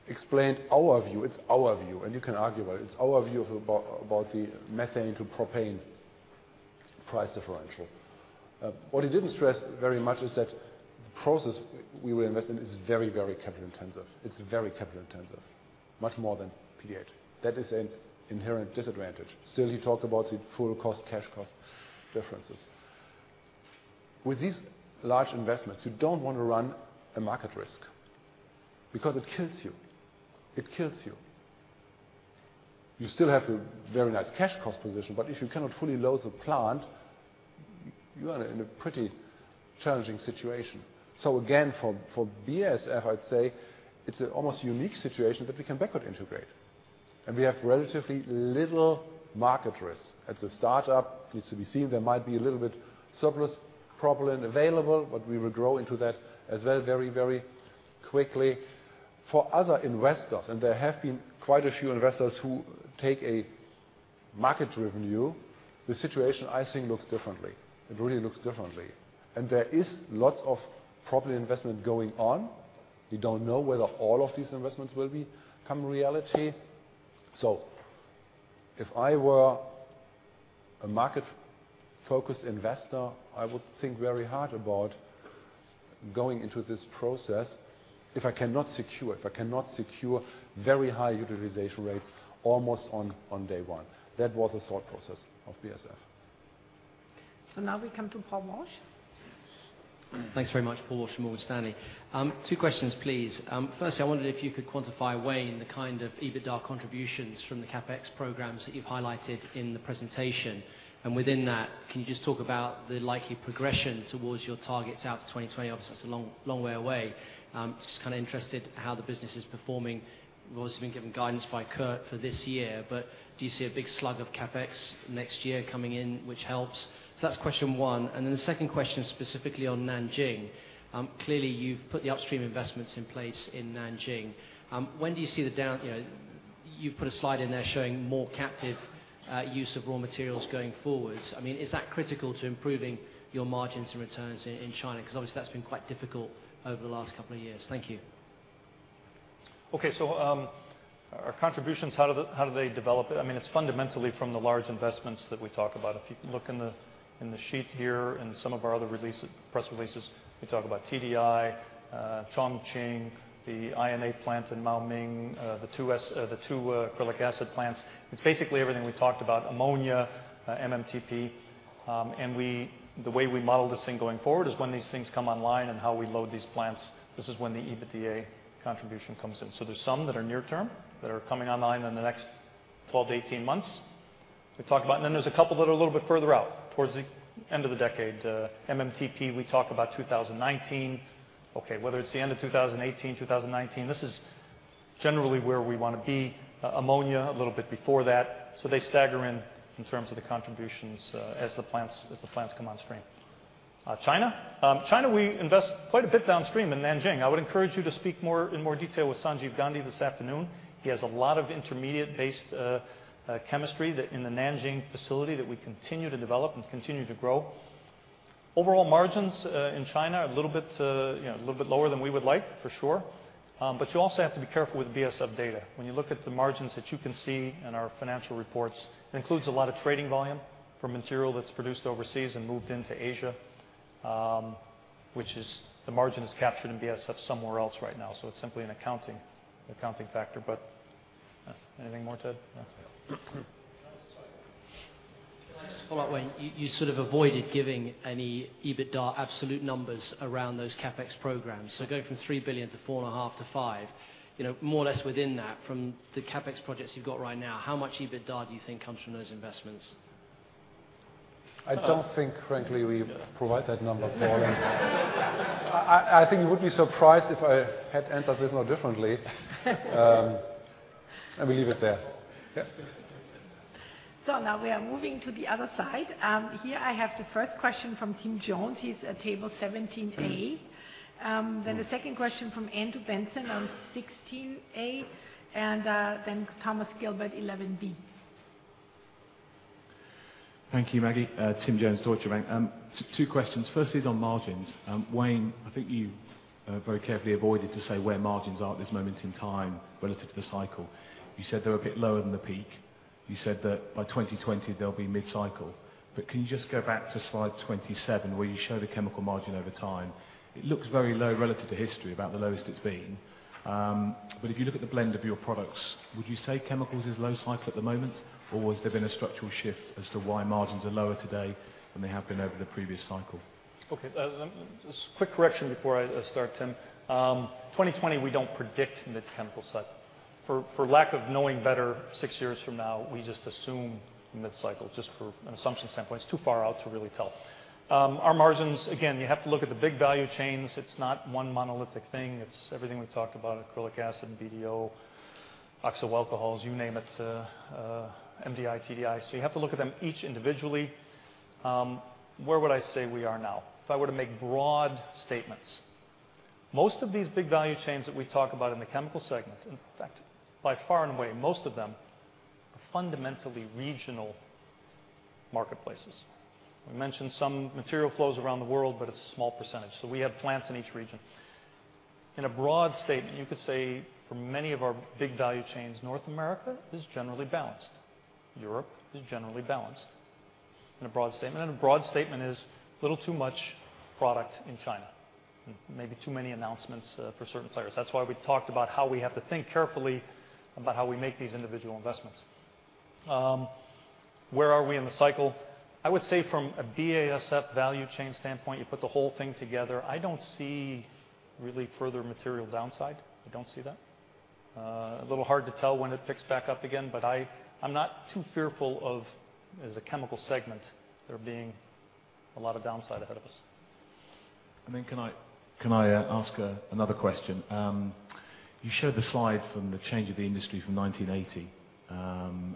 explained our view. It's our view, and you can argue about it. It's our view about the methanol to propylene price differential. What he didn't stress very much is that the process we will invest in is very capital intensive. It's very capital intensive, much more than PDH. That is an inherent disadvantage. Still, he talked about the full cost, cash cost differences. With these large investments, you don't wanna run a market risk because it kills you. It kills you. You still have a very nice cash cost position, but if you cannot fully load the plant, you are in a pretty challenging situation. Again, for BASF, I'd say it's an almost unique situation that we can backward integrate, and we have relatively little market risk. As a startup, it needs to be seen. There might be a little bit surplus propylene available, but we will grow into that as well very, very quickly. For other investors, and there have been quite a few investors who take a market revenue, the situation, I think, looks differently. It really looks differently. There is lots of propylene investment going on. You don't know whether all of these investments will become reality. If I were a market-focused investor, I would think very hard about going into this process if I cannot secure very high utilization rates almost on day one. That was the thought process of BASF. Now we come to Paul Walsh. Thanks very much. Paul Walsh from Morgan Stanley. Two questions, please. Firstly, I wondered if you could quantify, Wayne, the kind of EBITDA contributions from the Capex programs that you've highlighted in the presentation. Within that, can you just talk about the likely progression towards your targets out to 2020? Obviously, that's a long, long way away. Just kind of interested how the business is performing. We've obviously been given guidance by Kurt for this year, but do you see a big slug of Capex next year coming in which helps? That's question one. Then the second question is specifically on Nanjing. Clearly, you've put the upstream investments in place in Nanjing. When do you see the downstream? You know, you've put a slide in there showing more captive use of raw materials going forwards. I mean, is that critical to improving your margins and returns in China? 'Cause obviously that's been quite difficult over the last couple of years. Thank you. Okay. Our contributions, how do they develop? I mean, it's fundamentally from the large investments that we talk about. If you look in the sheet here and some of our other releases, press releases, we talk about TDI, Chongqing, the isononanol plant in Maoming, the two acrylic acid plants. It's basically everything we talked about, ammonia, MTP. The way we model this thing going forward is when these things come online and how we load these plants, this is when the EBITDA contribution comes in. There's some that are near term that are coming online in the next 12 to 18 months. There's a couple that are a little bit further out, towards the end of the decade. MTP, we talk about 2019. Okay. Whether it's the end of 2018, 2019, this is generally where we wanna be. Ammonia a little bit before that. They stagger in terms of the contributions, as the plants come on stream. China. China, we invest quite a bit downstream in Nanjing. I would encourage you to speak more, in more detail with Sanjeev Gandhi this afternoon. He has a lot of intermediate-based chemistry that in the Nanjing facility that we continue to develop and continue to grow. Overall margins in China are a little bit, you know, a little bit lower than we would like, for sure. You also have to be careful with BASF data. When you look at the margins that you can see in our financial reports, it includes a lot of trading volume from material that's produced overseas and moved into Asia. The margin is captured in BASF somewhere else right now, so it's simply an accounting factor. Anything more to add? No. Can I just follow up, Wayne? You sort of avoided giving any EBITDA absolute numbers around those Capex programs. Going from 3 billion to 4.5 to 5 billion, you know, more or less within that from the Capex projects you've got right now, how much EBITDA do you think comes from those investments? I don't think frankly we provide that number for them. I think you would be surprised if I had answered it more differently. We leave it there. Yeah. Now we are moving to the other side. Here I have the first question from Tim Jones. He's at table 17A. Then the second question from Andrew Benson on 16A, and then Thomas Gilbert, 11B. Thank you, Maggie. Tim Jones, Deutsche Bank. Two questions. First is on margins. Wayne, I think you very carefully avoided to say where margins are at this moment in time relative to the cycle. You said they're a bit lower than the peak. You said that by 2020 they'll be mid-cycle. Can you just go back to slide 27 where you show the chemical margin over time? It looks very low relative to history, about the lowest it's been. If you look at the blend of your products, would you say chemicals is low cycle at the moment, or has there been a structural shift as to why margins are lower today than they have been over the previous cycle? Okay. Just quick correction before I start, Tim. 2020, we don't predict mid chemical cycle. For lack of knowing better six years from now, we just assume mid cycle just for an assumption standpoint. It's too far out to really tell. Our margins, again, you have to look at the big value chains. It's not one monolithic thing. It's everything we've talked about, acrylic acid, BDO, oxo alcohols, you name it, MDI, TDI. So you have to look at them each individually. Where would I say we are now if I were to make broad statements? Most of these big value chains that we talk about in the chemical segment, in fact, by far and away, most of them are fundamentally regional marketplaces. We mentioned some material flows around the world, but it's a small percentage. We have plants in each region. In a broad statement, you could say for many of our big value chains, North America is generally balanced. Europe is generally balanced in a broad statement, and a broad statement is a little too much product in China, and maybe too many announcements for certain players. That's why we talked about how we have to think carefully about how we make these individual investments. Where are we in the cycle? I would say from a BASF value chain standpoint, you put the whole thing together, I don't see really further material downside. I don't see that. A little hard to tell when it picks back up again, but I'm not too fearful of, as a chemical segment, there being a lot of downside ahead of us. Then can I ask another question? You showed the slide from the change of the industry from 1980,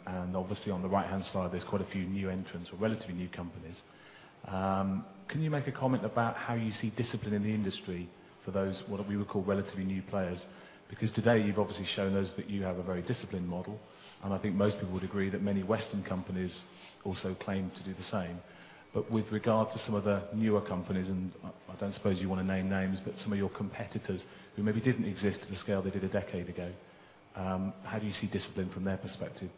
and obviously on the right-hand side there's quite a few new entrants or relatively new companies. Can you make a comment about how you see discipline in the industry for those, what we would call relatively new players? Because today you've obviously shown us that you have a very disciplined model, and I think most people would agree that many Western companies also claim to do the same. But with regard to some of the newer companies, and I don't suppose you wanna name names, but some of your competitors who maybe didn't exist at the scale they did a decade ago, how do you see discipline from their perspective?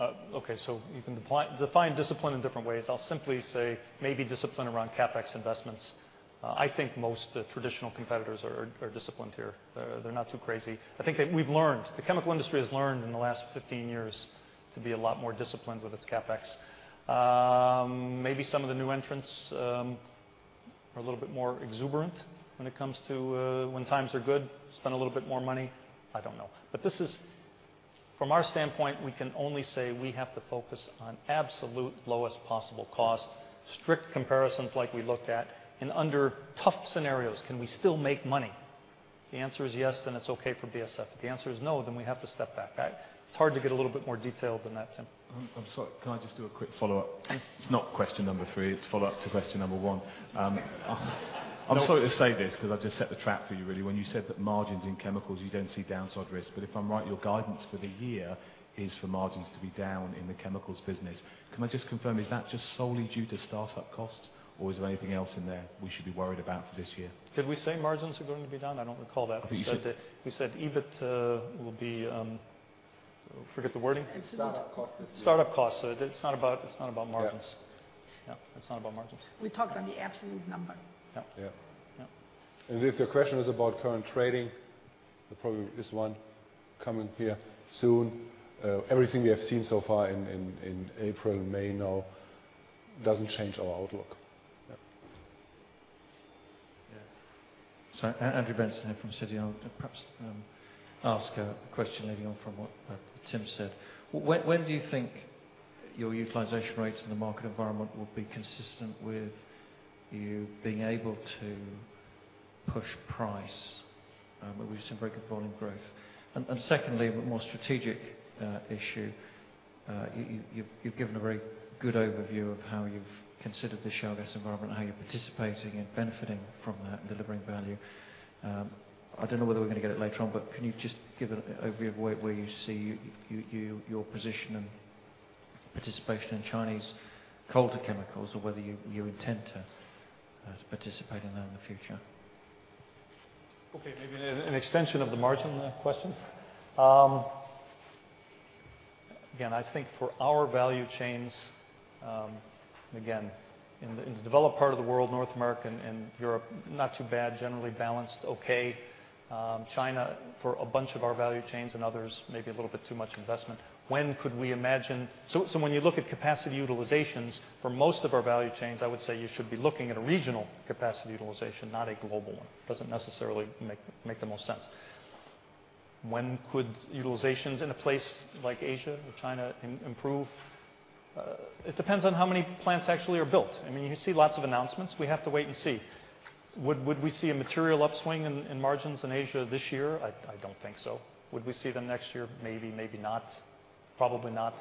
Okay. You can define discipline in different ways. I'll simply say maybe discipline around Capex investments. I think most traditional competitors are disciplined here. They're not too crazy. I think that the chemical industry has learned in the last 15 years to be a lot more disciplined with its Capex. Maybe some of the new entrants are a little bit more exuberant when it comes to when times are good, spend a little bit more money. I don't know. This is from our standpoint, we can only say we have to focus on absolute lowest possible cost, strict comparisons like we looked at, and under tough scenarios, can we still make money? If the answer is yes, it's okay for BASF. If the answer is no, we have to step back. It's hard to get a little bit more detailed than that, Tim. I'm sorry. Can I just do a quick follow-up? Sure. It's not question number three. It's follow-up to question number one. I'm sorry to say this because I've just set the trap for you, really, when you said that margins in chemicals, you don't see downside risk. If I'm right, your guidance for the year is for margins to be down in the chemicals business. Can I just confirm, is that just solely due to start-up costs, or is there anything else in there we should be worried about for this year? Did we say margins are going to be down? I don't recall that. I think you said. We said EBIT will be. I forget the wording. It's start-up costs this year. Start-up costs. It's not about margins. Yeah. Yeah. It's not about margins. We talked on the absolute number. Yeah. Yeah. Yeah. If the question is about current trading, there probably is one coming here soon. Everything we have seen so far in April and May now doesn't change our outlook. Yeah. Andrew Benson here from Citi. I'll perhaps ask a question leading on from what Tim said. When do you think your utilization rates in the market environment will be consistent with you being able to push price with some very good volume growth? And secondly, but more strategic issue, you've given a very good overview of how you've considered the shale gas environment and how you're participating and benefiting from that and delivering value. I don't know whether we're gonna get it later on, but can you just give an overview of where you see your position and participation in Chinese coal to chemicals or whether you intend to participate in that in the future? Okay. Maybe an extension of the margin questions. Again, I think for our value chains, again, in the developed part of the world, North America and Europe, not too bad. Generally balanced, okay. China, for a bunch of our value chains and others, maybe a little bit too much investment. When could we imagine? When you look at capacity utilizations, for most of our value chains, I would say you should be looking at a regional capacity utilization, not a global one. Doesn't necessarily make the most sense. When could utilizations in a place like Asia or China improve? It depends on how many plants actually are built. I mean, you see lots of announcements. We have to wait and see. Would we see a material upswing in margins in Asia this year? I don't think so. Would we see them next year? Maybe, maybe not. Probably not.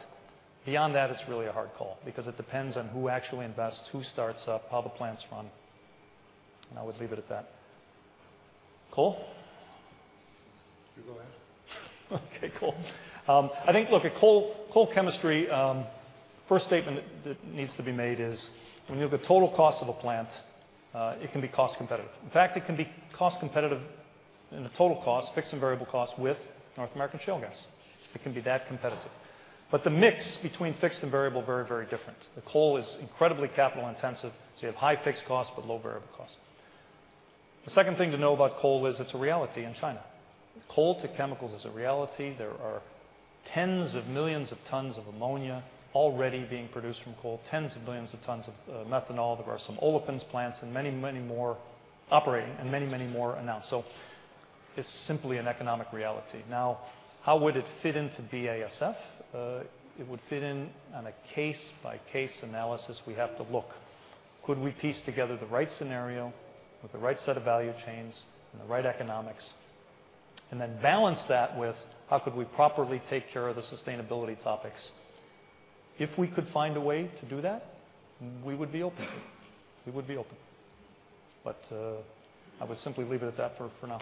Beyond that, it's really a hard call because it depends on who actually invests, who starts up, how the plants run, and I would leave it at that. Coal? You go ahead. Okay, coal. I think, look at coal chemistry, first statement that needs to be made is when you look at total cost of a plant, it can be cost competitive. In fact, it can be cost competitive in the total cost, fixed and variable cost, with North American shale gas. It can be that competitive. The mix between fixed and variable, very, very different. The coal is incredibly capital intensive, so you have high fixed costs but low variable costs. The second thing to know about coal is it's a reality in China. Coal to chemicals is a reality. There are tens of millions of tons of ammonia already being produced from coal, tens of millions of tons of methanol. There are some olefins plants and many, many more operating and many, many more announced. It's simply an economic reality. Now, how would it fit into BASF? It would fit in on a case-by-case analysis we have to look. Could we piece together the right scenario with the right set of value chains and the right economics, and then balance that with how could we properly take care of the sustainability topics. If we could find a way to do that, we would be open to it. We would be open, but I would simply leave it at that for now.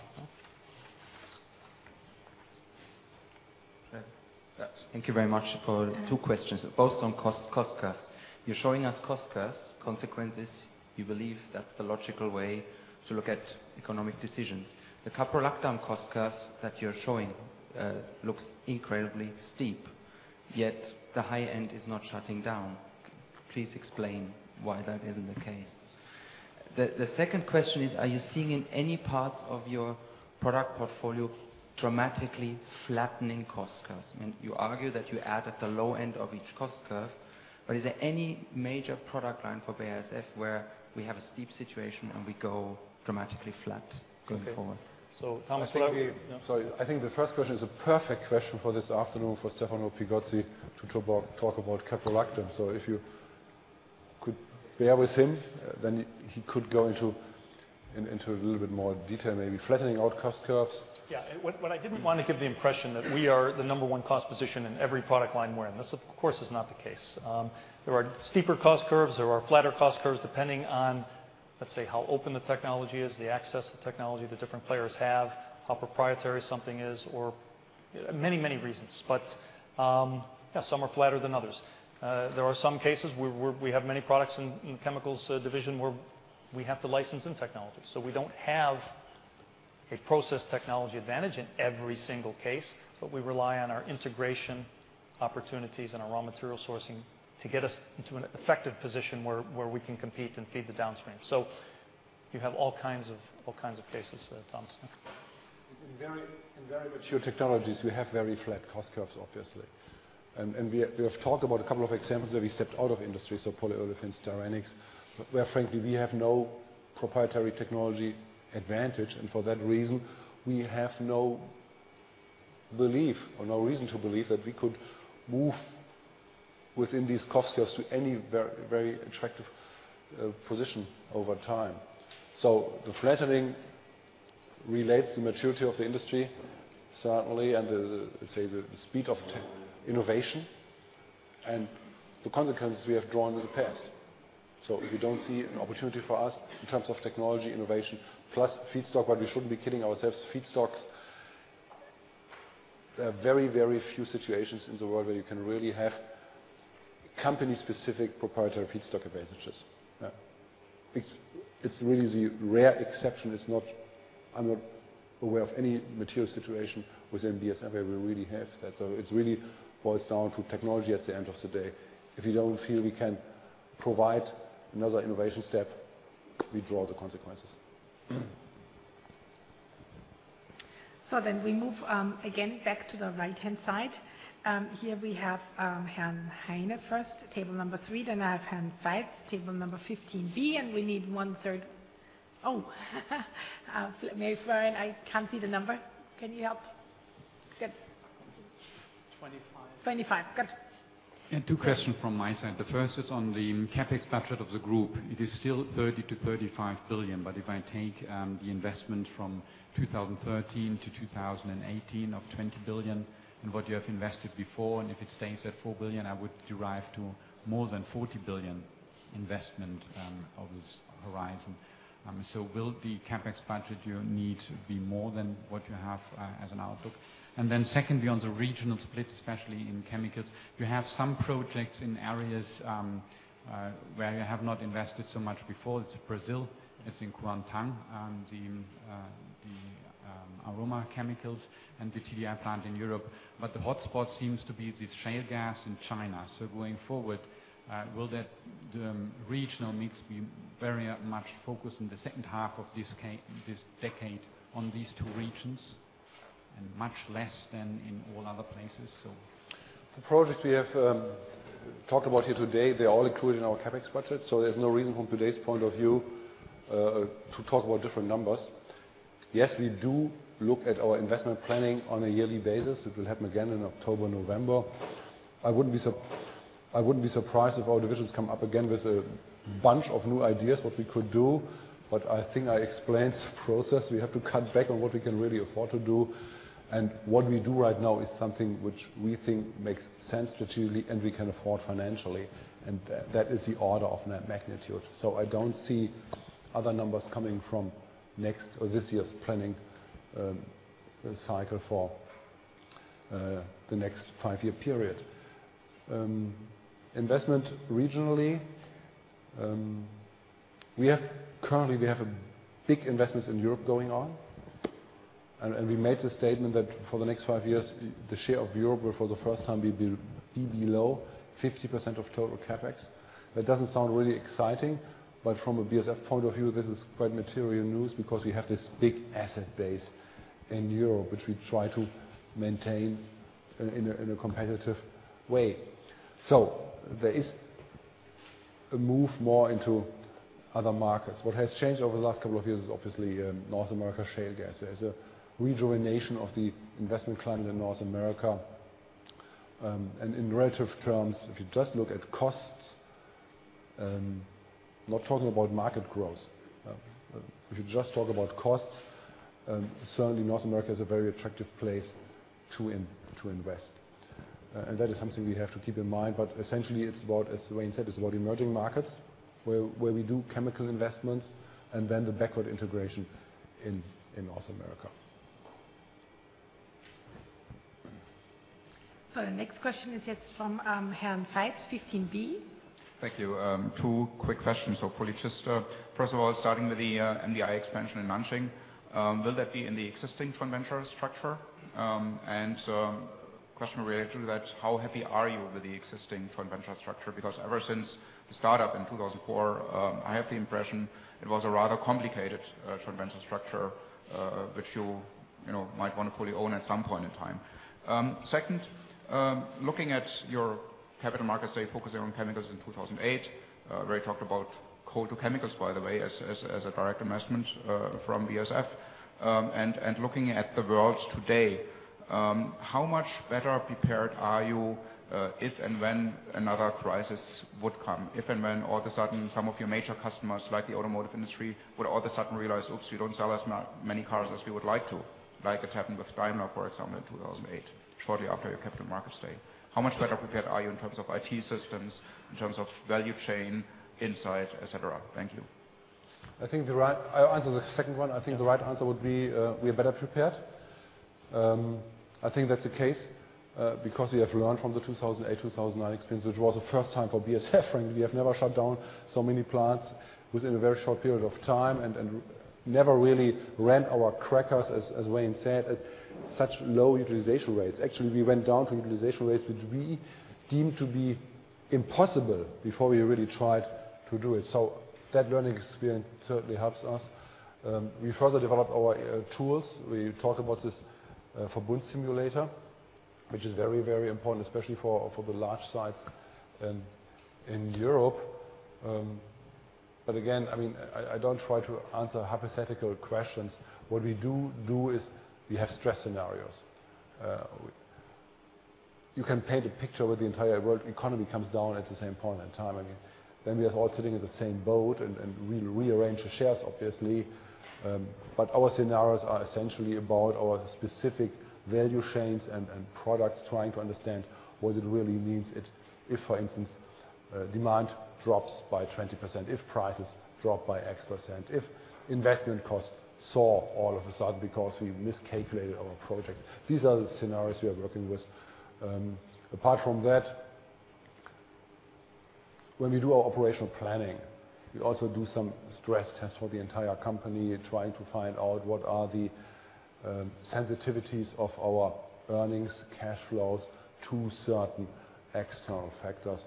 Yeah. Thank you very much for two questions, both on cost curves. You're showing us cost curves, consequences. You believe that's the logical way to look at economic decisions. The Caprolactam cost curves that you're showing looks incredibly steep, yet the high end is not shutting down. Please explain why that isn't the case. The second question is, are you seeing in any parts of your product portfolio dramatically flattening cost curves? I mean, you argue that you add at the low end of each cost curve, but is there any major product line for BASF where we have a steep situation and we go dramatically flat going forward? Thomas, maybe Sorry. I think the first question is a perfect question for this afternoon for Stefano Pigozzi to talk about Caprolactam. If you could bear with him, then he could go into a little bit more detail, maybe flattening out cost curves. Yeah. What I didn't want to give the impression that we are the number one cost position in every product line we're in. This, of course, is not the case. There are steeper cost curves, there are flatter cost curves, depending on, let's say, how open the technology is, the access to technology the different players have, how proprietary something is or, many reasons. Some are flatter than others. There are some cases where we have many products in Chemicals Division where we have to license in technology. We don't have a process technology advantage in every single case, but we rely on our integration opportunities and our raw material sourcing to get us into an effective position where we can compete and feed the downstream. You have all kinds of cases, Thomas. In very mature technologies, we have very flat cost curves, obviously. We have talked about a couple of examples where we stepped out of industries, so polyolefins, styrenics, where frankly, we have no proprietary technology advantage. For that reason, we have no belief or no reason to believe that we could move within these cost curves to any very, very attractive position over time. The flattening relates to maturity of the industry, certainly, and let's say the speed of innovation and the consequences we have drawn in the past. We don't see an opportunity for us in terms of technology innovation plus feedstock. We shouldn't be kidding ourselves. Feedstocks, there are very, very few situations in the world where you can really have company-specific proprietary feedstock advantages. It's really the rare exception. I'm not aware of any material situation within BASF where we really have that. It really boils down to technology at the end of the day. If we don't feel we can provide another innovation step, we draw the consequences. We move again back to the right-hand side. Here we have Herr Heine first, table number three. Then I have Herr Seitz, table number 15B, and we need one third. Mary-Fran, I can't see the number. Can you help? Good. Twenty-five. 25. Good. Yeah, two questions from my side. The first is on the Capex budget of the group. It is still 30 billion-35 billion. If I take the investment from 2013 to 2018 of 20 billion and what you have invested before, and if it stays at 4 billion, I would derive to more than 40 billion investment over the- Horizon. Will the Capex budget you need to be more than what you have as an outlook? Secondly, on the regional split, especially in chemicals, you have some projects in areas where you have not invested so much before. It's Brazil, it's in Kuantan, the aroma chemicals and the TDI plant in Europe. The hotspot seems to be this shale gas in China. Going forward, will the regional mix be very much focused in the second half of this decade on these two regions and much less in all other places? The projects we have talked about here today, they're all included in our Capex budget, so there's no reason from today's point of view to talk about different numbers. Yes, we do look at our investment planning on a yearly basis. It will happen again in October, November. I wouldn't be surprised if our divisions come up again with a bunch of new ideas, what we could do. I think I explained this process. We have to cut back on what we can really afford to do. What we do right now is something which we think makes sense strategically and we can afford financially, and that is the order of magnitude. I don't see other numbers coming from next or this year's planning cycle for the next five-year period. Investment regionally, we have currently big investments in Europe going on, and we made the statement that for the next five years, the share of Europe will for the first time be below 50% of total Capex. That doesn't sound really exciting, but from a BASF point of view, this is quite material news because we have this big asset base in Europe, which we try to maintain in a competitive way. There is a move more into other markets. What has changed over the last couple of years is obviously North America shale gas. There's a rejuvenation of the investment climate in North America. In relative terms, if you just look at costs, not talking about market growth, if you just talk about costs, certainly North America is a very attractive place to invest. That is something we have to keep in mind. Essentially, it's about, as Wayne said, it's about emerging markets where we do chemical investments and then the backward integration in North America. The next question is from Mr. Veit, 15 B. Thank you. Two quick questions, hopefully. Just first of all, starting with the MDI expansion in Nanjing, will that be in the existing joint venture structure? And question related to that, how happy are you with the existing joint venture structure? Because ever since the startup in 2004, I have the impression it was a rather complicated joint venture structure, which you know might want to fully own at some point in time. Second, looking at your Capital Markets Day focusing on chemicals in 2008, where you talked about coal to chemicals, by the way, as a direct investment from BASF. And looking at the world today, how much better prepared are you if and when another crisis would come? If and when, all of a sudden, some of your major customers, like the automotive industry, would all of a sudden realize, "Oops, you don't sell as many cars as we would like to," like it happened with Daimler, for example, in 2008, shortly after your Capital Markets Day. How much better prepared are you in terms of IT systems, in terms of value chain insight, et cetera? Thank you. I'll answer the second one. I think the right answer would be, we are better prepared. I think that's the case, because we have learned from the 2008, 2009 experience, which was the first time for BASF, and we have never shut down so many plants within a very short period of time and never really ran our crackers, as Wayne said, at such low utilization rates. Actually, we went down to utilization rates which we deemed to be impossible before we really tried to do it. That learning experience certainly helps us. We further developed our tools. We talked about this, Verbund simulator, which is very important, especially for the large sites in Europe. Again, I mean, I don't try to answer hypothetical questions. What we do is we have stress scenarios. You can paint a picture where the entire world economy comes down at the same point in time, and then we are all sitting in the same boat, and we rearrange the shares, obviously. Our scenarios are essentially about our specific value chains and products, trying to understand what it really means if, for instance, demand drops by 20%, if prices drop by X%, if investment costs soar all of a sudden because we miscalculated our project. These are the scenarios we are working with. Apart from that, when we do our operational planning, we also do some stress tests for the entire company, trying to find out what are the sensitivities of our earnings, cash flows to certain external factors.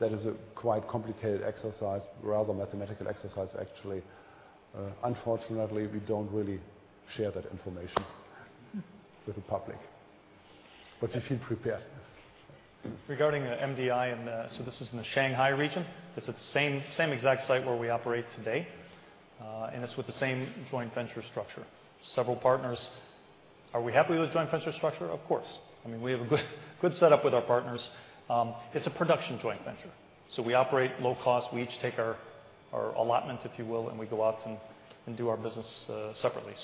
That is a quite complicated exercise, rather mathematical exercise, actually. Unfortunately, we don't really share that information with the public. You feel prepared. Regarding the MDI in the Shanghai region. It's at the same exact site where we operate today, and it's with the same joint venture structure. Several partners. Are we happy with the joint venture structure? Of course. I mean, we have a good setup with our partners. It's a production joint venture, so we operate low cost. We each take our allotment, if you will, and we go out and do our business separately.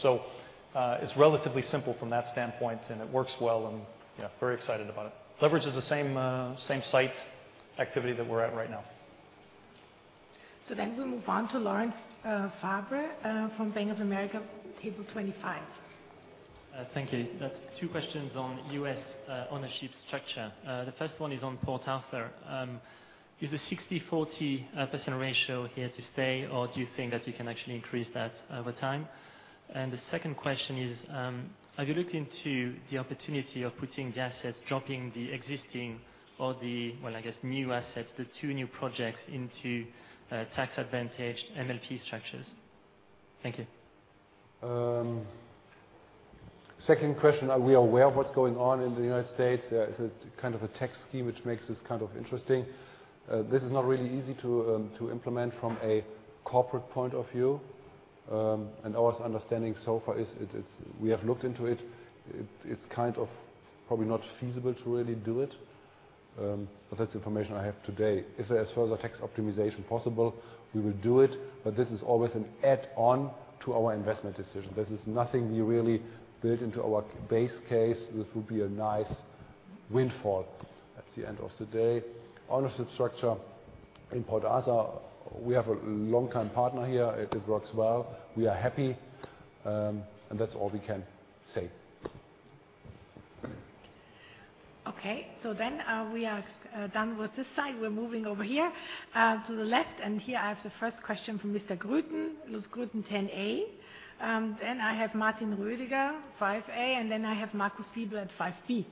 It's relatively simple from that standpoint, and it works well, and yeah, very excited about it. Leverages the same site activity that we're at right now. We move on to Laurent Favre from Bank of America, table 25. Thank you. That's two questions on U.S. ownership structure. The first one is on Port Arthur. Is the 60/40% ratio here to stay, or do you think that you can actually increase that over time? And the second question is, have you looked into the opportunity of putting the assets, dropping the existing or the, well, I guess, new assets, the 2 new projects into tax-advantaged MLP structures? Thank you. Second question. Are we aware of what's going on in the United States? It's a kind of a tax scheme which makes this kind of interesting. This is not really easy to implement from a corporate point of view. Our understanding so far is it's. We have looked into it. It's kind of probably not feasible to really do it. That's the information I have today. If there's further tax optimization possible, we will do it, but this is always an add on to our investment decision. This is nothing we really build into our base case. This would be a nice windfall at the end of the day. Ownership structure in Port Arthur, we have a longtime partner here. It works well. We are happy. That's all we can say. Okay. We are done with this side. We're moving over here to the left. Here I have the first question from Mr. Grüten. It was Grüten 10A. I have Martin Rödiger, 5A, and I have Marcus Sieber at 5B. Yeah.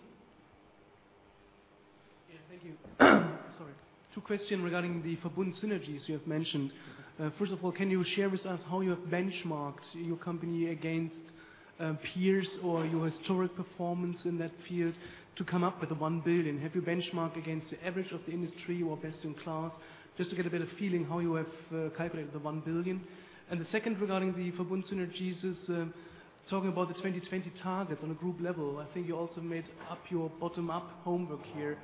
Thank you. Sorry. Two questions regarding the Verbund synergies you have mentioned. First of all, can you share with us how you have benchmarked your company against peers or your historic performance in that field to come up with the 1 billion? Have you benchmarked against the average of the industry or best in class? Just to get a better feeling for how you have calculated the 1 billion. The second regarding the Verbund synergies is talking about the 2020 targets on a group level. I think you also did your bottom-up homework here.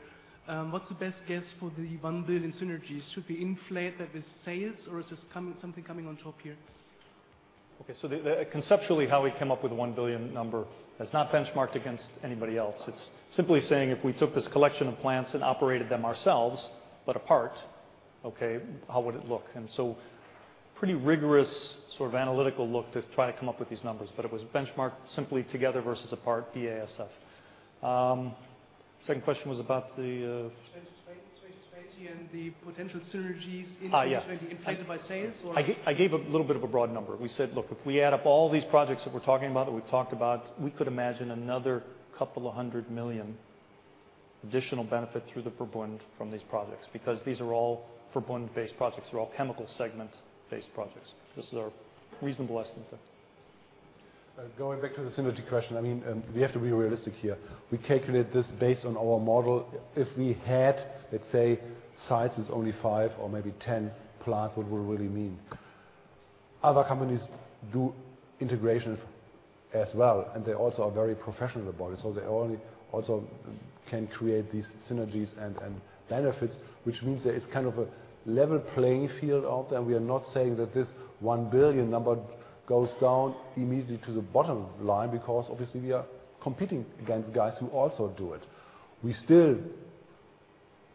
What's the best guess for the 1 billion synergies? Should we inflate that with sales or is something coming on top here? Conceptually, how we come up with 1 billion number has not been benchmarked against anybody else. It's simply saying, if we took this collection of plants and operated them ourselves, but apart, how would it look? Pretty rigorous sort of analytical look to try to come up with these numbers. It was benchmarked simply together versus apart, BASF. Second question was about the 2020, the potential synergies. Yeah. -inflated by sales or- I gave a little bit of a broad number. We said, "Look, if we add up all these projects that we're talking about, that we've talked about, we could imagine another 200 million additional benefit through the Verbund from these projects." Because these are all Verbund-based projects. They're all chemical segment-based projects. This is our reasonable estimate. Going back to the synergy question. I mean, we have to be realistic here. We calculate this based on our model. If we had, let's say, sizes only five or maybe 10+, what would we really mean? Other companies do integration as well, and they also are very professional about it, so they also can create these synergies and benefits, which means that it's kind of a level playing field out there. We are not saying that this 1 billion number goes down immediately to the bottom line because obviously we are competing against guys who also do it. We still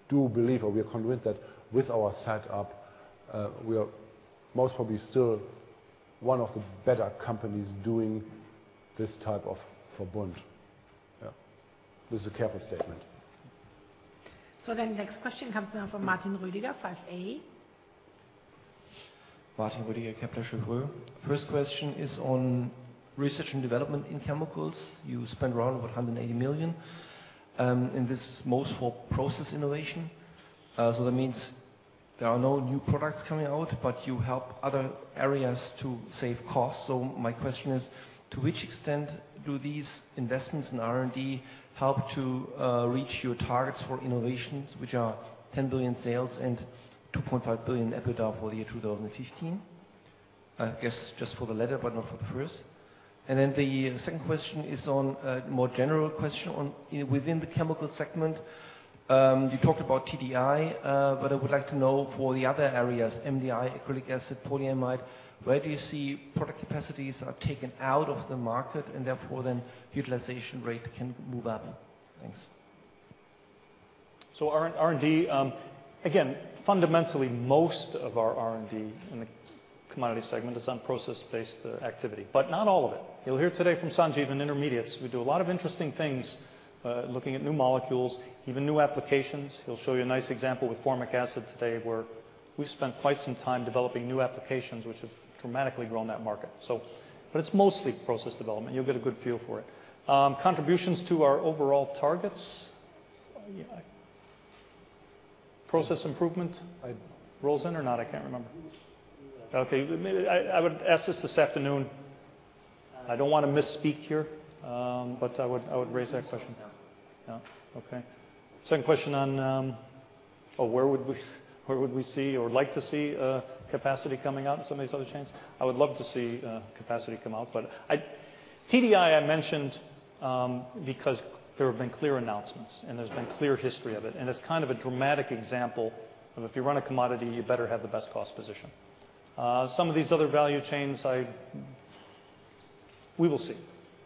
do believe or we are convinced that with our set up, we are most probably still one of the better companies doing this type of Verbund. Yeah. This is a careful statement. Next question comes now from Martin Rödiger, five A. Martin Rödiger, Kepler Cheuvreux. First question is on research and development in chemicals. You spend around 180 million, and this is mostly for process innovation. So that means there are no new products coming out, but you help other areas to save costs. My question is to which extent do these investments in R&D help to reach your targets for innovations, which are 10 billion sales and 2.5 billion EBITDA for the year 2015? I guess just for the latter, but not for the first. The second question is on more general question on within the chemical segment. You talked about TDI, but I would like to know for the other areas, MDI, acrylic acid, polyamide, where do you see product capacities are taken out of the market and therefore then utilization rate can move up? Thanks. R&D, again, fundamentally, most of our R&D in the commodity segment is on process-based activity, but not all of it. You'll hear today from Sanjiv in Intermediates. We do a lot of interesting things, looking at new molecules, even new applications. He'll show you a nice example with formic acid today where we spent quite some time developing new applications which have dramatically grown that market. It's mostly process development. You'll get a good feel for it. Contributions to our overall targets. Yeah. Process improvement. Rolls in or not? I can't remember. Okay. Maybe I would ask this afternoon. I don't want to misspeak here. I would raise that question. Yeah. Okay. Second question on where would we see or like to see capacity coming out in some of these other chains? I would love to see capacity come out. TDI I mentioned because there have been clear announcements and there's been clear history of it, and it's kind of a dramatic example of if you run a commodity, you better have the best cost position. Some of these other value chains we will see.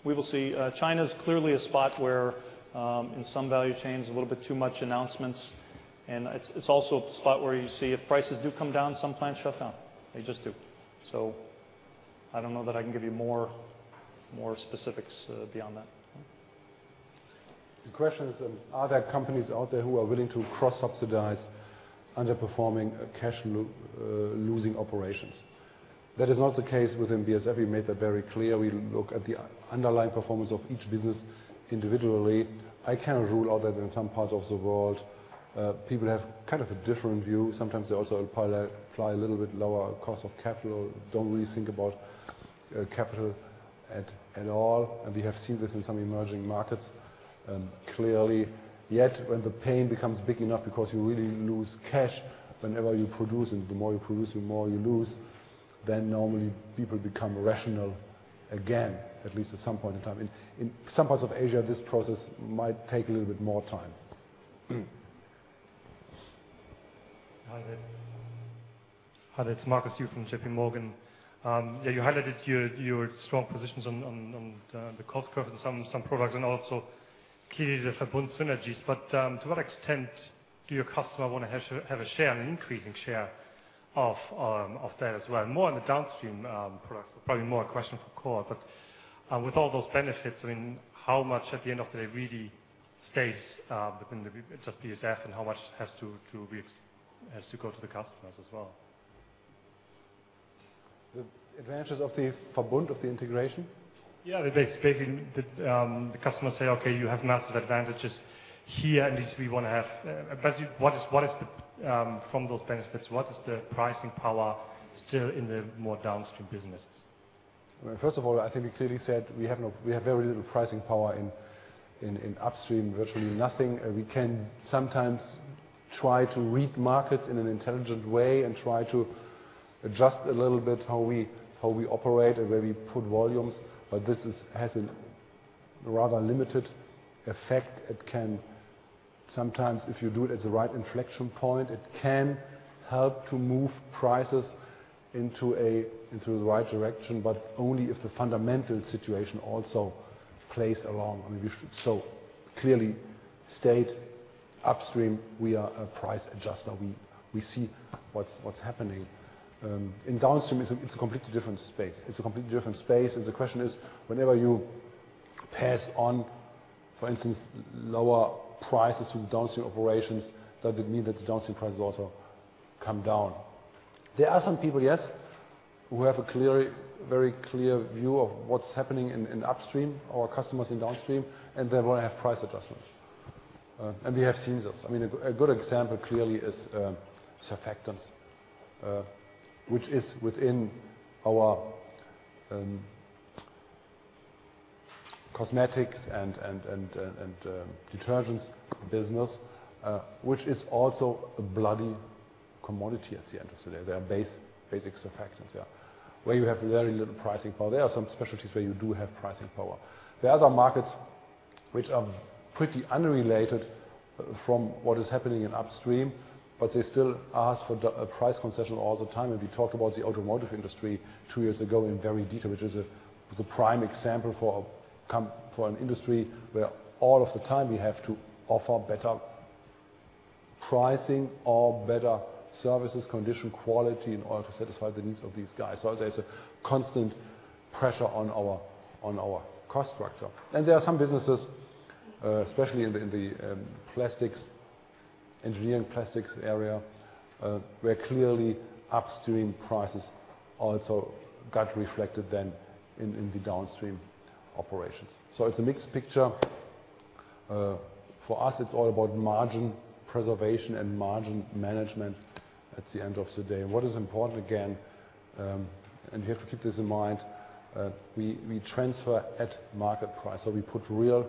We will see. China is clearly a spot where in some value chains a little bit too much announcements. It's also a spot where you see if prices do come down, some plants shut down. They just do. I don't know that I can give you more specifics beyond that. The question is, are there companies out there who are willing to cross-subsidize underperforming losing operations? That is not the case within BASF. We made that very clear. We look at the underlying performance of each business individually. I cannot rule out that in some parts of the world, people have kind of a different view. Sometimes they also apply a little bit lower cost of capital, don't really think about capital at all. We have seen this in some emerging markets. Clearly, yet, when the pain becomes big enough because you really lose cash whenever you produce, and the more you produce, the more you lose, then normally people become rational again, at least at some point in time. In some parts of Asia, this process might take a little bit more time. Hi there. It's Marcus YU from J.P. Morgan. Yeah, you highlighted your strong positions on the cost curve in some products and also clearly the Verbund synergies. To what extent do your customer want to have a share, an increasing share of that as well? More on the downstream products. Probably more a question for Kurt. With all those benefits, I mean, how much at the end of the day really stays within just BASF and how much has to go to the customers as well? The advantages of the Verbund, of the integration? Yeah. Basically the customers say, "Okay, you have massive advantages here, and this we want to have." Basically, what is the—from those benefits, what is the pricing power still in the more downstream businesses? First of all, I think we clearly said we have very little pricing power in upstream, virtually nothing. We can sometimes try to read markets in an intelligent way and try to adjust a little bit how we operate and where we put volumes, but this has a rather limited effect. It can sometimes, if you do it at the right inflection point, it can help to move prices into the right direction, but only if the fundamental situation also plays along. I mean, we should so clearly state upstream, we are a price adjuster. We see what's happening. In downstream, it's a completely different space. It's a completely different space. The question is, whenever you pass on, for instance, lower prices to the downstream operations, does it mean that the downstream prices also come down? There are some people who have a very clear view of what's happening in upstream or customers in downstream, and they want to have price adjustments. We have seen this. I mean, a good example clearly is surfactants, which is within our cosmetics and detergents business, which is also a bloody commodity at the end of the day. They are basic surfactants, where you have very little pricing power. There are some specialties where you do have pricing power. There are other markets which are pretty unrelated from what is happening in upstream, but they still ask for a price concession all the time. We talked about the automotive industry two years ago in very detail, which was a prime example for for an industry where all of the time we have to offer better pricing or better services, condition, quality in order to satisfy the needs of these guys. There's a constant pressure on our cost structure. There are some businesses, especially in the plastics, engineering plastics area, where clearly upstream prices also got reflected then in the downstream operations. It's a mixed picture. For us, it's all about margin preservation and margin management at the end of the day. What is important, again, and we have to keep this in mind, we transfer at market price. We put real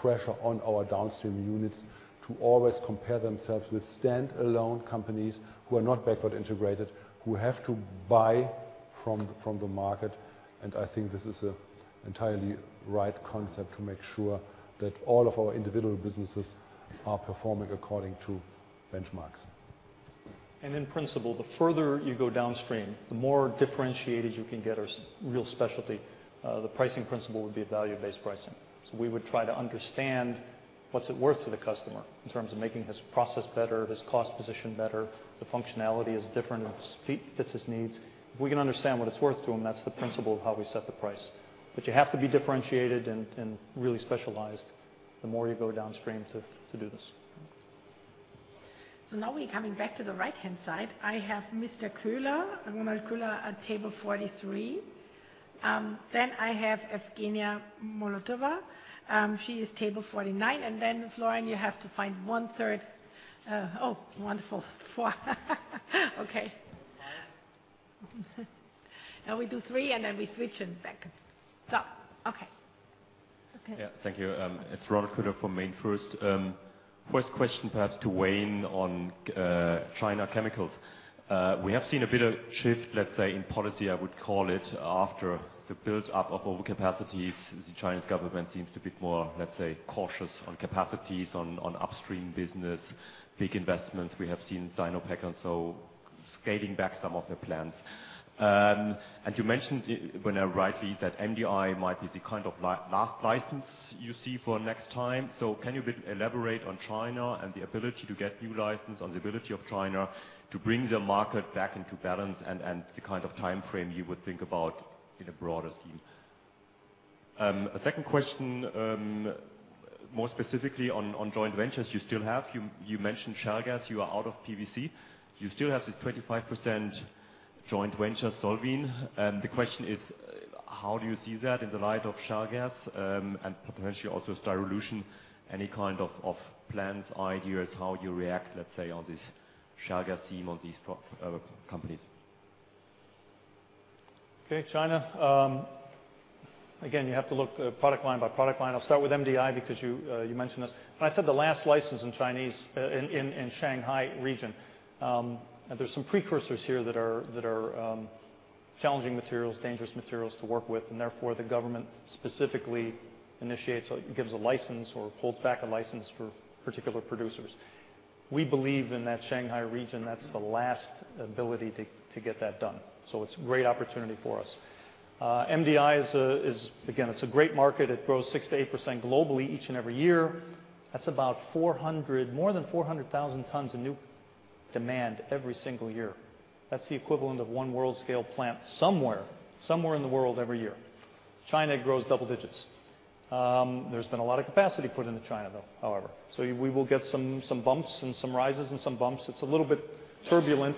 pressure on our downstream units to always compare themselves with standalone companies who are not backward integrated, who have to buy from the market. I think this is an entirely right concept to make sure that all of our individual businesses are performing according to benchmarks. In principle, the further you go downstream, the more differentiated you can get or real specialty, the pricing principle would be a value-based pricing. We would try to understand what's it worth to the customer in terms of making his process better, his cost position better, the functionality is different, it fits his needs. If we can understand what it's worth to him, that's the principle of how we set the price. You have to be differentiated and really specialized the more you go downstream to do this. Now we're coming back to the right-hand side. I have Mr. Köhler, Ronald Köhler at table 43. Then I have Evgenia Molotova. She is table 49. Florian, you have to find one-third. Oh, wonderful. four. Okay. Now we do three, and then we switch them back. Okay. Okay. Yeah. Thank you. It's Ronald Köhler from MainFirst. First question perhaps to Wayne on China Chemicals. We have seen a bit of shift, let's say, in policy, I would call it, after the build up of overcapacities. The Chinese government seems to be more, let's say, cautious on capacities on upstream business, big investments. We have seen Sinopec and so scaling back some of their plans. You mentioned, and rightly, that MDI might be the kind of last license you see for next time. Can you elaborate on China and the ability to get new license, on the ability of China to bring the market back into balance and the kind of timeframe you would think about in a broader scheme? A second question, more specifically on joint ventures you still have. You mentioned shale gas, you are out of PVC. Do you still have this 25% joint venture SolVin? The question is how do you see that in the light of shale gas, and potentially also Styrolution, any kind of plans, ideas, how you react, let's say, on this shale gas theme on these producer companies? Okay, China. Again, you have to look at product line by product line. I'll start with MDI because you mentioned this. I said the last license in China, in Shanghai region. There's some precursors here that are challenging materials, dangerous materials to work with, and therefore, the government specifically initiates or gives a license or pulls back a license for particular producers. We believe in that Shanghai region, that's the last facility to get that done. It's a great opportunity for us. MDI is again a great market. It grows 6%-8% globally each and every year. That's about more than 400,000 tons of new demand every single year. That's the equivalent of one world-scale plant somewhere in the world every year. China grows double digits. There's been a lot of capacity put into China, though, however. We will get some bumps and some rises and some bumps. It's a little bit turbulent,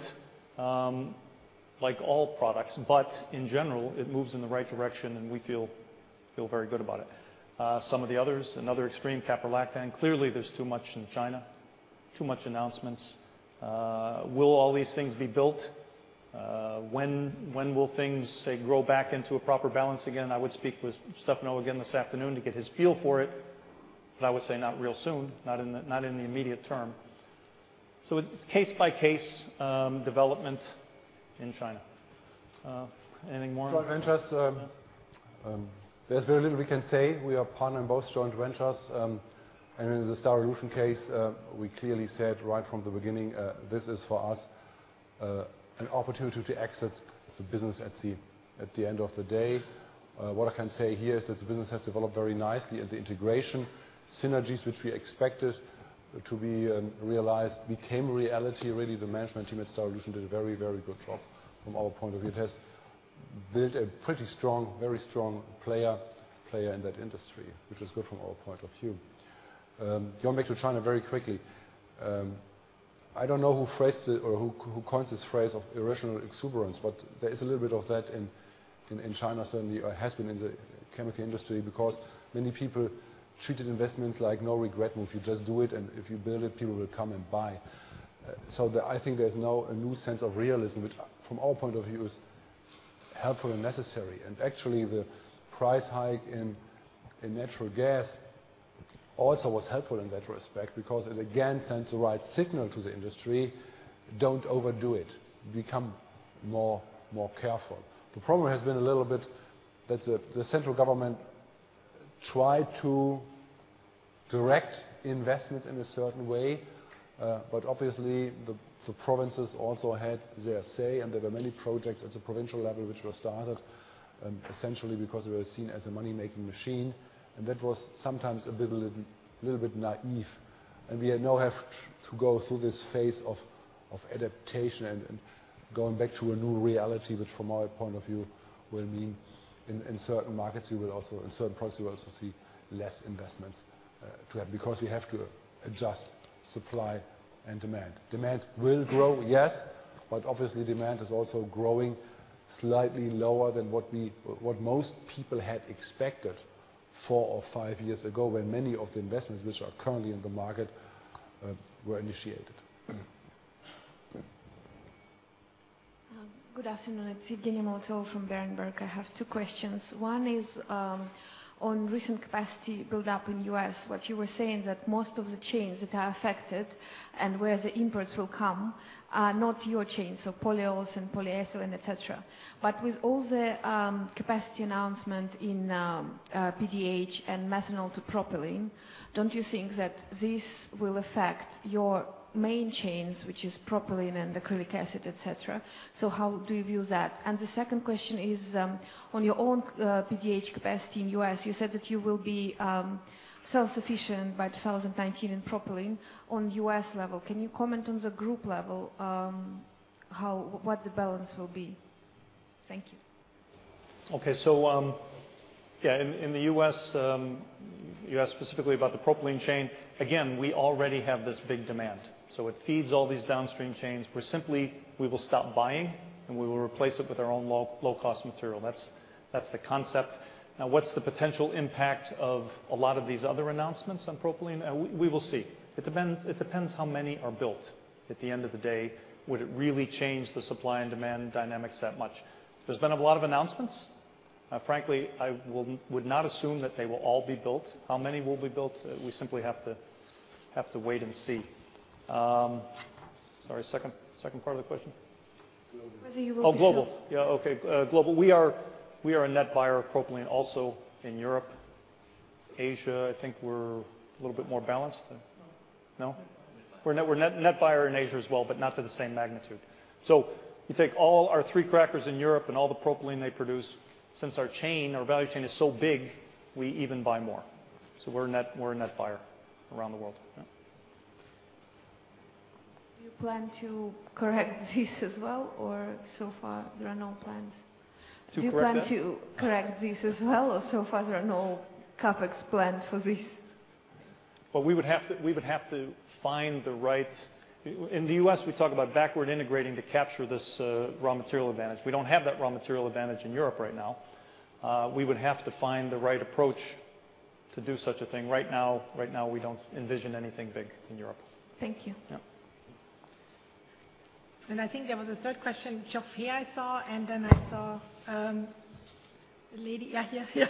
like all products, but in general, it moves in the right direction, and we feel very good about it. Some of the others, another extreme Caprolactam, clearly, there's too much in China, too much announcements. Will all these things be built? When will things, say, grow back into a proper balance again? I would speak with Stefano again this afternoon to get his feel for it. I would say not real soon, not in the immediate term. It's case by case development in China. Anything more on- Joint ventures, there's very little we can say. We are partner in both joint ventures. In the Styrolution case, we clearly said right from the beginning, this is for us, an opportunity to exit the business at the end of the day. What I can say here is that the business has developed very nicely. The integration synergies which we expected to be realized became reality. Really, the management team at Styrolution did a very, very good job from our point of view. It has built a pretty strong, very strong player in that industry, which is good from our point of view. Going back to China very quickly. I don't know who phrased it or who coined this phrase of irrational exuberance, but there is a little bit of that in China, certainly, or has been in the chemical industry because many people treated investments like no regret and if you just do it and if you build it, people will come and buy. I think there's now a new sense of realism, which from our point of view is helpful and necessary. Actually, the price hike in natural gas also was helpful in that respect because it again sends the right signal to the industry, "Don't overdo it, become more careful." The problem has been a little bit that the central government tried to direct investments in a certain way. Obviously, the provinces also had their say, and there were many projects at the provincial level which were started essentially because they were seen as a money-making machine, and that was sometimes a little bit naive. We now have to go through this phase of adaptation and going back to a new reality, which from our point of view will mean in certain parts you will also see less investments than we have because we have to adjust supply and demand. Demand will grow, yes, but obviously demand is also growing slightly lower than what most people had expected four or five years ago, when many of the investments which are currently in the market were initiated. Yeah. Good afternoon. It's Evgenia Molotova from Berenberg. I have two questions. One is on recent capacity build-up in U.S. What you were saying that most of the chains that are affected and where the imports will come are not your chains, so polyols and polyester and et cetera. But with all the capacity announcement in PDH and methanol to propylene, don't you think that this will affect your main chains, which is propylene and acrylic acid, et cetera? So how do you view that? And the second question is on your own PDH capacity in U.S. You said that you will be self-sufficient by 2019 in propylene on U.S. level. Can you comment on the group level, what the balance will be? Thank you. Okay. Yeah, in the U.S, you asked specifically about the propylene chain. Again, we already have this big demand, so it feeds all these downstream chains. We will stop buying, and we will replace it with our own low-cost material. That's the concept. Now, what's the potential impact of a lot of these other announcements on propylene? We will see. It depends how many are built. At the end of the day, would it really change the supply and demand dynamics that much? There's been a lot of announcements. Frankly, I would not assume that they will all be built. How many will be built? We simply have to wait and see. Sorry, second part of the question. Global. Whether you will be global. Oh, global. Yeah, okay. Global. We are a net buyer of propylene also in Europe. Asia, I think we're a little bit more balanced. No. No? We're a net buyer in Asia as well, but not to the same magnitude. You take all our three crackers in Europe and all the propylene they produce. Since our value chain is so big, we even buy more. We're a net buyer around the world. Yeah. Do you plan to correct this as well, or so far there are no plans? To correct that? Do you plan to correct this as well, or so far there are no Capex plans for this? Well, we would have to find the right approach. In the U.S., we talk about backward integrating to capture this raw material advantage. We don't have that raw material advantage in Europe right now. We would have to find the right approach to do such a thing. Right now, we don't envision anything big in Europe. Thank you. Yeah. I think there was a third question, Geoff. Here I saw, and then I saw the lady. Yeah, yeah.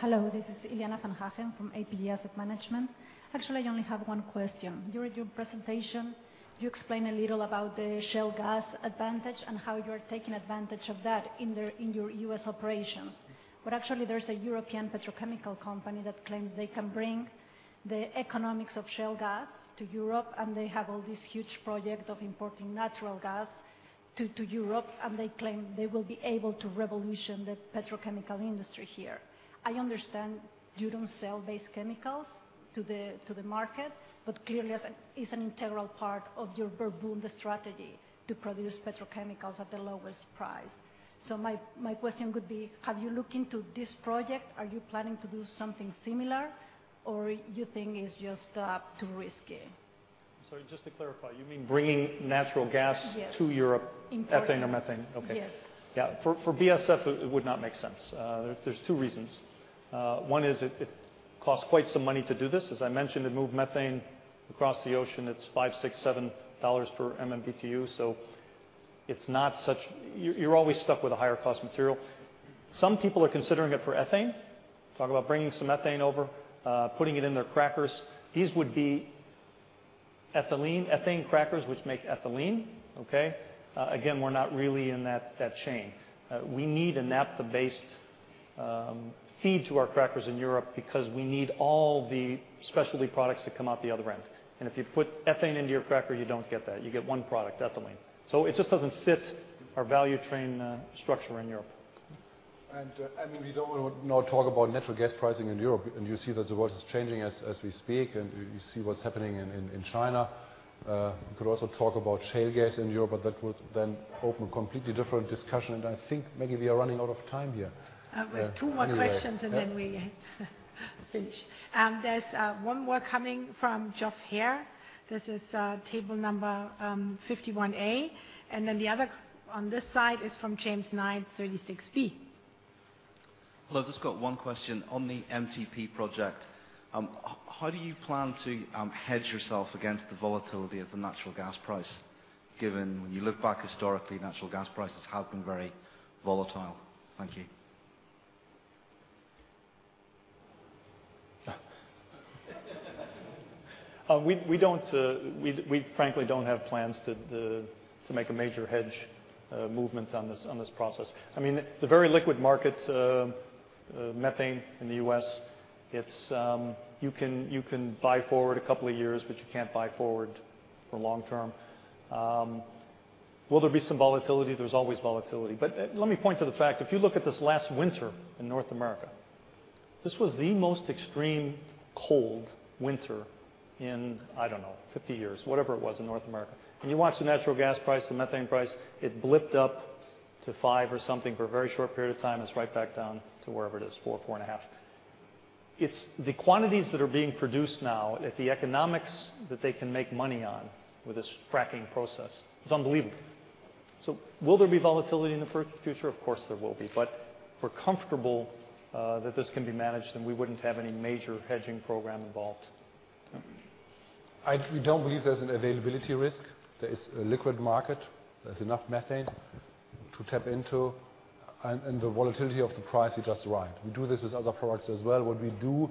Hello. This is Iliana van Hagen from APG Asset Management. Actually, I only have one question. During your presentation, you explained a little about the shale gas advantage and how you're taking advantage of that in your U.S. operations. Actually, there's a European petrochemical company that claims they can bring the economics of shale gas to Europe, and they have all this huge project of importing natural gas to Europe, and they claim they will be able to revolutionize the petrochemical industry here. I understand you don't sell base chemicals to the market, but clearly it's an integral part of your Verbund strategy to produce petrochemicals at the lowest price. My question would be, have you looked into this project? Are you planning to do something similar, or you think it's just too risky? I'm sorry, just to clarify, you mean bringing natural gas? Yes. to Europe? Importing. Ethane or methane. Okay. Yes. For BASF, it would not make sense. There's two reasons. One is it costs quite some money to do this. As I mentioned, to move methane across the ocean, it's $5-$7 per MMBtu, so it's not such. You're always stuck with a higher cost material. Some people are considering it for ethane. Talk about bringing some ethane over, putting it in their crackers. These would be ethylene, ethane crackers, which make ethylene, okay? Again, we're not really in that chain. We need a naphtha-based feed to our crackers in Europe because we need all the specialty products that come out the other end. If you put ethane into your cracker, you don't get that. You get one product, ethylene. It just doesn't fit our value chain structure in Europe. I mean, we don't wanna now talk about natural gas pricing in Europe, and you see that the world is changing as we speak, and we see what's happening in China. We could also talk about shale gas in Europe, but that would then open a completely different discussion, and I think maybe we are running out of time here. We have two more questions. Anyway, yeah. Then we finish. There's one more coming from Geoff here. This is table number 51A. Then the other on this side is from James Knight, 36B. Hello. Just got one question. On the MTP project, how do you plan to hedge yourself against the volatility of the natural gas price given when you look back historically, natural gas prices have been very volatile? Thank you. Yeah. We frankly don't have plans to make a major hedge movement on this process. I mean, it's a very liquid market, methane in the U.S. It's you can buy forward a couple of years, but you can't buy forward for long term. Will there be some volatility? There's always volatility. Let me point to the fact, if you look at this last winter in North America, this was the most extreme cold winter in, I don't know, 50 years, whatever it was in North America. When you watch the natural gas price, the methane price, it blipped up to five or something for a very short period of time. It's right back down to wherever it is, 4.5. It's the quantities that are being produced now at the economics that they can make money on with this fracking process is unbelievable. Will there be volatility in the foreseeable future? Of course, there will be. We're comfortable that this can be managed, and we wouldn't have any major hedging program involved. We don't believe there's an availability risk. There is a liquid market. There's enough methane to tap into, and the volatility of the price is just right. We do this with other products as well. What we do,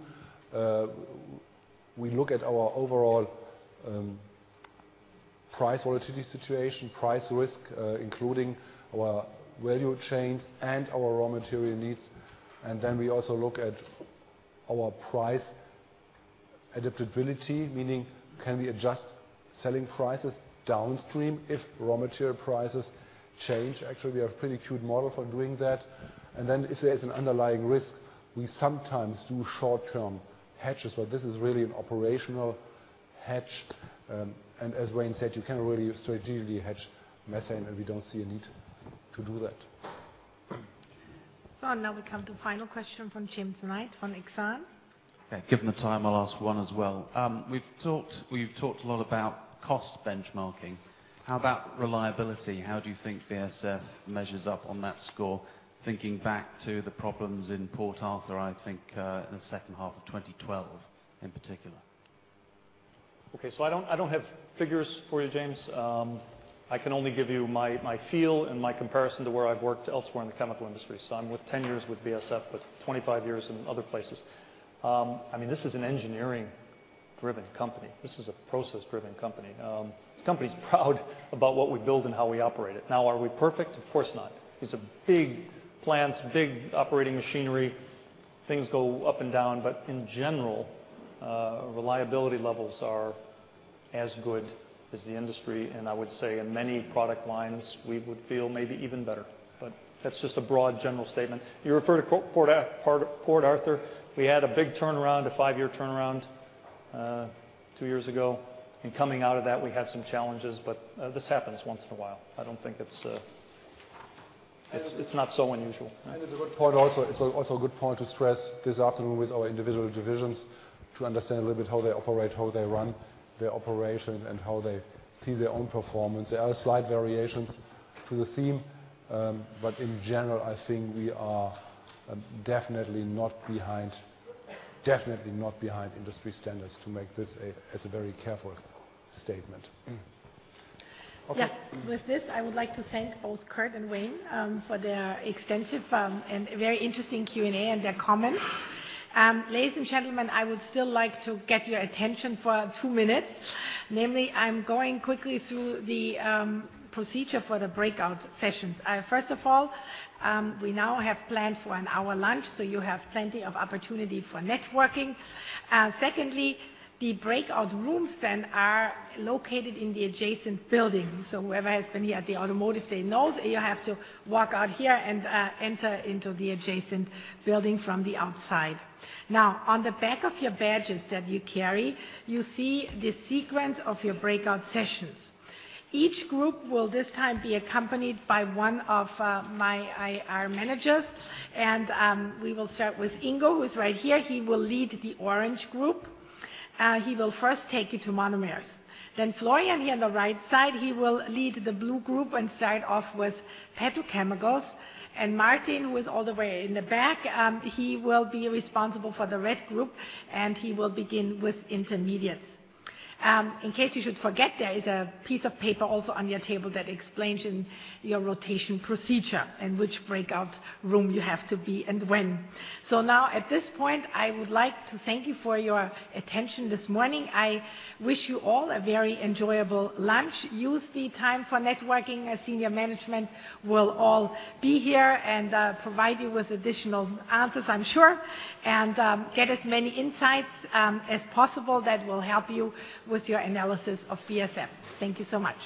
we look at our overall price volatility situation, price risk, including our value chains and our raw material needs. Then we also look at our price adaptability, meaning can we adjust selling prices downstream if raw material prices change? Actually, we have pretty cute model for doing that. Then if there's an underlying risk, we sometimes do short-term hedges. This is really an operational hedge. As Wayne said, you can't really strategically hedge methane, and we don't see a need to do that. Now we come to final question from James Knight from Exane. Okay. Given the time, I'll ask one as well. We've talked a lot about cost benchmarking. How about reliability? How do you think BASF measures up on that score, thinking back to the problems in Port Arthur, I think, in the second half of 2012 in particular? Okay. I don't have figures for you, James. I can only give you my feel and my comparison to where I've worked elsewhere in the chemical industry. I'm with 10 years with BASF, but 25 years in other places. I mean, this is an engineering-driven company. This is a process-driven company. This company's proud about what we build and how we operate it. Now, are we perfect? Of course not. These are big plants, big operating machinery. Things go up and down. In general, reliability levels are as good as the industry, and I would say in many product lines, we would feel maybe even better. That's just a broad general statement. You refer to Port Arthur. We had a big turnaround, a five-year turnaround, two years ago. In coming out of that, we had some challenges, but this happens once in a while. I don't think it's. It's not so unusual. I think it's a good point also. It's also a good point to stress this afternoon with our individual divisions, to understand a little bit how they operate, how they run their operation, and how they see their own performance. There are slight variations to the theme, but in general, I think we are definitely not behind industry standards to make this as a very careful statement. Okay. Yes. With this, I would like to thank both Kurt and Wayne for their extensive and very interesting Q&A and their comments. Ladies and gentlemen, I would still like to get your attention for two minutes. Namely, I'm going quickly through the procedure for the breakout sessions. First of all, we now have planned for an hour lunch, so you have plenty of opportunity for networking. Secondly, the breakout rooms then are located in the adjacent building. Whoever has been here at the Automotive Day knows that you have to walk out here and enter into the adjacent building from the outside. Now, on the back of your badges that you carry, you see the sequence of your breakout sessions. Each group will this time be accompanied by one of my IR managers, and we will start with Ingo, who is right here. He will lead the orange group. He will first take you to Monomers. Then Florian here on the right side, he will lead the blue group and start off with Petrochemicals. Martin, who is all the way in the back, he will be responsible for the red group, and he will begin with Intermediates. In case you should forget, there is a piece of paper also on your table that explains your rotation procedure and which breakout room you have to be and when. Now at this point, I would like to thank you for your attention this morning. I wish you all a very enjoyable lunch. Use the time for networking as senior management. We'll all be here and provide you with additional answers I'm sure. Get as many insights as possible that will help you with your analysis of BASF. Thank you so much.